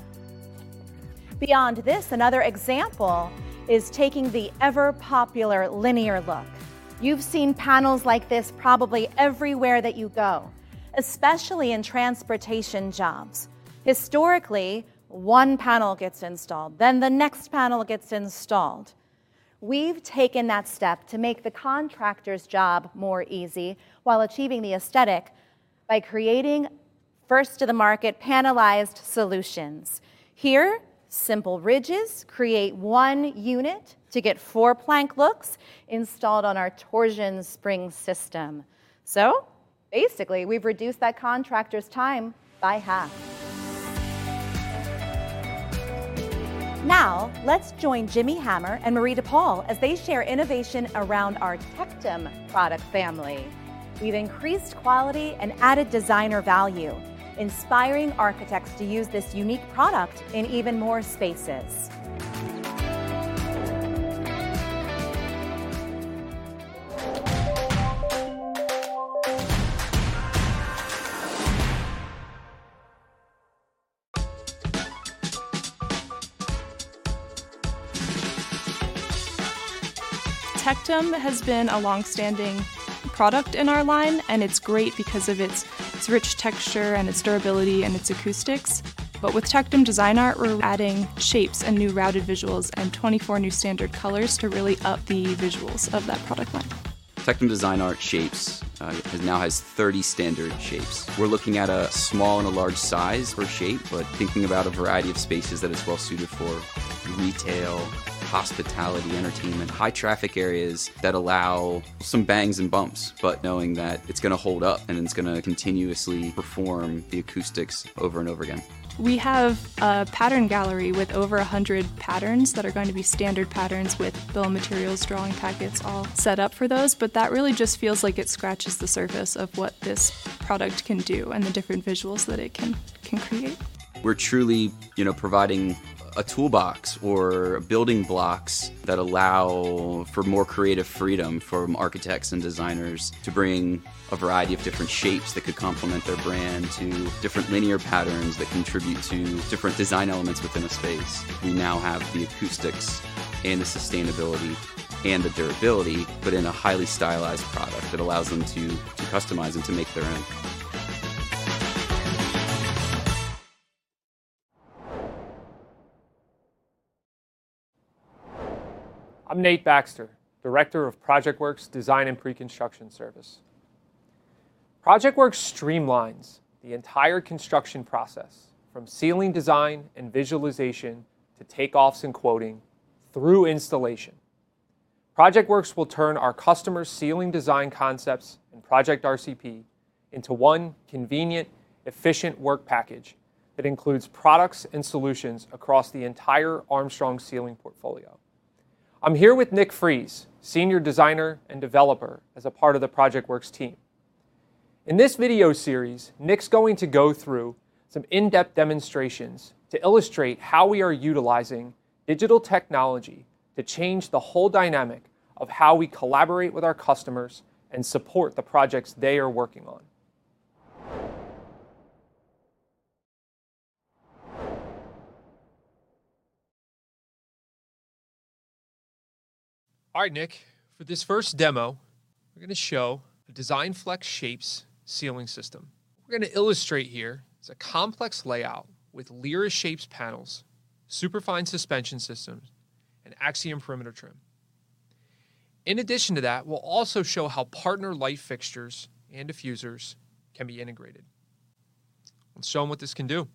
Beyond this, another example is taking the ever-popular linear look. You've seen panels like this probably everywhere that you go, especially in transportation jobs. Historically, one panel gets installed, then the next panel gets installed. We've taken that step to make the contractor's job more easy while achieving the aesthetic by creating first to the market panelized solutions. Here, simple ridges create one unit to get four plank looks installed on our torsion spring system. Basically, we've reduced that contractor's time by half. Now, let's join Jimmy Hammer and Marie DePolo as they share innovation around our TECTUM product family. We've increased quality and added designer value, inspiring architects to use this unique product in even more spaces. TECTUM has been a long-standing product in our line, and it's great because of its rich texture and its durability and its acoustics. With TECTUM DESIGNART, we're adding shapes and new routed visuals and 24 new standard colors to really up the visuals of that product line. TECTUM DESIGNART shapes, it now has 30 standard shapes. We're looking at a small and a large size for shape, but thinking about a variety of spaces that it's well suited for, retail, hospitality, entertainment, high-traffic areas that allow some bangs and bumps, but knowing that it's gonna hold up and it's gonna continuously perform the acoustics over and over again. We have a pattern gallery with over 100 patterns that are going to be standard patterns with bill of materials, drawing packets all set up for those, but that really just feels like it scratches the surface of what this product can do and the different visuals that it can create. We're truly providing a toolbox or building blocks that allow for more creative freedom from architects and designers to bring a variety of different shapes that could complement their brand to different linear patterns that contribute to different design elements within a space. We now have the acoustics and the sustainability and the durability, but in a highly stylized product that allows them to customize and to make their own. I'm Nate Baxter, Director of PROJECTWORKS Design and Pre-Construction Service. PROJECTWORKS streamlines the entire construction process from ceiling design and visualization to takeoffs and quoting through installation. PROJECTWORKS will turn our customers' ceiling design concepts and project RCP into one convenient, efficient work package that includes products and solutions across the entire Armstrong Ceiling portfolio. I'm here with Nick Freese, Senior Designer and Developer as a part of the PROJECTWORKS team. In this video series, Nick's going to go through some in-depth demonstrations to illustrate how we are utilizing digital technology to change the whole dynamic of how we collaborate with our customers and support the projects they are working on. All right, Nick, for this first demo, we're gonna show the DESIGNFlex Shapes ceiling system. We're gonna illustrate here is a complex layout with LYRA Shapes panels, SUPRAFINE suspension systems, and AXIOM perimeter trim. In addition to that, we'll also show how partner light fixtures and diffusers can be integrated. Let's show them what this can do.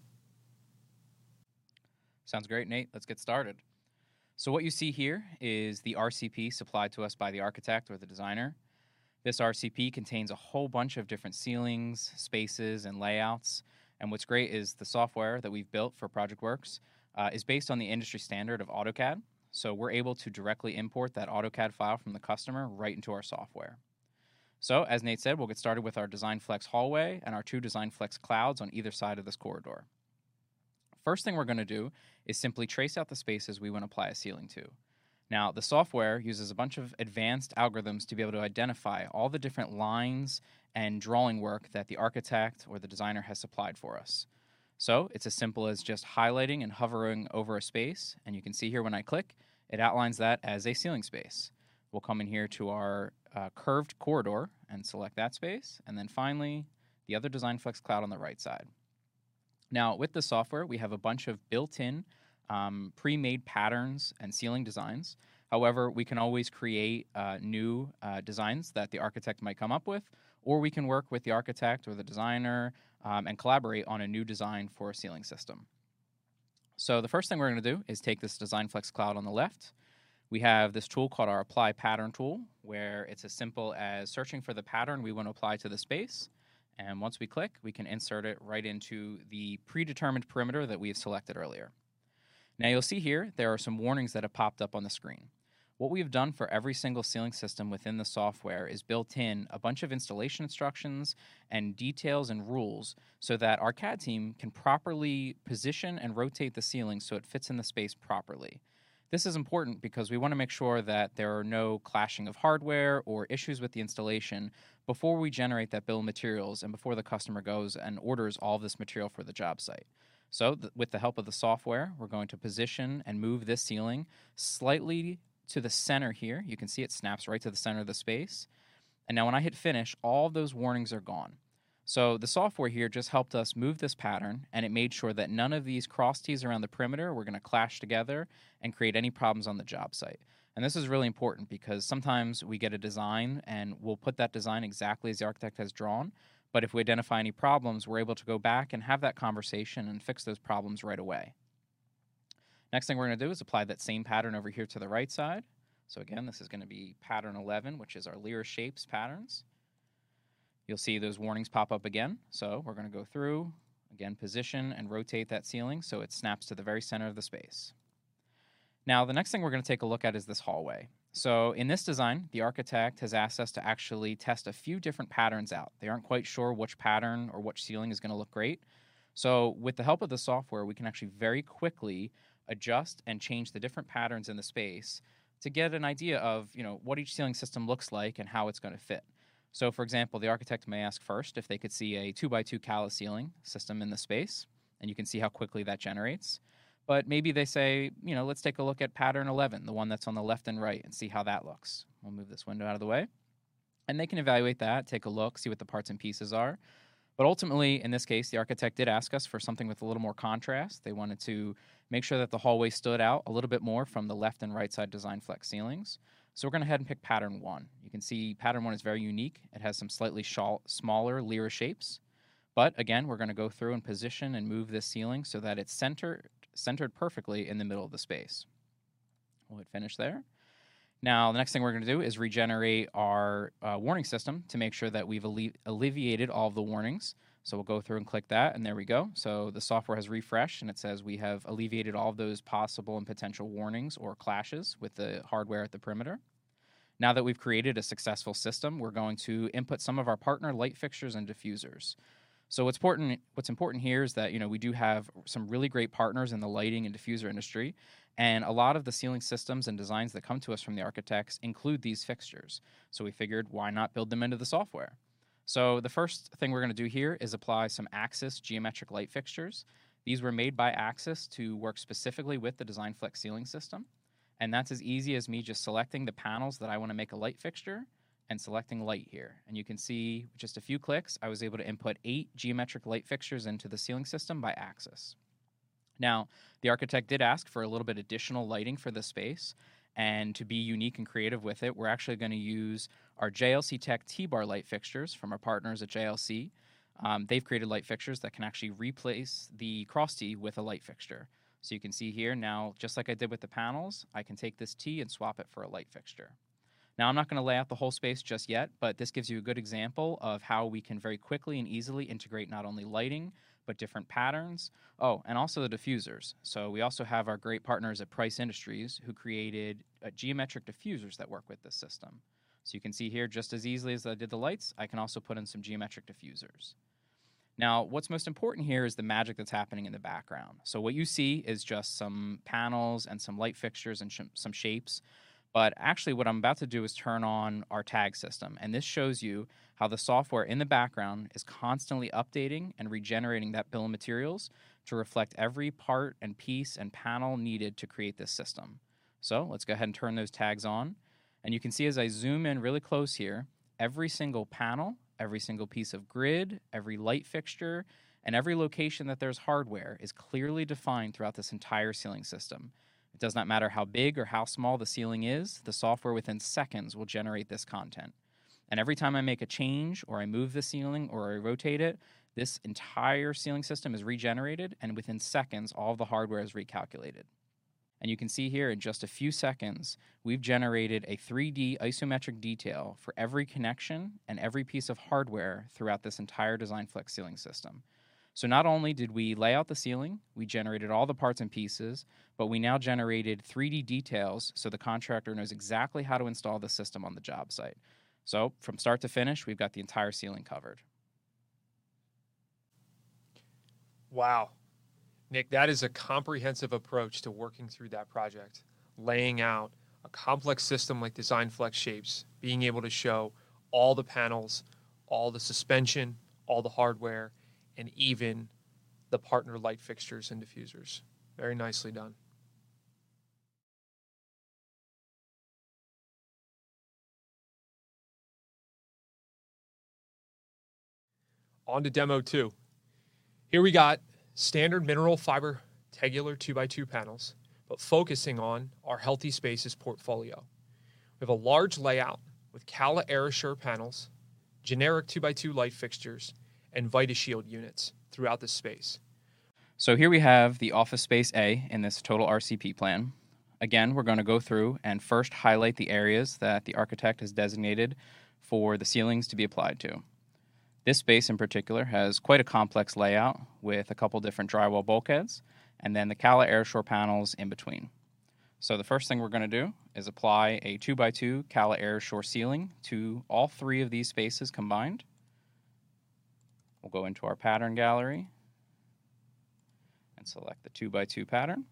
Sounds great, Nate. Let's get started. What you see here is the RCP supplied to us by the architect or the designer. This RCP contains a whole bunch of different ceilings, spaces, and layouts. What's great is the software that we've built for PROJECTWORKS is based on the industry standard of AutoCAD, so we're able to directly import that AutoCAD file from the customer right into our software. As Nate said, we'll get started with our DESIGNFlex hallway and our two DESIGNFlex clouds on either side of this corridor. First thing we're gonna do is simply trace out the spaces we want to apply a ceiling to. Now, the software uses a bunch of advanced algorithms to be able to identify all the different lines and drawing work that the architect or the designer has supplied for us. It's as simple as just highlighting and hovering over a space, and you can see here when I click, it outlines that as a ceiling space. We'll come in here to our curved corridor and select that space, and then finally the other DESIGNFlex cloud on the right side. Now, with the software, we have a bunch of built-in pre-made patterns and ceiling designs. However, we can always create new designs that the architect might come up with, or we can work with the architect or the designer and collaborate on a new design for a ceiling system. The first thing we're gonna do is take this DESIGNFlex cloud on the left. We have this tool called our Apply Pattern tool, where it's as simple as searching for the pattern we want to apply to the space, and once we click, we can insert it right into the predetermined perimeter that we have selected earlier. Now, you'll see here there are some warnings that have popped up on the screen. What we have done for every single ceiling system within the software is built in a bunch of installation instructions and details and rules so that our CAD team can properly position and rotate the ceiling so it fits in the space properly. This is important because we wanna make sure that there are no clashing of hardware or issues with the installation before we generate that bill of materials and before the customer goes and orders all this material for the job site. With the help of the software, we're going to position and move this ceiling slightly to the center here. You can see it snaps right to the center of the space. Now when I hit Finish, all of those warnings are gone. The software here just helped us move this pattern, and it made sure that none of these cross tees around the perimeter were gonna clash together and create any problems on the job site. This is really important because sometimes we get a design and we'll put that design exactly as the architect has drawn, but if we identify any problems, we're able to go back and have that conversation and fix those problems right away. Next thing we're gonna do is apply that same pattern over here to the right side. Again, this is gonna be pattern 11, which is our LYRA Shapes patterns. You'll see those warnings pop up again, so we're gonna go through, again, position and rotate that ceiling so it snaps to the very center of the space. Now, the next thing we're gonna take a look at is this hallway. In this design, the architect has asked us to actually test a few different patterns out. They aren't quite sure which pattern or which ceiling is gonna look great, so with the help of the software, we can actually very quickly adjust and change the different patterns in the space to get an idea of what each ceiling system looks like and how it's gonna fit. For example, the architect may ask first if they could see a 2-by-2 Calla ceiling system in the space, and you can see how quickly that generates. Maybe they say "Let's take a look at pattern 11, the one that's on the left and right, and see how that looks." We'll move this window out of the way. They can evaluate that, take a look, see what the parts and pieces are. Ultimately, in this case, the architect did ask us for something with a little more contrast. They wanted to make sure that the hallway stood out a little bit more from the left and right side DESIGNFlex ceilings. We're gonna ahead and pick pattern 1. You can see pattern 1 is very unique. It has some slightly smaller LYRA shapes. Again, we're gonna go through and position and move this ceiling so that it's centered perfectly in the middle of the space. We'll hit Finish there. Now, the next thing we're gonna do is regenerate our warning system to make sure that we've alleviated all of the warnings. We'll go through and click that, and there we go. The software has refreshed, and it says we have alleviated all of those possible and potential warnings or clashes with the hardware at the perimeter. Now that we've created a successful system, we're going to input some of our partner light fixtures and diffusers. What's important here is that we do have some really great partners in the lighting and diffuser industry, and a lot of the ceiling systems and designs that come to us from the architects include these fixtures. We figured why not build them into the software? The first thing we're gonna do here is apply some Axis geometric light fixtures. These were made by Axis to work specifically with the DESIGNFlex ceiling system, and that's as easy as me just selecting the panels that I wanna make a light fixture and selecting light here. You can see, just a few clicks, I was able to input 8 geometric light fixtures into the ceiling system by Axis. Now, the architect did ask for a little bit additional lighting for this space, and to be unique and creative with it, we're actually gonna use our JLC-Tech T-bar light fixtures from our partners at JLC. They've created light fixtures that can actually replace the cross tee with a light fixture. You can see here now, just like I did with the panels, I can take this tee and swap it for a light fixture. Now, I'm not gonna lay out the whole space just yet, but this gives you a good example of how we can very quickly and easily integrate not only lighting but different patterns. Oh, and also the diffusers. We also have our great partners at Price Industries who created geometric diffusers that work with this system. You can see here, just as easily as I did the lights, I can also put in some geometric diffusers. Now, what's most important here is the magic that's happening in the background. What you see is just some panels and some light fixtures and some shapes, but actually what I'm about to do is turn on our tag system, and this shows you how the software in the background is constantly updating and regenerating that bill of materials to reflect every part and piece and panel needed to create this system. Let's go ahead and turn those tags on. You can see as I zoom in really close here, every single panel, every single piece of grid, every light fixture, and every location that there's hardware is clearly defined throughout this entire ceiling system. It does not matter how big or how small the ceiling is, the software within seconds will generate this content. Every time I make a change or I move the ceiling or I rotate it, this entire ceiling system is regenerated, and within seconds, all the hardware is recalculated. You can see here in just a few seconds, we've generated a 3D isometric detail for every connection and every piece of hardware throughout this entire DESIGNFlex ceiling system. Not only did we lay out the ceiling, we generated all the parts and pieces, but we now generated 3D details so the contractor knows exactly how to install the system on the job site. From start to finish, we've got the entire ceiling covered. Wow. Nick, that is a comprehensive approach to working through that project, laying out a complex system like DESIGNFlex Shapes, being able to show all the panels, all the suspension, all the hardware, and even the partner light fixtures and diffusers. Very nicely done. On to demo 2. Here we got standard Mineral Fiber tegular 2-by-2 panels, but focusing on our Healthy Spaces portfolio. We have a large layout with CALLA AirAssure panels, generic 2-by-2 light fixtures, and VidaShield units throughout the space. Here we have the office space A in this total RCP plan. Again, we're gonna go through and first highlight the areas that the architect has designated for the ceilings to be applied to. This space in particular has quite a complex layout with a couple different drywall bulkheads and then the CALLA AirAssure panels in between. The first thing we're gonna do is apply a 2-by-2 CALLA AirAssure ceiling to all three of these spaces combined. We'll go into our pattern gallery and select the 2-by-2 pattern.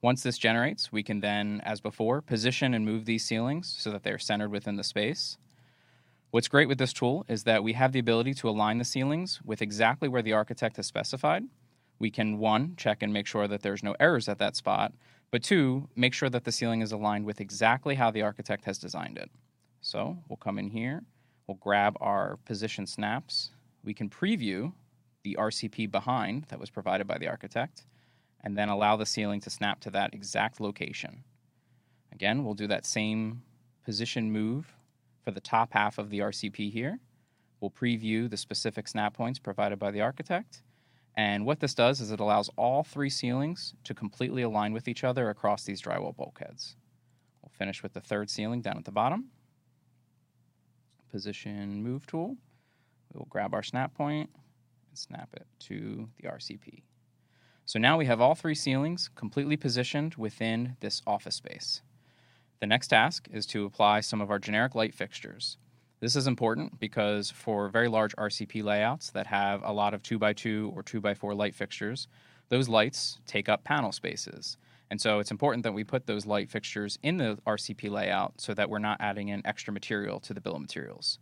Once this generates, we can then, as before, position and move these ceilings so that they are centered within the space. What's great with this tool is that we have the ability to align the ceilings with exactly where the architect has specified. We can, one, check and make sure that there's no errors at that spot, but two, make sure that the ceiling is aligned with exactly how the architect has designed it. We'll come in here, we'll grab our position snaps. We can preview the RCP behind that was provided by the architect, and then allow the ceiling to snap to that exact location. Again, we'll do that same position move for the top half of the RCP here. We'll preview the specific snap points provided by the architect. What this does is it allows all three ceilings to completely align with each other across these drywall bulkheads. We'll finish with the third ceiling down at the bottom. Position move tool. We will grab our snap point and snap it to the RCP. Now we have all three ceilings completely positioned within this office space. The next task is to apply some of our generic light fixtures. This is important because for very large RCP layouts that have a lot of 2-by-2 or 2-by-4 light fixtures, those lights take up panel spaces. It's important that we put those light fixtures in the RCP layout so that we're not adding in extra material to the bill of materials.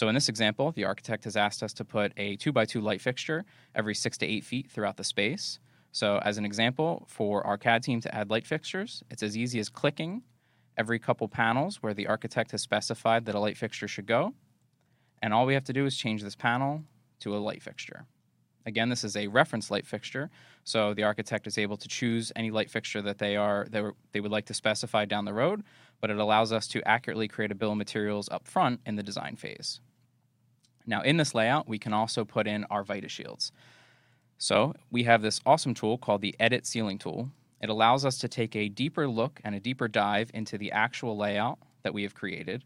In this example, the architect has asked us to put a 2-by-2 light fixture every 6-8 feet throughout the space. As an example, for our CAD team to add light fixtures, it's as easy as clicking every couple panels where the architect has specified that a light fixture should go, and all we have to do is change this panel to a light fixture. This is a reference light fixture, so the architect is able to choose any light fixture that they would like to specify down the road, but it allows us to accurately create a bill of materials up front in the design phase. Now in this layout, we can also put in our VidaShields. We have this awesome tool called the edit ceiling tool. It allows us to take a deeper look and a deeper dive into the actual layout that we have created.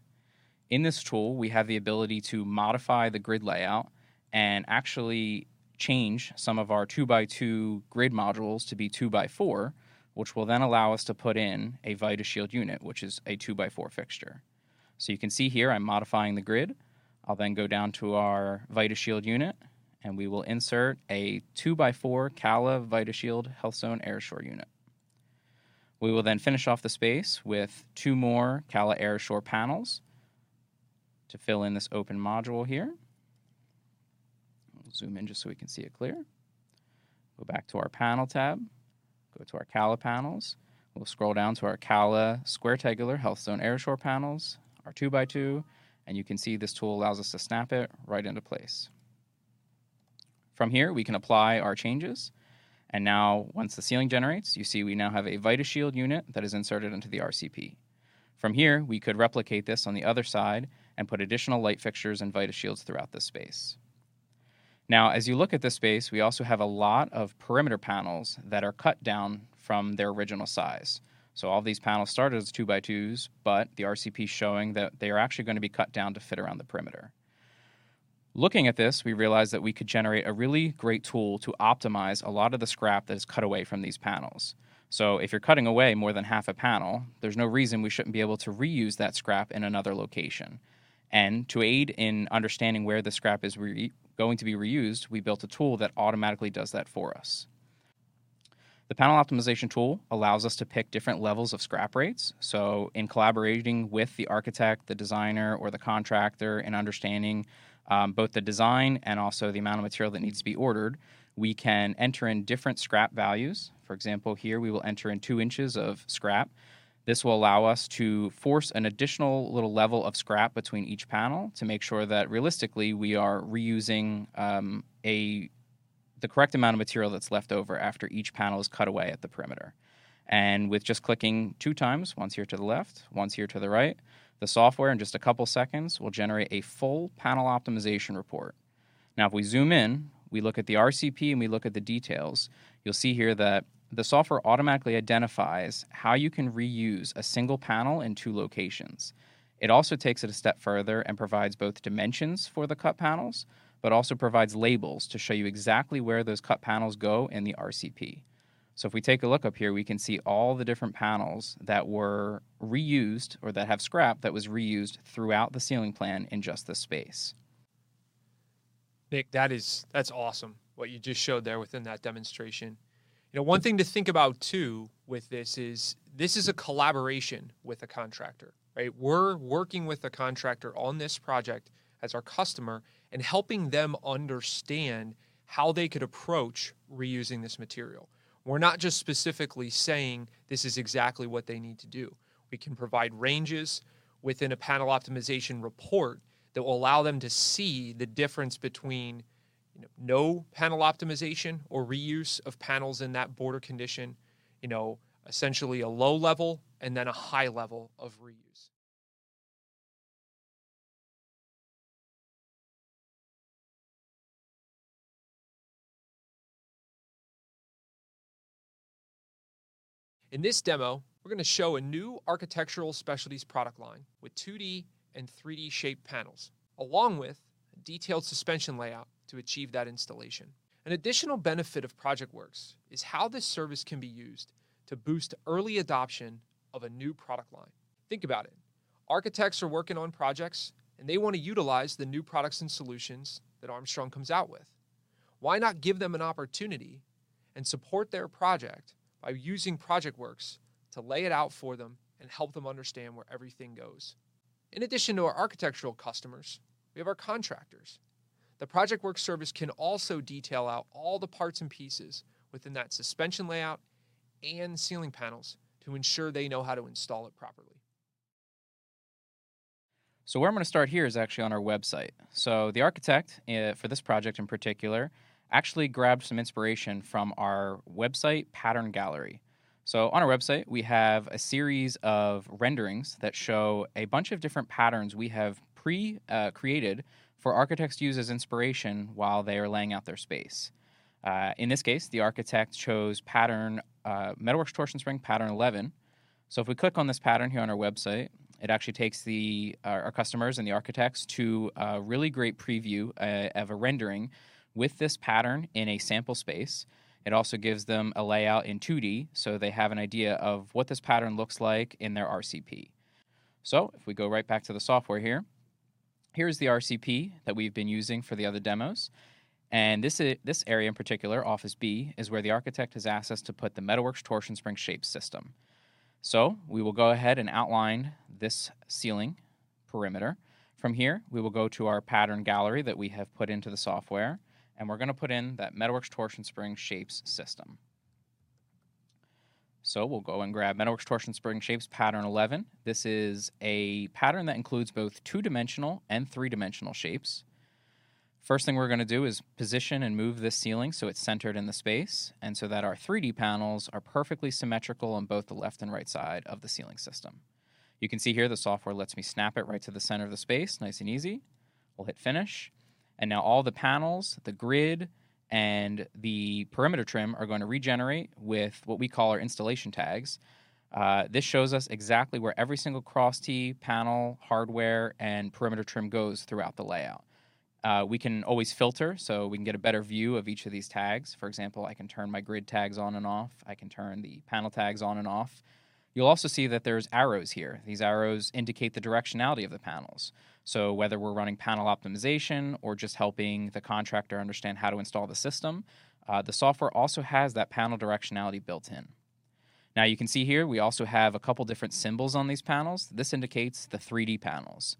In this tool, we have the ability to modify the grid layout and actually change some of our 2-by-2 grid modules to be 2-by-4, which will then allow us to put in a VidaShield unit, which is a 2-by-4 fixture. You can see here, I'm modifying the grid. I'll then go down to our VidaShield unit, and we will insert a 2x4 CALLA VidaShield Health Zone AirAssure unit. We will then finish off the space with two more CALLA AirAssure panels to fill in this open module here. We'll zoom in just so we can see it clearly. Go back to our panel tab, go to our CALLA panels. We'll scroll down to our CALLA square tegular Health Zone AirAssure panels, our 2x2, and you can see this tool allows us to snap it right into place. From here, we can apply our changes, and now once the ceiling generates, you see we now have a VidaShield unit that is inserted into the RCP. From here, we could replicate this on the other side and put additional light fixtures and VidaShields throughout the space. As you look at this space, we also have a lot of perimeter panels that are cut down from their original size. All of these panels started as 2-by-2s, but the RCP is showing that they are actually gonna be cut down to fit around the perimeter. Looking at this, we realized that we could generate a really great tool to optimize a lot of the scrap that is cut away from these panels. If you're cutting away more than half a panel, there's no reason we shouldn't be able to reuse that scrap in another location. To aid in understanding where the scrap is going to be reused, we built a tool that automatically does that for us. The panel optimization tool allows us to pick different levels of scrap rates. In collaborating with the architect, the designer, or the contractor in understanding both the design and also the amount of material that needs to be ordered, we can enter in different scrap values. For example, here we will enter in 2 inches of scrap. This will allow us to force an additional little level of scrap between each panel to make sure that realistically we are reusing the correct amount of material that's left over after each panel is cut away at the perimeter. With just clicking 2 times, once here to the left, once here to the right, the software in just a couple seconds will generate a full panel optimization report. Now if we zoom in, we look at the RCP and we look at the details, you'll see here that the software automatically identifies how you can reuse a single panel in two locations. It also takes it a step further and provides both dimensions for the cut panels, but also provides labels to show you exactly where those cut panels go in the RCP. If we take a look up here, we can see all the different panels that were reused or that have scrap that was reused throughout the ceiling plan in just this space. Nick, that's awesome, what you just showed there within that demonstration. You know, one thing to think about too with this is, this is a collaboration with a contractor, right? We're working with the contractor on this project as our customer and helping them understand how they could approach reusing this material. We're not just specifically saying this is exactly what they need to do. We can provide ranges within a panel optimization report that will allow them to see the difference between no panel optimization or reuse of panels in that border condition essentially a low level and then a high level of reuse. In this demo, we're gonna show a new Architectural Specialties product line with 2D and 3D shape panels, along with detailed suspension layout to achieve that installation. An additional benefit of PROJECTWORKS is how this service can be used to boost early adoption of a new product line. Think about it. Architects are working on projects, and they wanna utilize the new products and solutions that Armstrong comes out with. Why not give them an opportunity and support their project by using PROJECTWORKS to lay it out for them and help them understand where everything goes? In addition to our architectural customers, we have our contractors. The PROJECTWORKS service can also detail out all the parts and pieces within that suspension layout and ceiling panels to ensure they know how to install it properly. Where I'm gonna start here is actually on our website. The architect for this project in particular, actually grabbed some inspiration from our website pattern gallery. On our website, we have a series of renderings that show a bunch of different patterns we have pre-created for architects to use as inspiration while they are laying out their space. In this case, the architect chose pattern MetalWorks Torsion Spring pattern 11. If we click on this pattern here on our website, it actually takes our customers and the architects to a really great preview of a rendering with this pattern in a sample space. It also gives them a layout in 2D, so they have an idea of what this pattern looks like in their RCP. If we go right back to the software here is the RCP that we've been using for the other demos, and this area in particular, office B, is where the architect has asked us to put the METALWORKS Torsion Spring pattern. We will go ahead and outline this ceiling perimeter. From here, we will go to our pattern gallery that we have put into the software, and we're gonna put in that METALWORKS Torsion Spring shapes system. We'll go and grab METALWORKS Torsion Spring shapes. This is a pattern that includes both two-dimensional and three-dimensional shapes. First thing we're gonna do is position and move this ceiling, so it's centered in the space and so that our 3D panels are perfectly symmetrical on both the left and right side of the ceiling system. You can see here the software lets me snap it right to the center of the space, nice and easy. We'll hit finish, and now all the panels, the grid, and the perimeter trim are gonna regenerate with what we call our installation tags. This shows us exactly where every single cross tee, panel, hardware, and perimeter trim goes throughout the layout. We can always filter, so we can get a better view of each of these tags. For example, I can turn my grid tags on and off. I can turn the panel tags on and off. You'll also see that there's arrows here. These arrows indicate the directionality of the panels. Whether we're running panel optimization or just helping the contractor understand how to install the system, the software also has that panel directionality built in. Now, you can see here, we also have a couple different symbols on these panels. This indicates the 3D panels.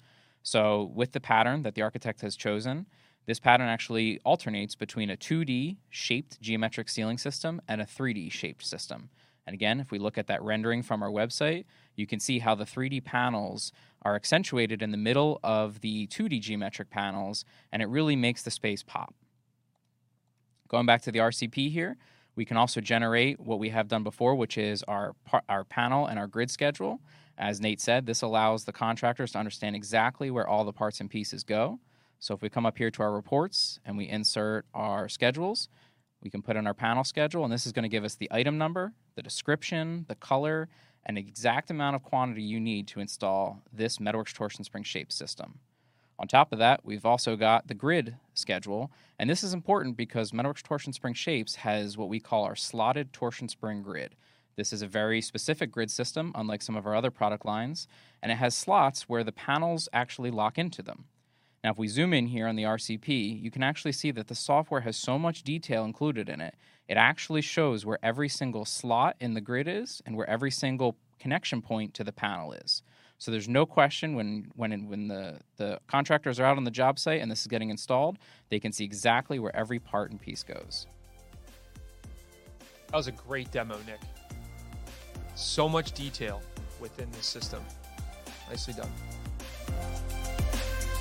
With the pattern that the architect has chosen, this pattern actually alternates between a 2D shaped geometric ceiling system and a 3D shaped system. Again, if we look at that rendering from our website, you can see how the 3D panels are accentuated in the middle of the 2D geometric panels, and it really makes the space pop. Going back to the RCP here, we can also generate what we have done before, which is our panel and our grid schedule. As Nate said, this allows the contractors to understand exactly where all the parts and pieces go. If we come up here to our reports, and we insert our schedules, we can put in our panel schedule, and this is gonna give us the item number, the description, the color, and the exact amount of quantity you need to install this METALWORKS Torsion Spring shape system. On top of that, we've also got the grid schedule, and this is important because METALWORKS Torsion Spring shapes system has what we call our slotted torsion spring grid. This is a very specific grid system, unlike some of our other product lines, and it has slots where the panels actually lock into them. Now if we zoom in here on the RCP, you can actually see that the software has so much detail included in it. It actually shows where every single slot in the grid is and where every single connection point to the panel is. There's no question when the contractors are out on the job site, and this is getting installed, they can see exactly where every part and piece goes. That was a great demo, Nick. So much detail within the system. Nicely done.